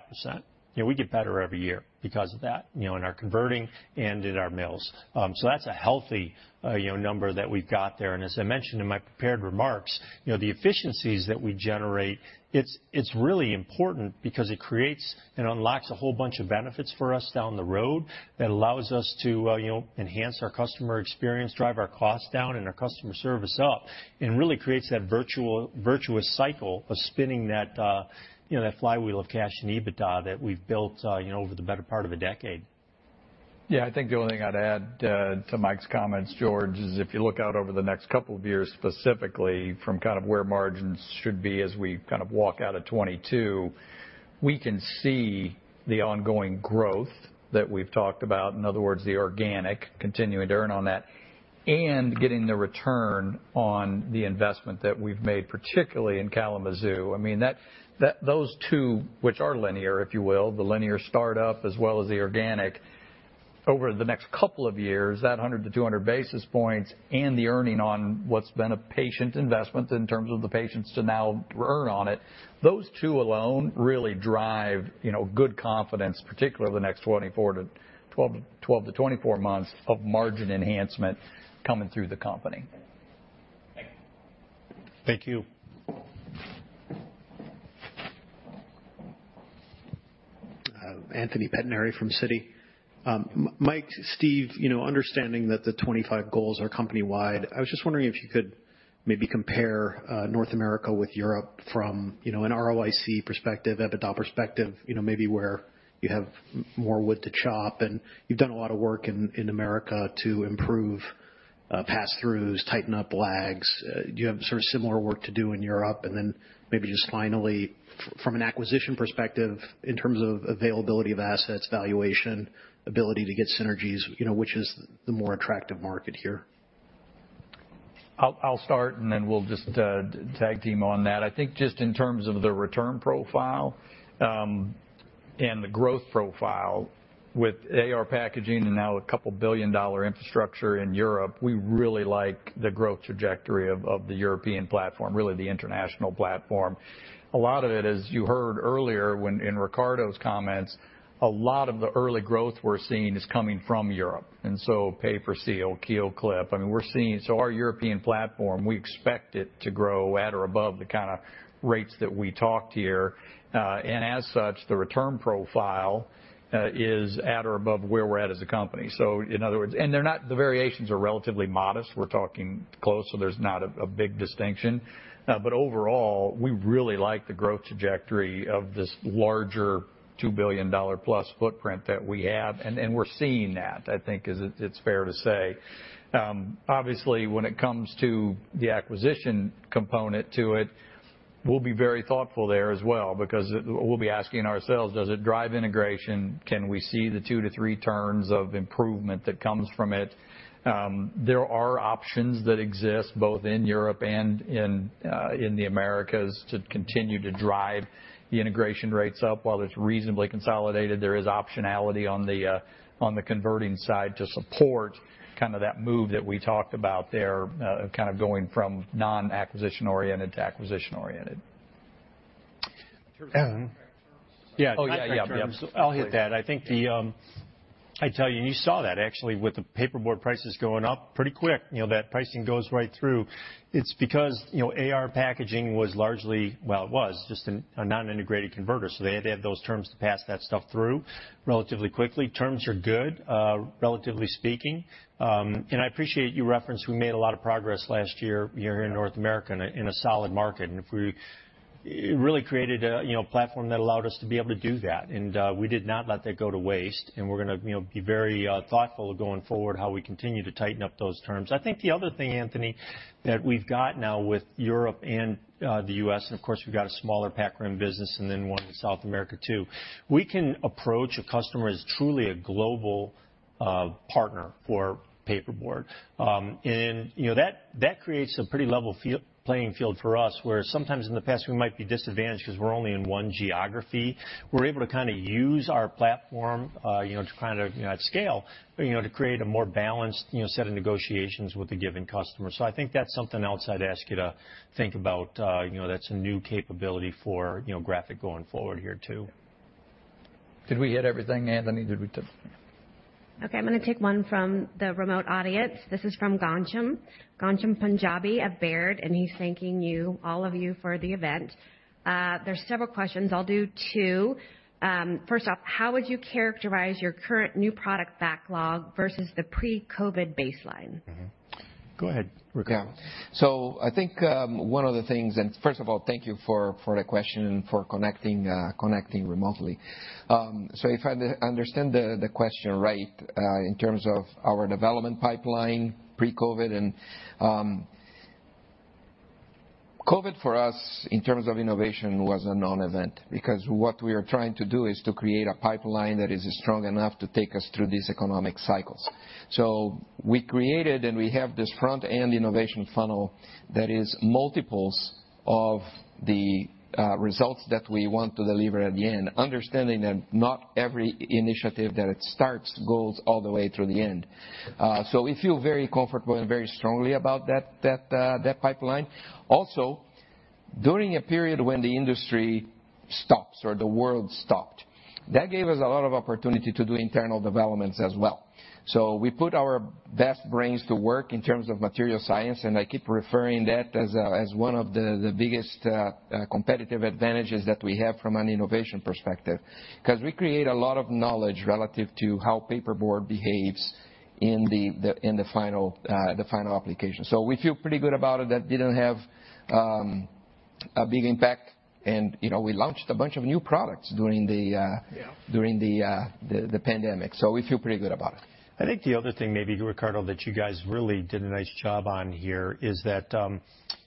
You know, we get better every year because of that, you know, in our converting and in our mills. That's a healthy, you know, number that we've got there. As I mentioned in my prepared remarks, you know, the efficiencies that we generate, it's really important because it creates and unlocks a whole bunch of benefits for us down the road that allows us to, you know, enhance our customer experience, drive our costs down and our customer service up, and really creates that virtuous cycle of spinning that, you know, that flywheel of cash and EBITDA that we've built, you know, over the better part of a decade. Yeah, I think the only thing I'd add to Mike's comments, George, is if you look out over the next couple of years, specifically from kind of where margins should be as we kind of walk out of 2022, we can see the ongoing growth that we've talked about. In other words, the organic, continuing to earn on that and getting the return on the investment that we've made, particularly in Kalamazoo. I mean, those two, which are linear, if you will, the linear startup as well as the organic over the next couple of years, that 100 basis points-200 basis points and the earning on what's been a patient investment in terms of the patience to now earn on it. Those two alone really drive, you know, good confidence, particularly the next 12 to 24 months of margin enhancement coming through the company. Thank you. Anthony Pettinari from Citi. Mike, Steve, you know, understanding that the 2025 goals are company-wide, I was just wondering if you could maybe compare North America with Europe from, you know, an ROIC perspective, EBITDA perspective, you know, maybe where you have more wood to chop. You've done a lot of work in America to improve pass-throughs, tighten up lags. Do you have sort of similar work to do in Europe? Then maybe just finally, from an acquisition perspective, in terms of availability of assets, valuation, ability to get synergies, you know, which is the more attractive market here? I'll start, and then we'll just tag team on that. I think just in terms of the return profile and the growth profile with AR Packaging and now $2 billion infrastructure in Europe, we really like the growth trajectory of the European platform, really the international platform. A lot of it, as you heard earlier when in Ricardo's comments, a lot of the early growth we're seeing is coming from Europe. PaperSeal, KeelClip. I mean, we're seeing. Our European platform, we expect it to grow at or above the kinda rates that we talked here. And as such, the return profile is at or above where we're at as a company. In other words, the variations are relatively modest. We're talking close, so there's not a big distinction. Overall, we really like the growth trajectory of this larger $2 billion+ footprint that we have. We're seeing that it's fair to say. Obviously, when it comes to the acquisition component to it, we'll be very thoughtful there as well because we'll be asking ourselves, does it drive integration? Can we see the 2x-3x of improvement that comes from it? There are options that exist both in Europe and in the Americas to continue to drive the integration rates up. While it's reasonably consolidated, there is optionality on the converting side to support kinda that move that we talked about there, kind of going from non-acquisition-oriented to acquisition-oriented. In terms of contract terms? Yeah. Oh, yeah. I'll hit that. I think I tell you, and you saw that actually with the paperboard prices going up pretty quick, you know, that pricing goes right through. It's because, you know, AR Packaging was largely, well, it was just a non-integrated converter, so they had to have those terms to pass that stuff through relatively quickly. Terms are good, relatively speaking. I appreciate you referenced we made a lot of progress last year in North America in a solid market. It really created a platform that allowed us to be able to do that. We did not let that go to waste, and we're gonna, you know, be very thoughtful going forward how we continue to tighten up those terms. I think the other thing, Anthony, that we've got now with Europe and the U.S., and of course we've got a smaller PacRim business and then one in South America too. We can approach a customer as truly a global partner for paperboard. You know, that creates a pretty level playing field for us, where sometimes in the past we might be disadvantaged 'cause we're only in one geography. We're able to kinda use our platform you know, to kind of you know, at scale, you know, to create a more balanced you know, set of negotiations with a given customer. I think that's something else I'd ask you to think about. You know, that's a new capability for Graphic going forward here too. Did we hit everything, Anthony? Okay, I'm gonna take one from the remote audience. This is from Ghansham Panjabi at Baird, and he's thanking you, all of you for the event. There's several questions. I'll do two. First off, how would you characterize your current new product backlog versus the pre-COVID baseline? Go ahead, Ricardo. I think one of the things. First of all, thank you for the question and for connecting remotely. If I understand the question right, in terms of our development pipeline pre-COVID, COVID for us in terms of innovation was a non-event because what we are trying to do is to create a pipeline that is strong enough to take us through these economic cycles. We created and we have this front-end innovation funnel that is multiples of the results that we want to deliver at the end, understanding that not every initiative that it starts goes all the way through the end. We feel very comfortable and very strongly about that pipeline. Also, during a period when the industry stops or the world stopped, that gave us a lot of opportunity to do internal developments as well. We put our best brains to work in terms of material science, and I keep referring that as one of the biggest competitive advantages that we have from an innovation perspective. 'Cause we create a lot of knowledge relative to how paperboard behaves in the final application. We feel pretty good about it that didn't have A big impact. You know, we launched a bunch of new products during the Yeah. During the pandemic. We feel pretty good about it. I think the other thing maybe, Ricardo, that you guys really did a nice job on here is that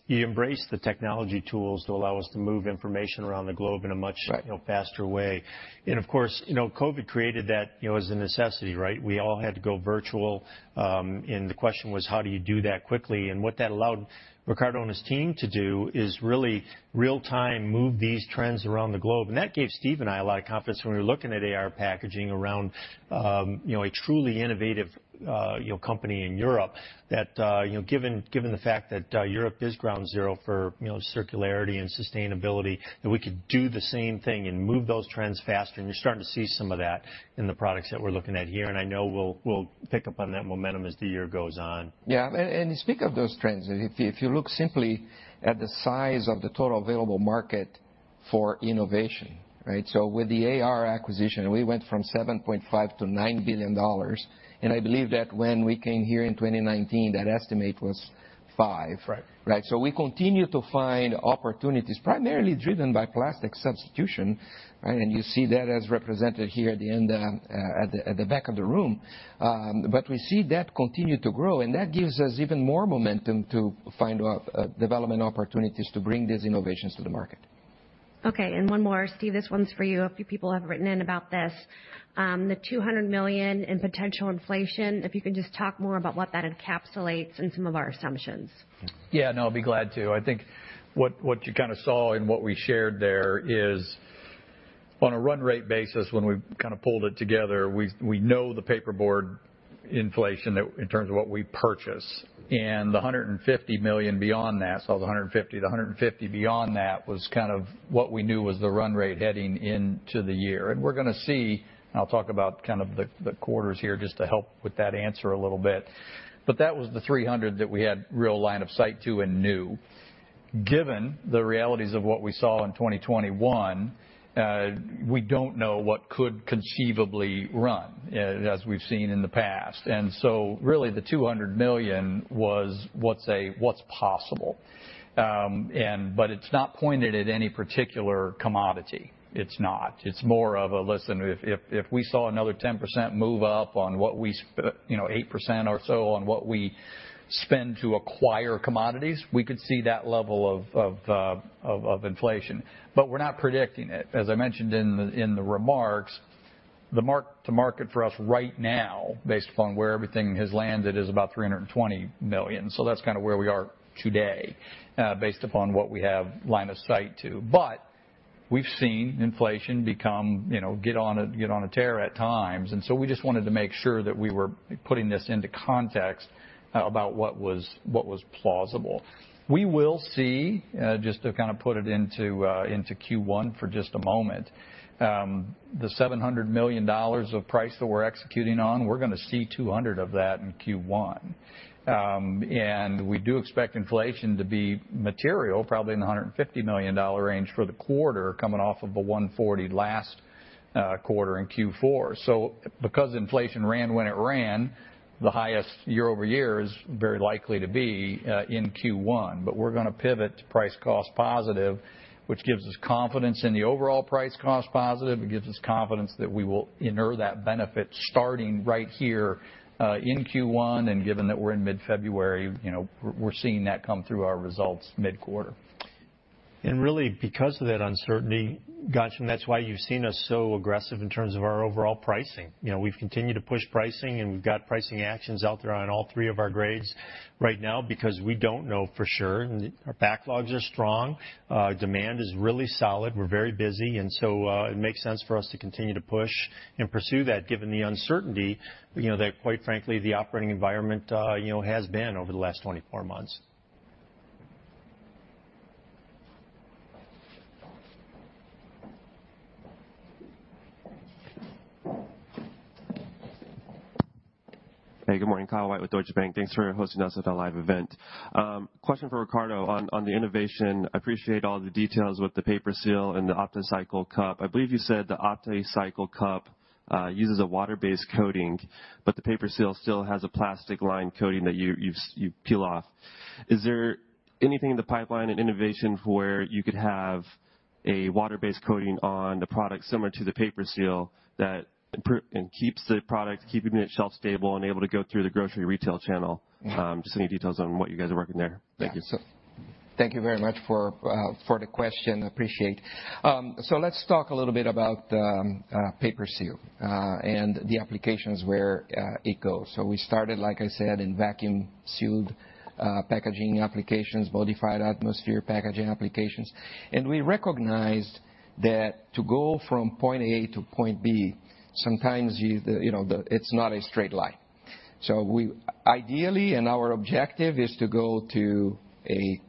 you embraced the technology tools to allow us to move information around the globe in a much- Right. You know, faster way. Of course, you know, COVID created that, you know, as a necessity, right? We all had to go virtual. The question was, how do you do that quickly? What that allowed Ricardo and his team to do is really real time move these trends around the globe. That gave Steve and I a lot of confidence when we were looking at AR Packaging around, you know, a truly innovative, you know, company in Europe that, you know, given the fact that, Europe is ground zero for, you know, circularity and sustainability, that we could do the same thing and move those trends faster. You're starting to see some of that in the products that we're looking at here, and I know we'll pick up on that momentum as the year goes on. Yeah, speak of those trends, if you look simply at the size of the total available market for innovation, right? With the AR acquisition, we went from $7.5 billion to $9 billion, and I believe that when we came here in 2019, that estimate was $5 billion. Right. Right. We continue to find opportunities, primarily driven by plastic substitution, right? You see that as represented here at the end, at the back of the room. We see that continue to grow, and that gives us even more momentum to find out development opportunities to bring these innovations to the market. Okay, one more. Steve, this one's for you. A few people have written in about this. The $200 million in potential inflation, if you can just talk more about what that encapsulates and some of our assumptions. Yeah. No, I'd be glad to. I think what you kind of saw and what we shared there is on a run rate basis, when we kind of pulled it together, we know the paperboard inflation that, in terms of what we purchase. The $150 million beyond that was kind of what we knew was the run rate heading into the year. We're gonna see, and I'll talk about kind of the quarters here just to help with that answer a little bit. That was the $300 million that we had real line of sight to and knew. Given the realities of what we saw in 2021, we don't know what could conceivably run, as we've seen in the past. Really the $200 million was what's possible. But it's not pointed at any particular commodity. It's not. It's more of a. Listen, if we saw another 10% move up on what we spend, you know, 8% or so on what we spend to acquire commodities, we could see that level of inflation. But we're not predicting it. As I mentioned in the remarks, the mark-to-market for us right now, based upon where everything has landed, is about $320 million. So that's kind of where we are today, based upon what we have line of sight to. But we've seen inflation become, you know, get on a tear at times. We just wanted to make sure that we were putting this into context about what was plausible. We will see just to kind of put it into Q1 for just a moment, the $700 million of price that we're executing on, we're gonna see $200 million of that in Q1. We do expect inflation to be material, probably in the $150 million range for the quarter coming off of a $140 million last quarter in Q4. Because inflation ran when it ran, the highest year-over-year is very likely to be in Q1. We're gonna pivot to price cost positive, which gives us confidence in the overall price cost positive. It gives us confidence that we will inure that benefit starting right here in Q1, and given that we're in mid-February, you know, we're seeing that come through our results mid-quarter. Really because of that uncertainty, Gotcha, and that's why you've seen us so aggressive in terms of our overall pricing. You know, we've continued to push pricing, and we've got pricing actions out there on all three of our grades right now because we don't know for sure. Our backlogs are strong. Demand is really solid. We're very busy, and so, it makes sense for us to continue to push and pursue that given the uncertainty, you know, that quite frankly, the operating environment, you know, has been over the last 24 months. Hey, good morning. Kyle White with Deutsche Bank. Thanks for hosting us at the live event. Question for Ricardo on the innovation. Appreciate all the details with the PaperSeal and the OptiCycle cup. I believe you said the OptiCycle cup uses a water-based coating, but the PaperSeal still has a plastic-lined coating that you peel off. Is there anything in the pipeline in innovation where you could have a water-based coating on the product similar to the PaperSeal that and keeps the product, keeping it shelf stable and able to go through the grocery retail channel? Yeah. Just any details on what you guys are working there. Thank you. Yeah. Thank you very much for the question. Appreciate. Let's talk a little bit about PaperSeal and the applications where it goes. We started, like I said, in vacuum-sealed packaging applications, modified atmosphere packaging applications. We recognized that to go from point A to point B, sometimes, you know, it's not a straight line. Ideally, our objective is to go to an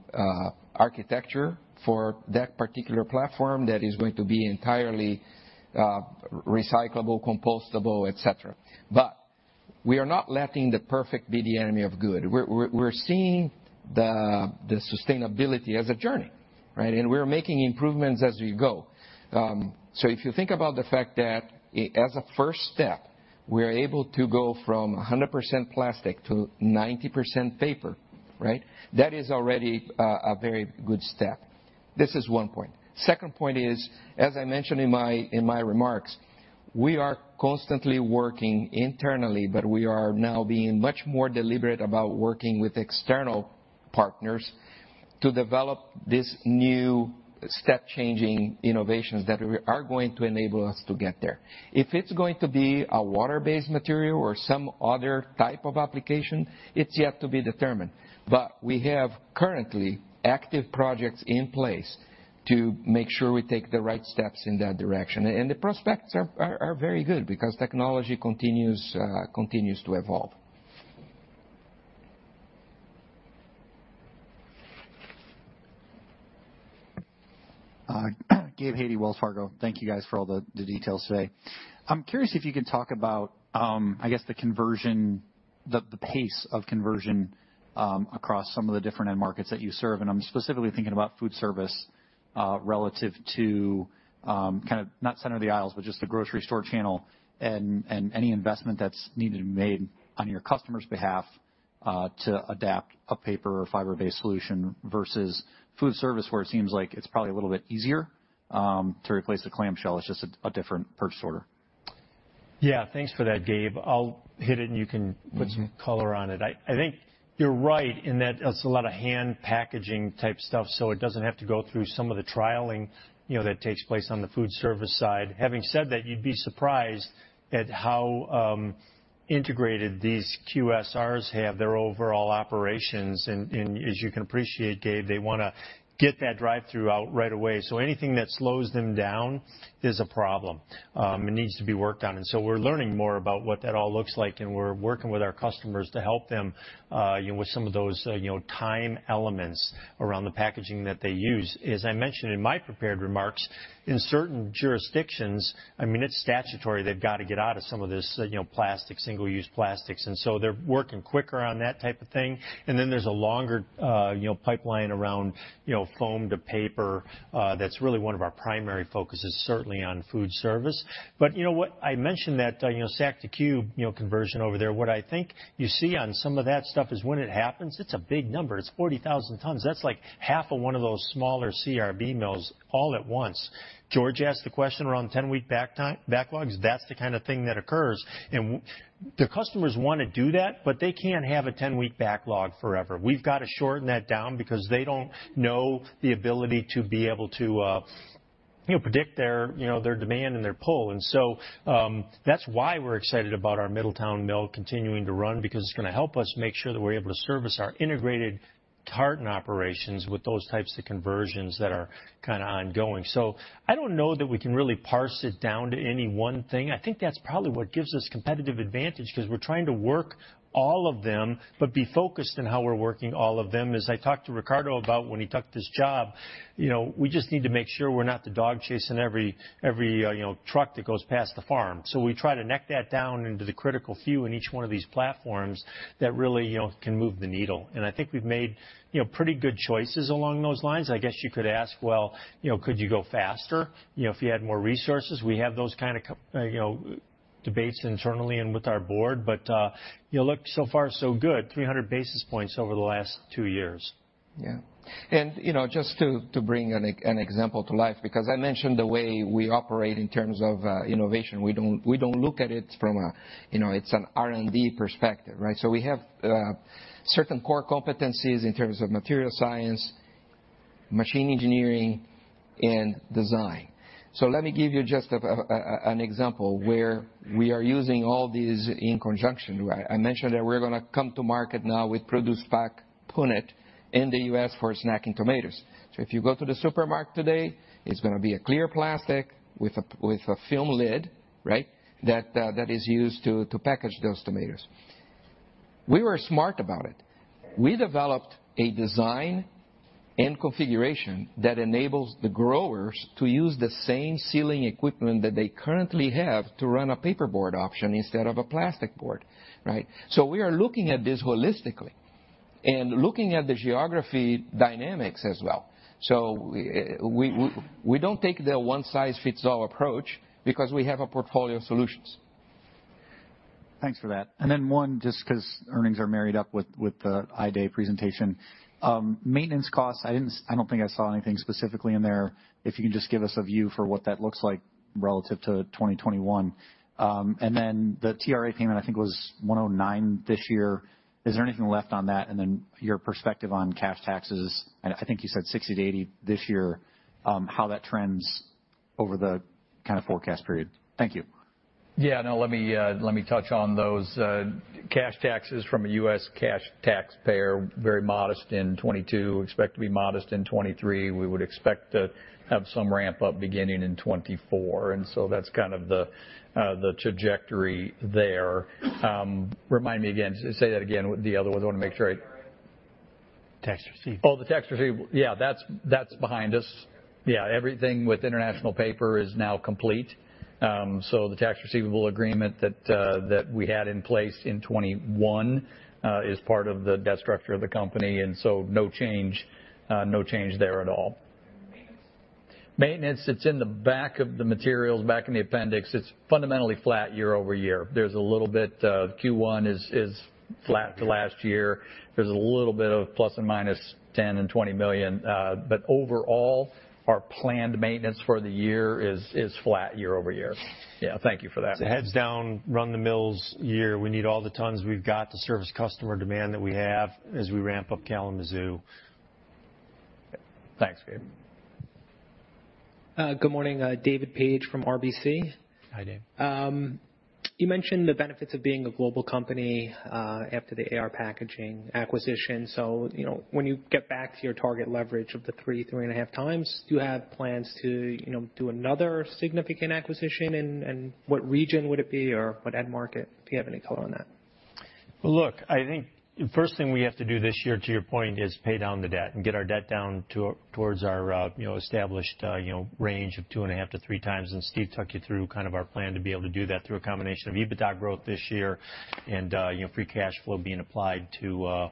architecture for that particular platform that is going to be entirely recyclable, compostable, et cetera. But we are not letting the perfect be the enemy of good. We're seeing the sustainability as a journey, right? We're making improvements as we go. So if you think about the fact that as a first step we're able to go from 100% plastic to 90% paper, right? That is already a very good step. This is one point. Second point is, as I mentioned in my remarks, we are constantly working internally, but we are now being much more deliberate about working with external partners to develop this new step-changing innovations that we are going to enable us to get there. If it's going to be a water-based material or some other type of application, it's yet to be determined. But we have currently active projects in place to make sure we take the right steps in that direction. The prospects are very good because technology continues to evolve. Gabe Hajde, Wells Fargo. Thank you guys for all the details today. I'm curious if you could talk about, I guess, the pace of conversion across some of the different end markets that you serve. I'm specifically thinking about food service relative to kind of not center of the aisles, but just the grocery store channel and any investment that's needed to be made on your customer's behalf to adapt a paper or fiber-based solution versus food service, where it seems like it's probably a little bit easier to replace a clamshell. It's just a different purchase order. Yeah. Thanks for that, Gabe. I'll hit it, and you can- Mm-hmm. Put some color on it. I think you're right in that it's a lot of hand packaging type stuff, so it doesn't have to go through some of the trialing, you know, that takes place on the food service side. Having said that, you'd be surprised at how integrated these QSRs have their overall operations. As you can appreciate, Gabe, they wanna get that drive-thru out right away. Anything that slows them down is a problem, it needs to be worked on. We're learning more about what that all looks like, and we're working with our customers to help them, you know, with some of those, you know, time elements around the packaging that they use. As I mentioned in my prepared remarks, in certain jurisdictions, I mean, it's statutory. They've got to get out of some of this, you know, plastic, single-use plastics, and so they're working quicker on that type of thing. Then there's a longer, you know, pipeline around, you know, foam to paper. That's really one of our primary focuses, certainly on food service. You know what? I mentioned that, you know, sack to cube, you know, conversion over there. What I think you see on some of that stuff is when it happens, it's a big number. It's 40,000 tons. That's like half of one of those smaller CRB mills all at once. George asked the question around 10-week backlogs. That's the kind of thing that occurs. The customers wanna do that, but they can't have a 10-week backlog forever. We've got to shorten that down because they don't know the ability to be able to, you know, predict their demand and their pull. That's why we're excited about our Middletown mill continuing to run because it's gonna help us make sure that we're able to service our integrated carton operations with those types of conversions that are kinda ongoing. I don't know that we can really parse it down to any one thing. I think that's probably what gives us competitive advantage 'cause we're trying to work all of them, but be focused in how we're working all of them. As I talked to Ricardo about when he took this job, you know, we just need to make sure we're not the dog chasing every you know, truck that goes past the farm. We try to narrow that down into the critical few in each one of these platforms that really, you know, can move the needle. I think we've made, you know, pretty good choices along those lines. I guess you could ask, well, you know, could you go faster, you know, if you had more resources? We have those kind of debates internally and with our board. So far, so good, 300 basis points over the last two years. Yeah. You know, just to bring an example to life, because I mentioned the way we operate in terms of innovation. We don't look at it from a, you know, it's an R&D perspective, right? We have certain core competencies in terms of material science, machine engineering, and design. Let me give you just an example where we are using all these in conjunction, right? I mentioned that we're gonna come to market now with ProducePack Punnet in the U.S. for snacking tomatoes. If you go to the supermarket today, it's gonna be a clear plastic with a film lid, right? That is used to package those tomatoes. We were smart about it. We developed a design and configuration that enables the growers to use the same sealing equipment that they currently have to run a paperboard option instead of a plastic board, right? We are looking at this holistically and looking at the geography dynamics as well. We don't take the one-size-fits-all approach because we have a portfolio of solutions. Thanks for that. One, just 'cause earnings are married up with the I-Day presentation. Maintenance costs, I don't think I saw anything specifically in there. If you can just give us a view for what that looks like relative to 2021. The TRA payment, I think was $109 million this year. Is there anything left on that? Your perspective on cash taxes, and I think you said $60 million-$80 million this year, how that trends over the kind of forecast period. Thank you. Yeah. No. Let me touch on those. Cash taxes from a U.S. cash taxpayer, very modest in 2022, expect to be modest in 2023. We would expect to have some ramp up beginning in 2024. That's kind of the trajectory there. Remind me again. Say that again with the other one. I wanna make sure I- Tax receivable. Oh, the tax receivable. Yeah, that's behind us. Yeah. Everything with International Paper is now complete. The tax receivable agreement that we had in place in 2021 is part of the debt structure of the company. No change there at all. Maintenance, it's in the back of the materials, back in the appendix. It's fundamentally flat year-over-year. There's a little bit, Q1 is flat to last year. There's a little bit of +/- $10-$20 million. Overall, our planned maintenance for the year is flat year-over-year. Yeah. Thank you for that. It's a heads down, run the mills year. We need all the tons we've got to service customer demand that we have as we ramp up Kalamazoo. Thanks, Gabe. Good morning. David Paige from RBC. Hi, Dave. You mentioned the benefits of being a global company after the AR Packaging acquisition. You know, when you get back to your target leverage of 3x-3.5x, do you have plans to, you know, do another significant acquisition and what region would it be or what end market? Do you have any thought on that? Well, look, I think the first thing we have to do this year, to your point, is pay down the debt and get our debt down towards our, you know, established, you know, range of 2.5x-3x. Steve took you through kind of our plan to be able to do that through a combination of EBITDA growth this year and, you know, free cash flow being applied to, you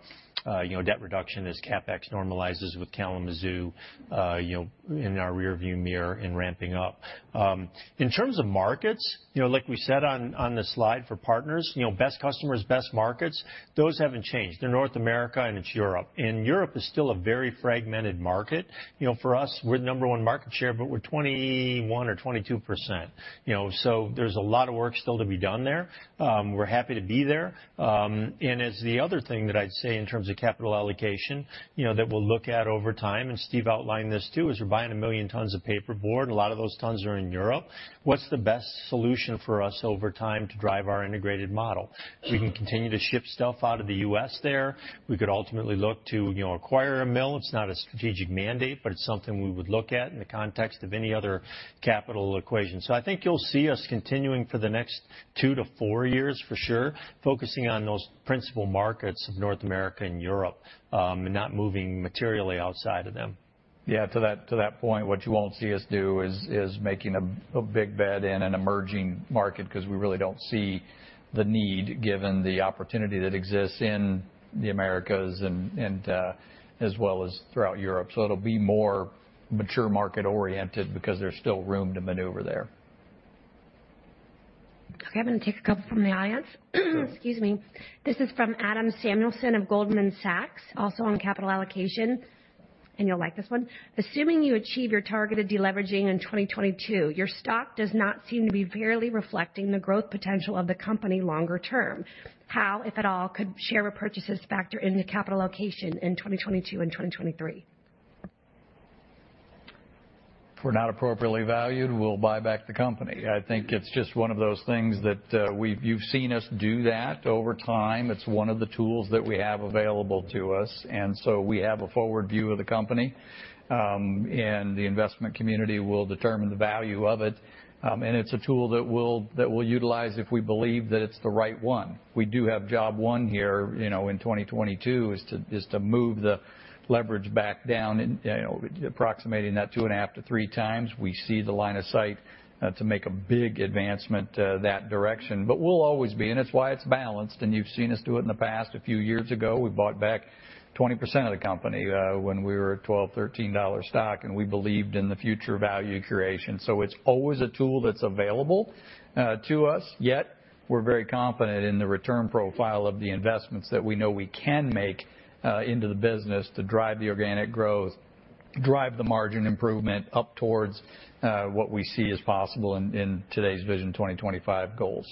know, debt reduction as CapEx normalizes with Kalamazoo, you know, in our rearview mirror and ramping up. In terms of markets, you know, like we said on the slide for partners, you know, best customers, best markets, those haven't changed. They're North America and it's Europe. Europe is still a very fragmented market. You know, for us, we're the number one market share, but we're 21% or 22%, you know. There's a lot of work still to be done there. We're happy to be there. As the other thing that I'd say in terms of capital allocation, you know, that we'll look at over time, and Steve outlined this too, is we're buying 1 million tons of paperboard. A lot of those tons are in Europe. What's the best solution for us over time to drive our integrated model? We can continue to ship stuff out of the U.S. there. We could ultimately look to, you know, acquire a mill. It's not a strategic mandate, but it's something we would look at in the context of any other capital equation. I think you'll see us continuing for the next two to four years for sure, focusing on those principal markets of North America and Europe, and not moving materially outside of them. Yeah, to that point, what you won't see us do is making a big bet in an emerging market, 'cause we really don't see the need, given the opportunity that exists in the Americas and as well as throughout Europe. It'll be more mature market-oriented because there's still room to maneuver there. Okay, I'm gonna take a couple from the audience. Excuse me. This is from Adam Samuelson of Goldman Sachs, also on capital allocation, and you'll like this one. Assuming you achieve your targeted deleveraging in 2022, your stock does not seem to be fairly reflecting the growth potential of the company longer term. How, if at all, could share repurchases factor in the capital allocation in 2022 and 2023? If we're not appropriately valued, we'll buy back the company. I think it's just one of those things that, you've seen us do that over time. It's one of the tools that we have available to us. We have a forward view of the company, and the investment community will determine the value of it. And it's a tool that we'll utilize if we believe that it's the right one. We do have job one here, you know, in 2022, is to move the leverage back down and, you know, approximating that 2.5x-3x. We see the line of sight to make a big advancement that direction. We'll always be, and it's why it's balanced, and you've seen us do it in the past. A few years ago, we bought back 20% of the company, when we were at $12-$13 stock, and we believed in the future value creation. It's always a tool that's available to us. Yet we're very confident in the return profile of the investments that we know we can make into the business to drive the organic growth, drive the margin improvement up towards what we see as possible in today's Vision 2025 goals.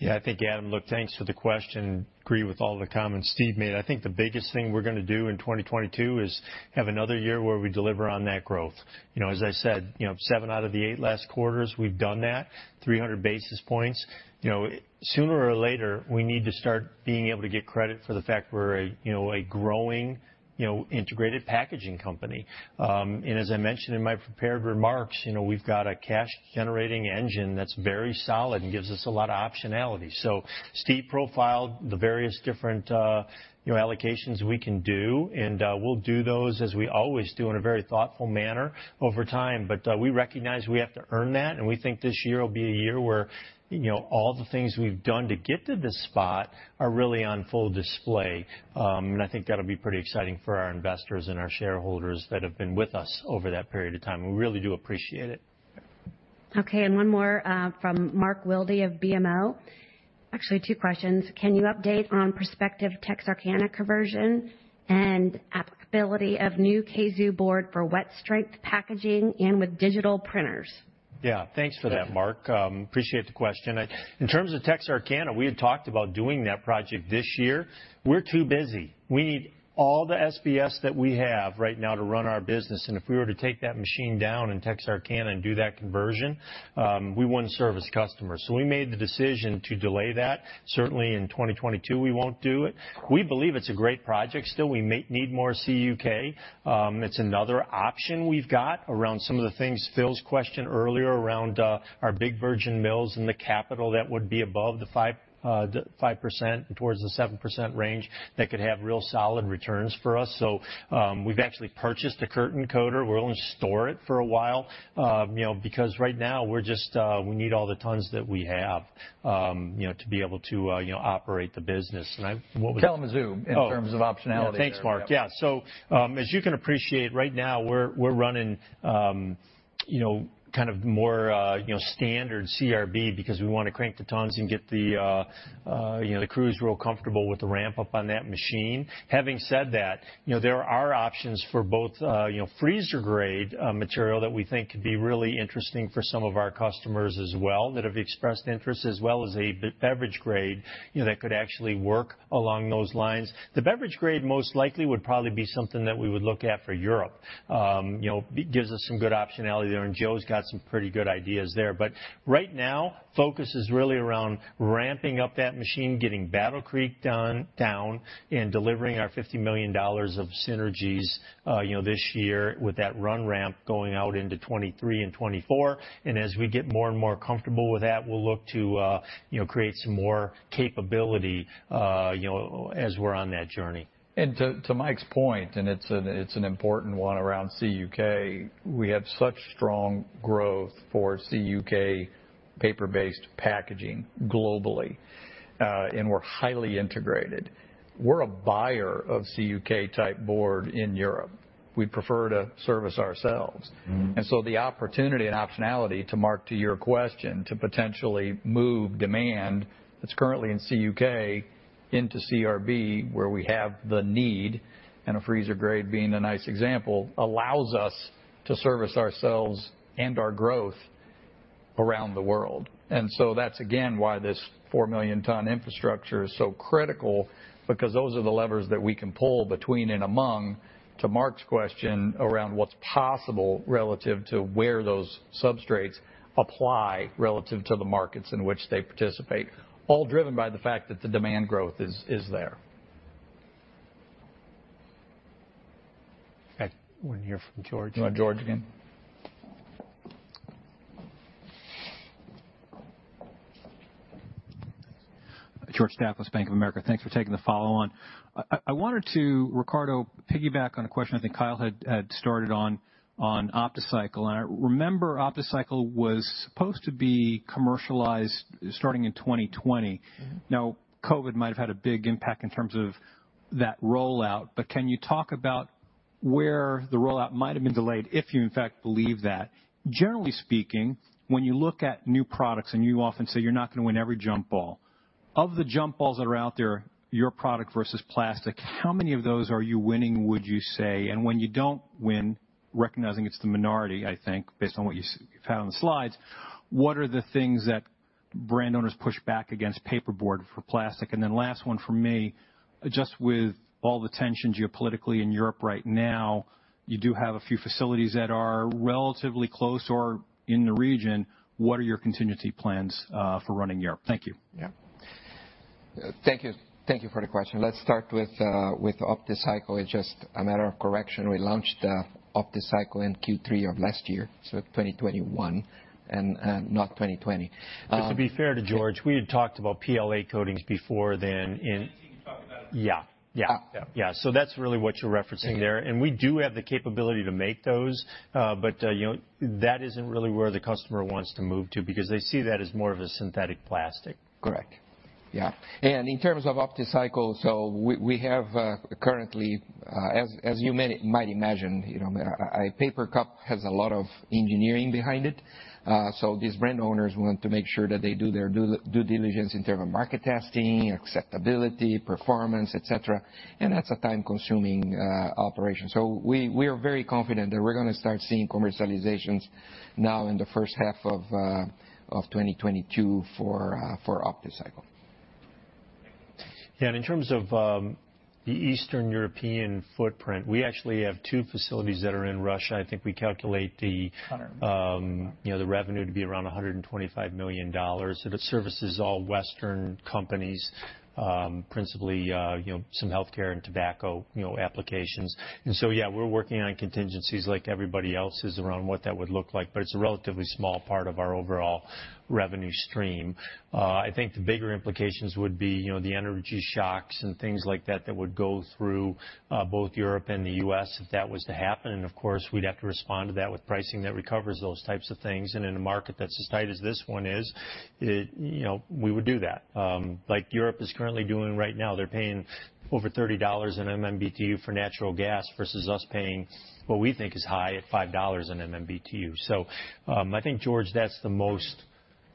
Yeah, I think, Adam. Look, thanks for the question. Agree with all the comments Steve made. I think the biggest thing we're gonna do in 2022 is have another year where we deliver on that growth. You know, as I said, you know, seven out of the eight last quarters, we've done that, 300 basis points. You know, sooner or later, we need to start being able to get credit for the fact we're a, you know, a growing, you know, integrated packaging company. And as I mentioned in my prepared remarks, you know, we've got a cash-generating engine that's very solid and gives us a lot of optionality. Steve profiled the various different, you know, allocations we can do, and we'll do those as we always do in a very thoughtful manner over time. We recognize we have to earn that, and we think this year will be a year where, you know, all the things we've done to get to this spot are really on full display. I think that'll be pretty exciting for our investors and our shareholders that have been with us over that period of time. We really do appreciate it. Okay, one more from Mark Wilde of BMO. Actually, two questions: Can you update on prospective Texarkana conversion and applicability of new Kalamazoo board for wet strength packaging and with digital printers? Yeah. Thanks for that, Mark. Appreciate the question. In terms of Texarkana, we had talked about doing that project this year. We're too busy. We need all the SBS that we have right now to run our business, and if we were to take that machine down in Texarkana and do that conversion, we wouldn't service customers. We made the decision to delay that. Certainly, in 2022, we won't do it. We believe it's a great project still. We need more CUK. It's another option we've got around some of the things Phil's questioned earlier around our big virgin mills and the capital that would be above the 5% and towards the 7% range that could have real solid returns for us. We've actually purchased a curtain coater. We're gonna store it for a while, you know, because right now we just need all the tons that we have, you know, to be able to, you know, operate the business. What was- Kalamazoo- Oh. In terms of optionality there. Yeah. Thanks, Mark. Yeah. As you can appreciate, right now we're running you know kind of more you know standard CRB because we wanna crank the tons and get the you know the crews real comfortable with the ramp-up on that machine. Having said that, you know there are options for both you know freezer-grade material that we think could be really interesting for some of our customers as well that have expressed interest, as well as a beverage grade you know that could actually work along those lines. The beverage grade most likely would probably be something that we would look at for Europe. You know gives us some good optionality there, and Joe's got some pretty good ideas there. Right now, focus is really around ramping up that machine, getting Battle Creek down, and delivering our $50 million of synergies, you know, this year with that run ramp going out into 2023 and 2024. As we get more and more comfortable with that, we'll look to, you know, create some more capability, you know, as we're on that journey. To Mike's point, it's an important one around CUK. We have such strong growth for CUK paper-based packaging globally, and we're highly integrated. We're a buyer of CUK-type board in Europe. We prefer to service ourselves. Mm-hmm. The opportunity and optionality, to Mark, to your question, to potentially move demand that's currently in CUK into CRB, where we have the need, and a freezer grade being a nice example, allows us to service ourselves and our growth around the world. That's, again, why this 4 million ton infrastructure is so critical because those are the levers that we can pull between and among, to Mark's question, around what's possible relative to where those substrates apply relative to the markets in which they participate, all driven by the fact that the demand growth is there. In fact, wanna hear from George. You want George again? George Staphos, Bank of America. Thanks for taking the follow-on. I wanted to, Ricardo, piggyback on a question I think Kyle had started on OptiCycle. I remember OptiCycle was supposed to be commercialized starting in 2020. Mm-hmm. COVID might have had a big impact in terms of that rollout, but can you talk about where the rollout might have been delayed if you, in fact, believe that? Generally speaking, when you look at new products, and you often say you're not gonna win every jump ball, of the jump balls that are out there, your product versus plastic, how many of those are you winning, would you say? And when you don't win, recognizing it's the minority, I think, based on what you've had on the slides, what are the things that brand owners push back against paperboard for plastic? And then last one from me, just with all the tension geopolitically in Europe right now, you do have a few facilities that are relatively close or in the region. What are your contingency plans for running Europe? Thank you. Yeah. Thank you. Thank you for the question. Let's start with OptiCycle. It's just a matter of correction. We launched OptiCycle in Q3 of last year, so 2021, and not 2020. Just to be fair to George, we had talked about PLA coatings before then. In 2018 you talked about it. Yeah. Yeah. Ah. Yeah. That's really what you're referencing there. Thank you. We do have the capability to make those. You know, that isn't really where the customer wants to move to because they see that as more of a synthetic plastic. Correct. Yeah. In terms of OptiCycle, we have currently, as you might imagine, you know, a paper cup has a lot of engineering behind it. These brand owners want to make sure that they do their due diligence in terms of market testing, acceptability, performance, et cetera, and that's a time-consuming operation. We are very confident that we're gonna start seeing commercializations now in the first half of 2022 for OptiCycle. Yeah, in terms of the Eastern European footprint, we actually have two facilities that are in Russia. I think we calculate the- Hundred. You know, the revenue to be around $125 million. It services all Western companies, principally, you know, some healthcare and tobacco, you know, applications. Yeah, we're working on contingencies like everybody else is around what that would look like, but it's a relatively small part of our overall revenue stream. I think the bigger implications would be, you know, the energy shocks and things like that that would go through both Europe and the U.S. if that was to happen. Of course, we'd have to respond to that with pricing that recovers those types of things. In a market that's as tight as this one is, it, you know, we would do that. Like Europe is currently doing right now. They're paying over $30 in MMBtu for natural gas versus us paying what we think is high at $5 in MMBtu. I think, George, that's the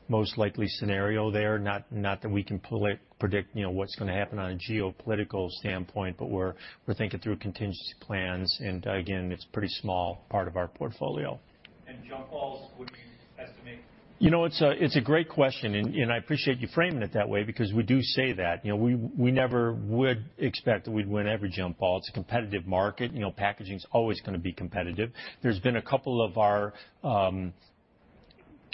most likely scenario there, not that we can predict, you know, what's gonna happen on a geopolitical standpoint, but we're thinking through contingency plans. Again, it's pretty small part of our portfolio. Jump balls, would you estimate? You know, it's a great question, and I appreciate you framing it that way because we do say that, you know, we never would expect that we'd win every jump ball. It's a competitive market, you know, packaging's always gonna be competitive. There's been a couple of our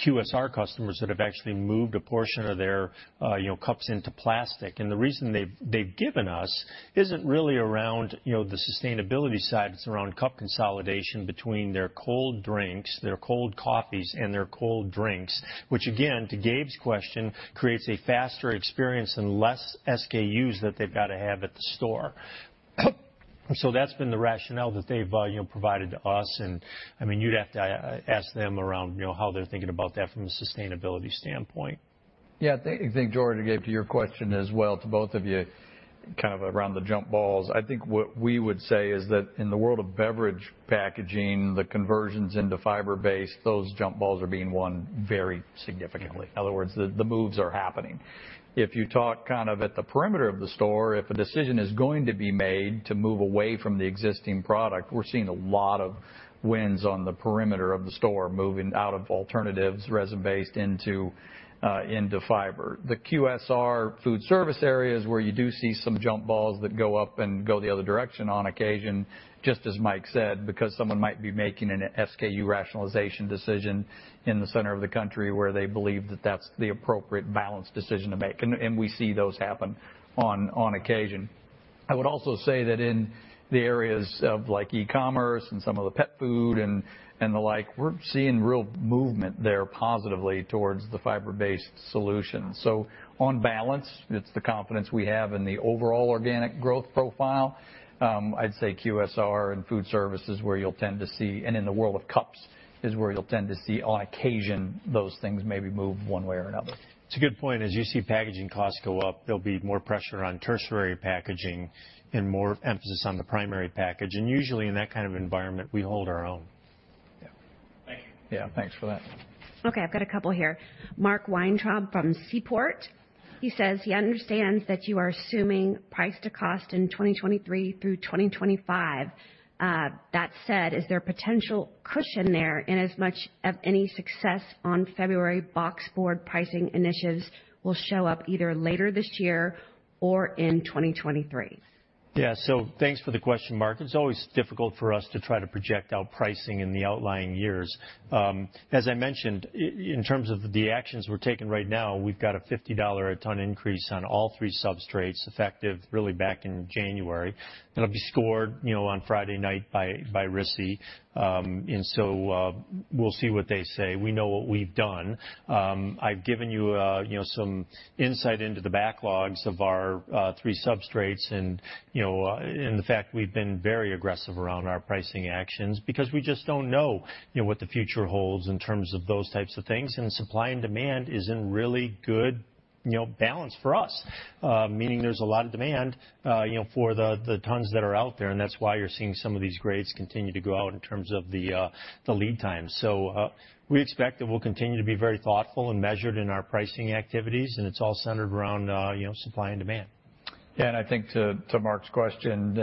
QSR customers that have actually moved a portion of their, you know, cups into plastic. The reason they've given us isn't really around, you know, the sustainability side, it's around cup consolidation between their cold drinks, their cold coffees, and their cold drinks, which again, to Gabe's question, creates a faster experience and less SKUs that they've gotta have at the store. That's been the rationale that they've, you know, provided to us. I mean, you'd have to ask around, you know, how they're thinking about that from a sustainability standpoint. Yeah. I think, George to Gabe, to your question as well to both of you, kind of around the jump balls. I think what we would say is that in the world of beverage packaging, the conversions into fiber-based, those jump balls are being won very significantly. In other words, the moves are happening. If you talk kind of at the perimeter of the store, if a decision is going to be made to move away from the existing product, we're seeing a lot of wins on the perimeter of the store, moving out of alternatives, resin-based into fiber. The QSR food service areas where you do see some jump balls that go up and go the other direction on occasion, just as Mike said, because someone might be making an SKU rationalization decision in the center of the country where they believe that that's the appropriate balanced decision to make. We see those happen on occasion. I would also say that in the areas of like e-commerce and some of the pet food and the like, we're seeing real movement there positively towards the fiber-based solution. On balance, it's the confidence we have in the overall organic growth profile. I'd say QSR and food service is where you'll tend to see, and in the world of cups is where you'll tend to see on occasion those things maybe move one way or another. It's a good point. As you see packaging costs go up, there'll be more pressure on tertiary packaging and more emphasis on the primary package. Usually in that kind of environment, we hold our own. Yeah. Thank you. Yeah, thanks for that. Okay, I've got a couple here. Mark Weintraub from Seaport, he says he understands that you are assuming price to cost in 2023 through 2025. That said, is there potential cushion there inasmuch as any success on February boxboard pricing initiatives will show up either later this year or in 2023? Yeah. Thanks for the question, Mark. It's always difficult for us to try to project out pricing in the outlying years. As I mentioned, in terms of the actions we're taking right now, we've got a $50 a ton increase on all three substrates effective really back in January. It'll be scored, you know, on Friday Night by RISI. We'll see what they say. We know what we've done. I've given you know, some insight into the backlogs of our three substrates and, you know, and the fact we've been very aggressive around our pricing actions because we just don't know, you know, what the future holds in terms of those types of things, and supply and demand is in really good, you know, balance for us. Meaning there's a lot of demand, you know, for the tons that are out there, and that's why you're seeing some of these grades continue to go out in terms of the lead times. We expect that we'll continue to be very thoughtful and measured in our pricing activities, and it's all centered around, you know, supply and demand. I think to Mark's question,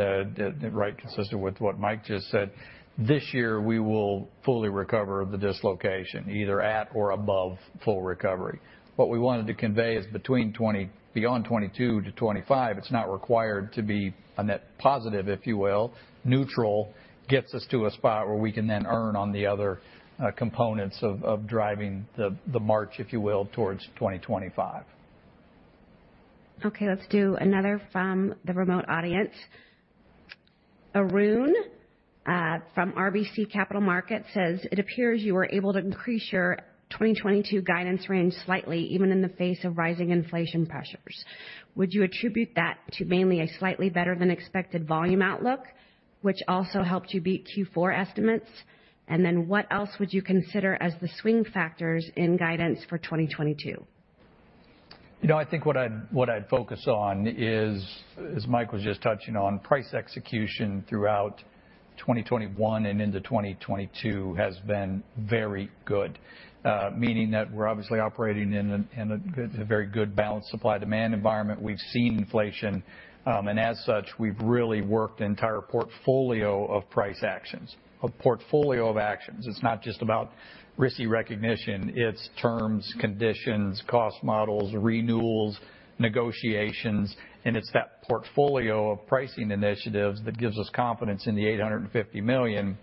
right consistent with what Mike just said, this year, we will fully recover the dislocation either at or above full recovery. What we wanted to convey is beyond 2022 to 2025, it's not required to be a net positive, if you will. Neutral gets us to a spot where we can then earn on the other components of driving the march, if you will, towards 2025. Okay, let's do another from the remote audience. Arun from RBC Capital Markets says, "It appears you were able to increase your 2022 guidance range slightly even in the face of rising inflation pressures. Would you attribute that to mainly a slightly better than expected volume outlook, which also helped you beat Q4 estimates? And then what else would you consider as the swing factors in guidance for 2022? You know, I think what I'd focus on is, as Mike was just touching on, price execution throughout 2021 and into 2022 has been very good. Meaning that we're obviously operating in a very good balanced supply-demand environment. We've seen inflation, and as such, we've really worked entire portfolio of price actions, a portfolio of actions. It's not just about RISI recognition, it's terms, conditions, cost models, renewals, negotiations, and it's that portfolio of pricing initiatives that gives us confidence in the $850 million,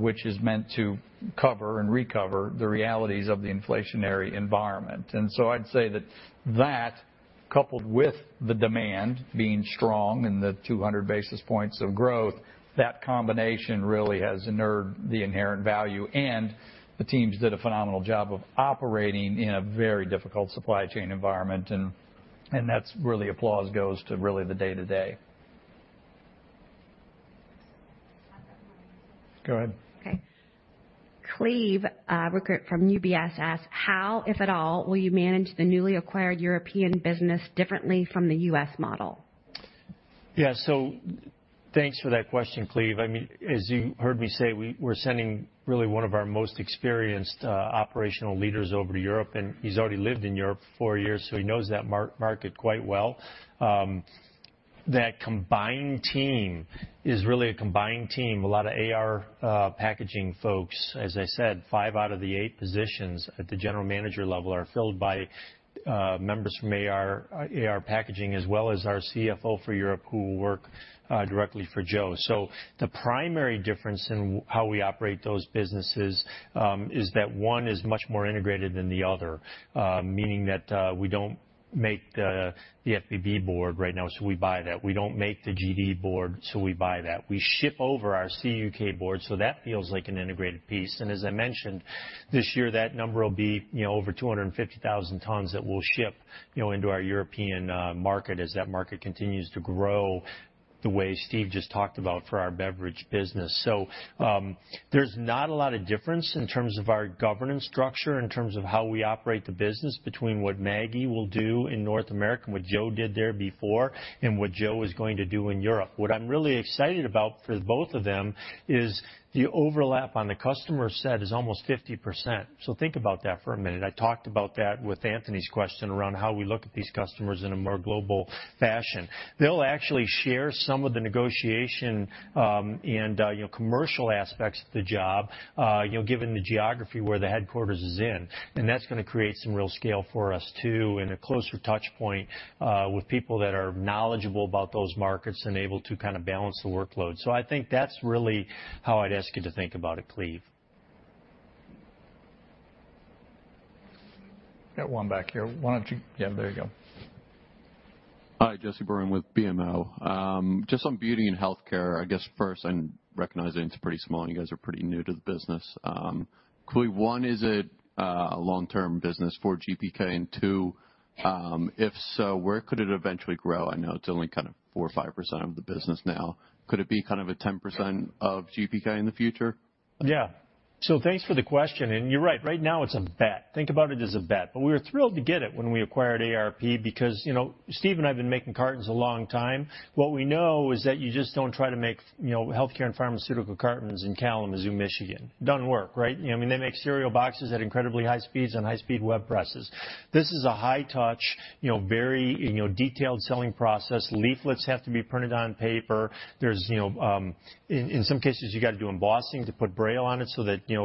which is meant to cover and recover the realities of the inflationary environment. I'd say that, coupled with the demand being strong and the 200 basis points of growth, that combination really has unlocked the inherent value, and the teams did a phenomenal job of operating in a very difficult supply chain environment, and that's really applause goes to really the day-to-day. Go ahead. Okay. Cleve Rueckert from UBS asks, "How, if at all, will you manage the newly acquired European business differently from the U.S. model? Yeah. Thanks for that question, Cleve. I mean, as you heard me say, we're sending really one of our most experienced operational leaders over to Europe, and he's already lived in Europe for four years, so he knows that market quite well. That combined team is really a combined team. A lot of AR Packaging folks. As I said, five out of the eight positions at the general manager level are filled by members from AR Packaging, as well as our CFO for Europe who will work directly for Joe. The primary difference in how we operate those businesses is that one is much more integrated than the other, meaning that we don't make the FBB board right now, so we buy that. We don't make the GD board, so we buy that. We ship over our CUK board, so that feels like an integrated piece. As I mentioned this year, that number will be, you know, over 250,000 tons that we'll ship, you know, into our European market as that market continues to grow the way Steve just talked about for our beverage business. There's not a lot of difference in terms of our governance structure, in terms of how we operate the business between what Maggie will do in North America and what Joe did there before and what Joe is going to do in Europe. What I'm really excited about for both of them is the overlap on the customer set is almost 50%. Think about that for a minute. I talked about that with Anthony's question around how we look at these customers in a more global fashion. They'll actually share some of the negotiation, and you know, commercial aspects of the job, you know, given the geography where the headquarters is in. That's gonna create some real scale for us too, and a closer touch point, with people that are knowledgeable about those markets and able to kind of balance the workload. I think that's really how I'd ask you to think about it, Cleve. Got one back here. Why don't you. Yeah, there you go. Hi, Jesse Barone with BMO. Just on beauty and healthcare, I guess first and recognizing it's pretty small and you guys are pretty new to the business, one, is it a long-term business for GPK? Two, if so, where could it eventually grow? I know it's only kind of 4%-5% of the business now. Could it be kind of a 10% of GPK in the future? Yeah. Thanks for the question. You're right. Right now it's a bet. Think about it as a bet. We were thrilled to get it when we acquired AR Packaging because, you know, Steve and I have been making cartons a long time. What we know is that you just don't try to make, you know, healthcare and pharmaceutical cartons in Kalamazoo, Michigan. Doesn't work, right? You know, I mean, they make cereal boxes at incredibly high speeds on high speed web presses. This is a high touch, you know, very, you know, detailed selling process. Leaflets have to be printed on paper. There's, you know, in some cases, you got to do embossing to put Braille on it so that, you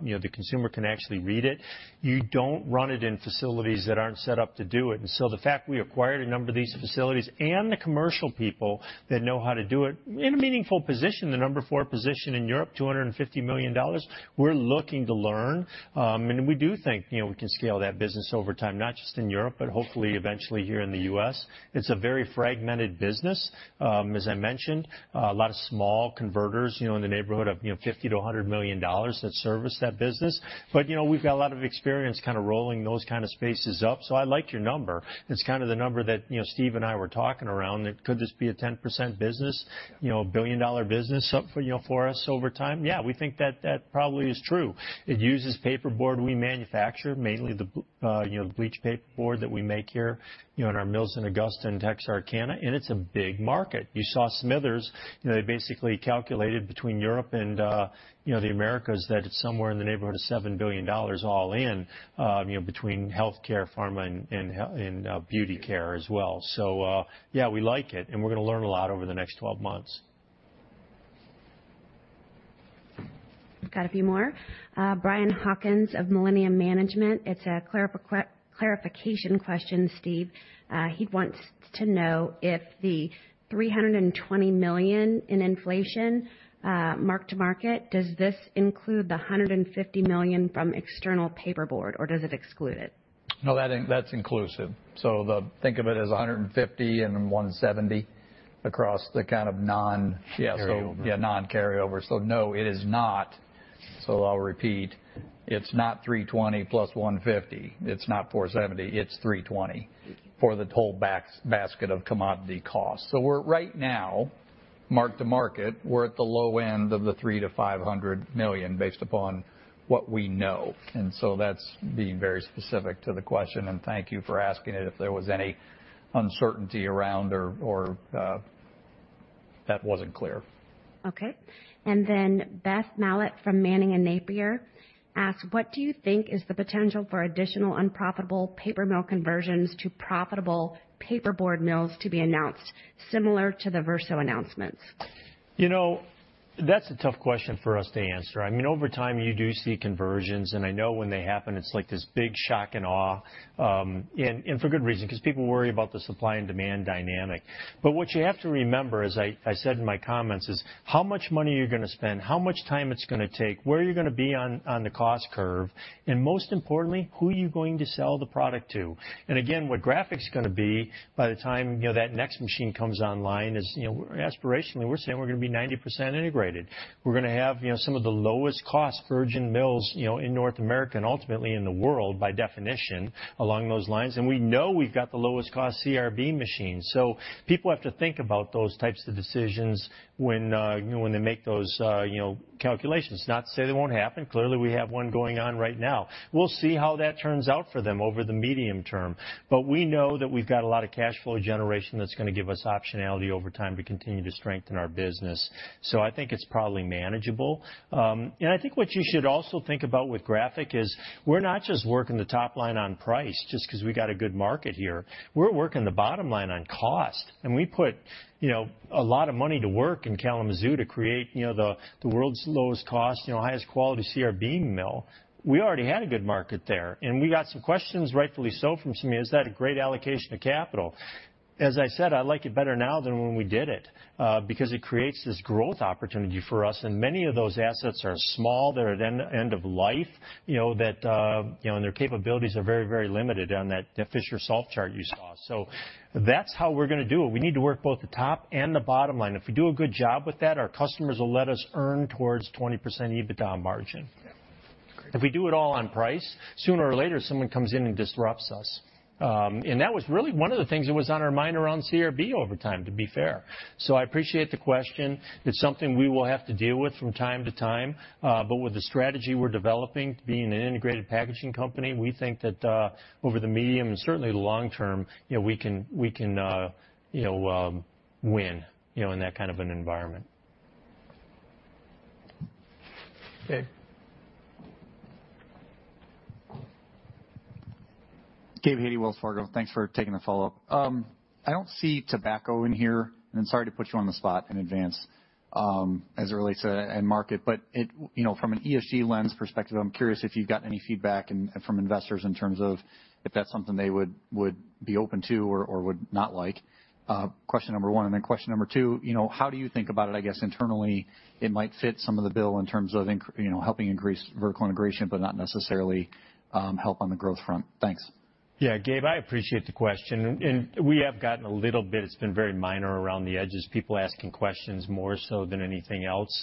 know, the consumer can actually read it. You don't run it in facilities that aren't set up to do it. The fact we acquired a number of these facilities and the commercial people that know how to do it in a meaningful position, the number four position in Europe, $250 million, we're looking to learn. We do think, you know, we can scale that business over time, not just in Europe, but hopefully eventually here in the U.S. It's a very fragmented business. As I mentioned, a lot of small converters, you know, in the neighborhood of, you know, $50 million-$100 million that service that business. You know, we've got a lot of experience kind of rolling those kind of spaces up. I like your number. It's kind of the number that, you know, Steve and I were talking around, that could this be a 10% business, you know, a billion-dollar business, you know, for us over time? Yeah, we think that probably is true. It uses paperboard we manufacture, mainly the bleached paperboard that we make here, you know, in our mills in Augusta and Texarkana, and it's a big market. You saw Smithers, you know, they basically calculated between Europe and, you know, the Americas that it's somewhere in the neighborhood of $7 billion all in, you know, between healthcare, pharma, and beauty care as well. Yeah, we like it, and we're gonna learn a lot over the next 12 months. Got a few more. Brian Hawkins of Millennium Management. It's a clarification question, Steve. He wants to know if the $320 million in inflation, mark to market, does this include the $150 million from external paperboard, or does it exclude it? No, that's inclusive. Think of it as $150 million and $170 million across the kind of non- Carryover. Yeah, non-carryover. No, it is not. I'll repeat. It's not $320 million plus $150 million. It's not $470 million, it's $320 million for the total basket of commodity costs. We're right now, mark to market, at the low end of the $300 million-$500 million based upon what we know. That's being very specific to the question, and thank you for asking it if there was any uncertainty around, or that wasn't clear. Okay. Beth Mallette from Manning & Napier asks, "What do you think is the potential for additional unprofitable paper mill conversions to profitable paperboard mills to be announced similar to the Verso announcements? You know, that's a tough question for us to answer. I mean, over time, you do see conversions, and I know when they happen, it's like this big shock and awe, and for good reason, 'cause people worry about the supply and demand dynamic. But what you have to remember, as I said in my comments, is how much money are you gonna spend? How much time it's gonna take? Where are you gonna be on the cost curve? And most importantly, who are you going to sell the product to? And again, what Graphic's gonna be by the time, you know, that next machine comes online is, you know, aspirationally, we're saying we're gonna be 90% integrated. We're gonna have, you know, some of the lowest cost virgin mills, you know, in North America and ultimately in the world by definition along those lines. We know we've got the lowest cost CRB machine. People have to think about those types of decisions when, you know, when they make those, you know, calculations. Not to say they won't happen. Clearly, we have one going on right now. We'll see how that turns out for them over the medium term. We know that we've got a lot of cash flow generation that's gonna give us optionality over time to continue to strengthen our business. I think it's probably manageable. I think what you should also think about with Graphic is we're not just working the top line on price just 'cause we got a good market here. We're working the bottom line on cost, and we put, you know, a lot of money to work in Kalamazoo to create, you know, the world's lowest cost, you know, highest quality CRB mill. We already had a good market there, and we got some questions, rightfully so, from some, is that a great allocation of capital? As I said, I like it better now than when we did it, because it creates this growth opportunity for us, and many of those assets are small. They're at end of life, you know, that, you know, and their capabilities are very, very limited on that FisherSolve chart you saw. So that's how we're gonna do it. We need to work both the top and the bottom line. If we do a good job with that, our customers will let us earn towards 20% EBITDA margin. If we do it all on price, sooner or later, someone comes in and disrupts us. That was really one of the things that was on our mind around CRB over time, to be fair. I appreciate the question. It's something we will have to deal with from time to time, but with the strategy we're developing, being an integrated packaging company, we think that, over the medium and certainly the long term, you know, we can, you know, win, you know, in that kind of an environment. Gabe. Gabe Hajde, Wells Fargo. Thanks for taking the follow-up. I don't see tobacco in here, and sorry to put you on the spot in advance, as it relates to end market, but you know, from an ESG lens perspective, I'm curious if you've gotten any feedback from investors in terms of if that's something they would be open to or would not like, question number one. Question number two, you know, how do you think about it, I guess internally, it might fit some of the bill in terms of you know, helping increase vertical integration, but not necessarily help on the growth front. Thanks. Yeah. Gabe, I appreciate the question. We have gotten a little bit, it's been very minor around the edges, people asking questions more so than anything else.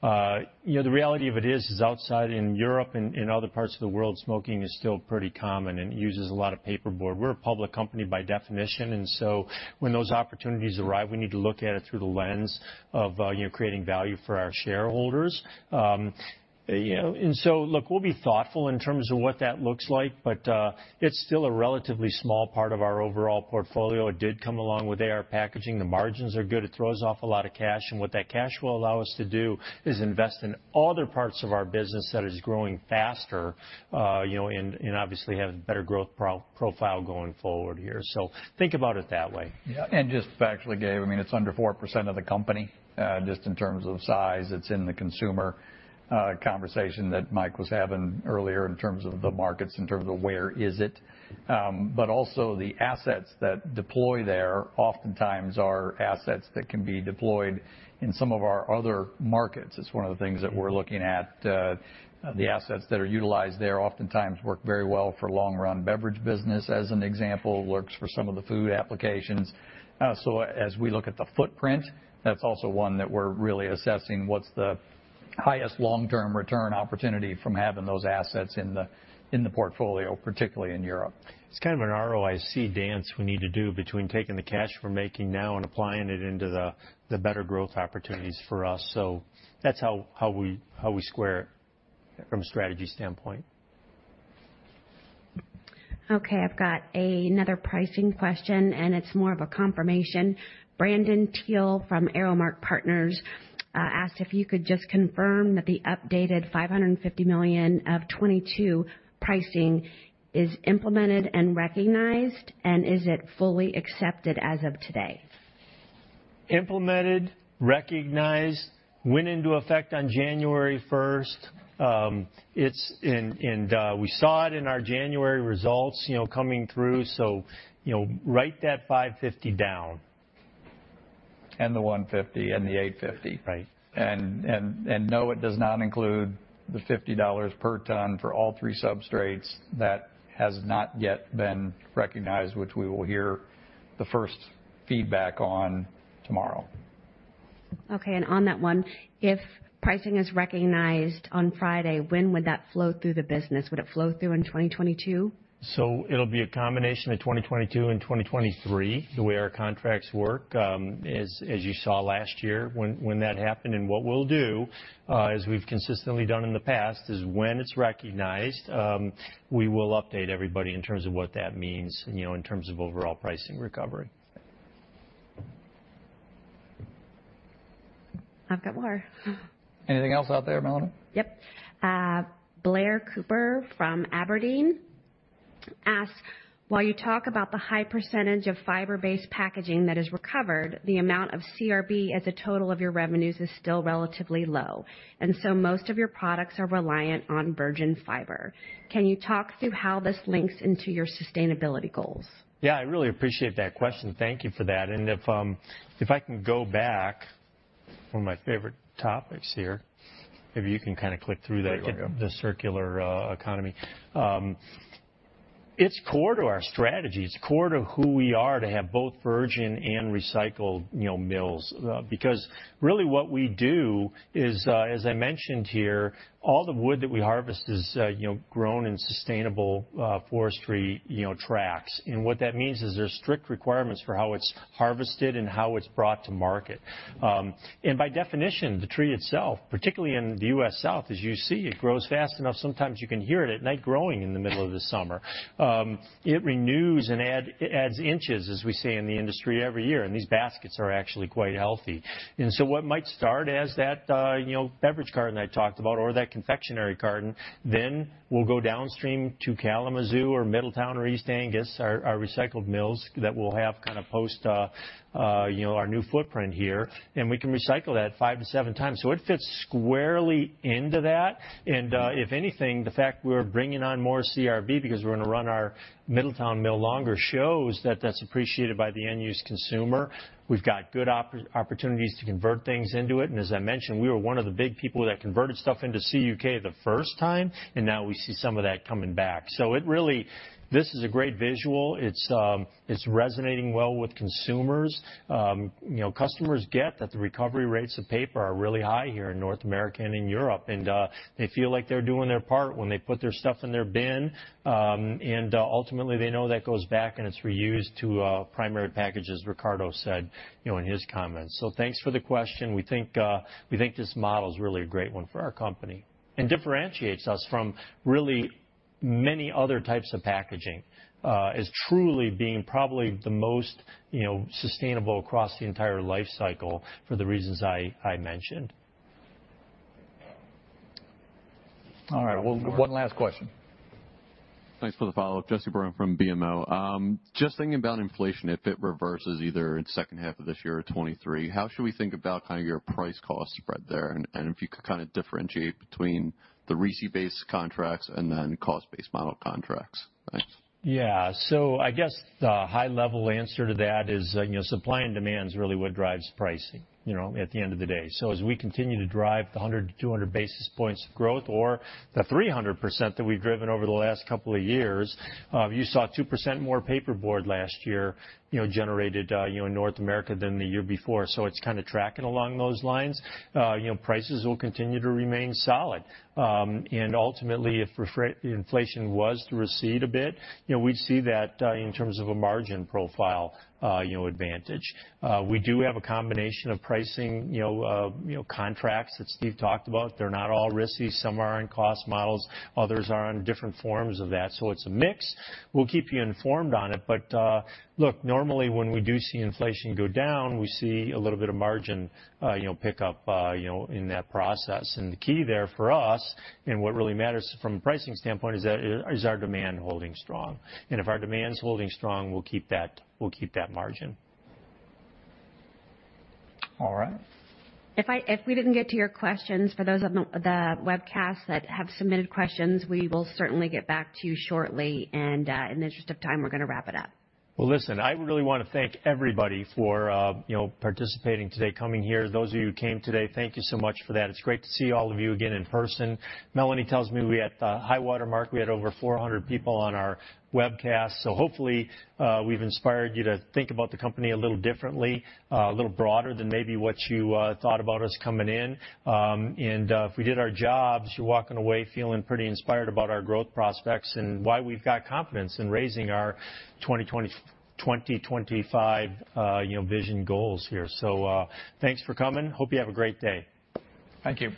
You know, the reality of it is outside in Europe and other parts of the world, smoking is still pretty common and uses a lot of paperboard. We're a public company by definition, and so when those opportunities arrive, we need to look at it through the lens of, you know, creating value for our shareholders. You know, look, we'll be thoughtful in terms of what that looks like, but it's still a relatively small part of our overall portfolio. It did come along with AR Packaging. The margins are good. It throws off a lot of cash, and what that cash will allow us to do is invest in other parts of our business that is growing faster, you know, and obviously have better growth profile going forward here. Think about it that way. Yeah. Just factually, Gabe, I mean, it's under 4% of the company, just in terms of size. It's in the consumer conversation that Mike was having earlier in terms of the markets, in terms of where is it. Also the assets that deploy there oftentimes are assets that can be deployed in some of our other markets. It's one of the things that we're looking at. The assets that are utilized there oftentimes work very well for long-run beverage business, as an example. It works for some of the food applications. As we look at the footprint, that's also one that we're really assessing what's the highest long-term return opportunity from having those assets in the portfolio, particularly in Europe. It's kind of an ROIC dance we need to do between taking the cash we're making now and applying it into the better growth opportunities for us. That's how we square it from a strategy standpoint. Okay, I've got another pricing question, and it's more of a confirmation. Brandon Teel from ArrowMark Partners asked if you could just confirm that the updated $550 million of 2022 pricing is implemented and recognized, and is it fully accepted as of today? Implemented, recognized, went into effect on January first. It's in, and we saw it in our January results, you know, coming through, so you know, write that $550 million down. And the $150 million and the $850 million. Right. No, it does not include the $50 per ton for all three substrates. That has not yet been recognized, which we will hear the first feedback on tomorrow. Okay. On that one, if pricing is recognized on Friday, when would that flow through the business? Would it flow through in 2022? It'll be a combination of 2022 and 2023, the way our contracts work, as you saw last year when that happened. What we'll do, as we've consistently done in the past, is when it's recognized, we will update everybody in terms of what that means, you know, in terms of overall pricing recovery. I've got more. Anything else out there, Melanie? Yep. Blair Cooper from Aberdeen asks, "While you talk about the high percentage of fiber-based packaging that is recovered, the amount of CRB as a total of your revenues is still relatively low, and so most of your products are reliant on virgin fiber. Can you talk through how this links into your sustainability goals? Yeah, I really appreciate that question. Thank you for that. If I can go back, one of my favorite topics here. Maybe you can kinda click through that- There you go.... the circular economy. It's core to our strategy. It's core to who we are to have both virgin and recycled, you know, mills. Because really what we do is, as I mentioned here, all the wood that we harvest is, you know, grown in sustainable forestry tracts. What that means is there's strict requirements for how it's harvested and how it's brought to market. By definition, the tree itself, particularly in the U.S. South, as you see, it grows fast enough, sometimes you can hear it at night growing in the middle of the summer. It renews and adds inches, as we say in the industry, every year, and these baskets are actually quite healthy. What might start as that, you know, beverage carton I talked about or that confectionery carton then will go downstream to Kalamazoo or Middletown or East Angus, our recycled mills that we'll have kinda post, you know, our new footprint here, and we can recycle that five to seven times. It fits squarely into that. If anything, the fact we're bringing on more CRB because we're gonna run our Middletown mill longer shows that that's appreciated by the end-use consumer. We've got good opportunities to convert things into it. As I mentioned, we were one of the big people that converted stuff into CUK the first time, and now we see some of that coming back. It really. This is a great visual. It's resonating well with consumers. You know, customers get that the recovery rates of paper are really high here in North America and in Europe, and they feel like they're doing their part when they put their stuff in their bin. Ultimately, they know that goes back and it's reused to primary packages. Ricardo said, you know, in his comments. Thanks for the question. We think this model is really a great one for our company and differentiates us from really many other types of packaging. It is truly being probably the most, you know, sustainable across the entire life cycle for the reasons I mentioned. All right. Well, one last question. Thanks for the follow-up. Jesse Barone from BMO. Just thinking about inflation, if it reverses either in second half of this year or 2023, how should we think about kind of your price cost spread there? If you could kinda differentiate between the RISI-based contracts and then cost-based model contracts. Thanks. Yeah. I guess the high level answer to that is, you know, supply and demand is really what drives pricing, you know, at the end of the day. As we continue to drive the 100 basis points-200 basis points of growth or the 300% that we've driven over the last couple of years, you saw 2% more paperboard last year, you know, generated, you know, in North America than the year before. It's kinda tracking along those lines. You know, prices will continue to remain solid. And ultimately, if inflation was to recede a bit, you know, we'd see that in terms of a margin profile, you know, advantage. We do have a combination of pricing, you know, you know, contracts that Steve talked about. They're not all RISI. Some are in cost models, others are on different forms of that. It's a mix. We'll keep you informed on it. Look, normally, when we do see inflation go down, we see a little bit of margin, you know, pick up, you know, in that process. The key there for us and what really matters from a pricing standpoint is that our demand holding strong. If our demand's holding strong, we'll keep that margin. All right. If we didn't get to your questions, for those on the webcast that have submitted questions, we will certainly get back to you shortly. In the interest of time, we're gonna wrap it up. Well, listen, I really wanna thank everybody for, you know, participating today, coming here. Those of you who came today, thank you so much for that. It's great to see all of you again in person. Melanie tells me we had high water mark, we had over 400 people on our webcast. So hopefully, we've inspired you to think about the company a little differently, a little broader than maybe what you thought about us coming in. If we did our jobs, you're walking away feeling pretty inspired about our growth prospects and why we've got confidence in raising our 2025 Vision goals here. So, thanks for coming. Hope you have a great day. Thank you.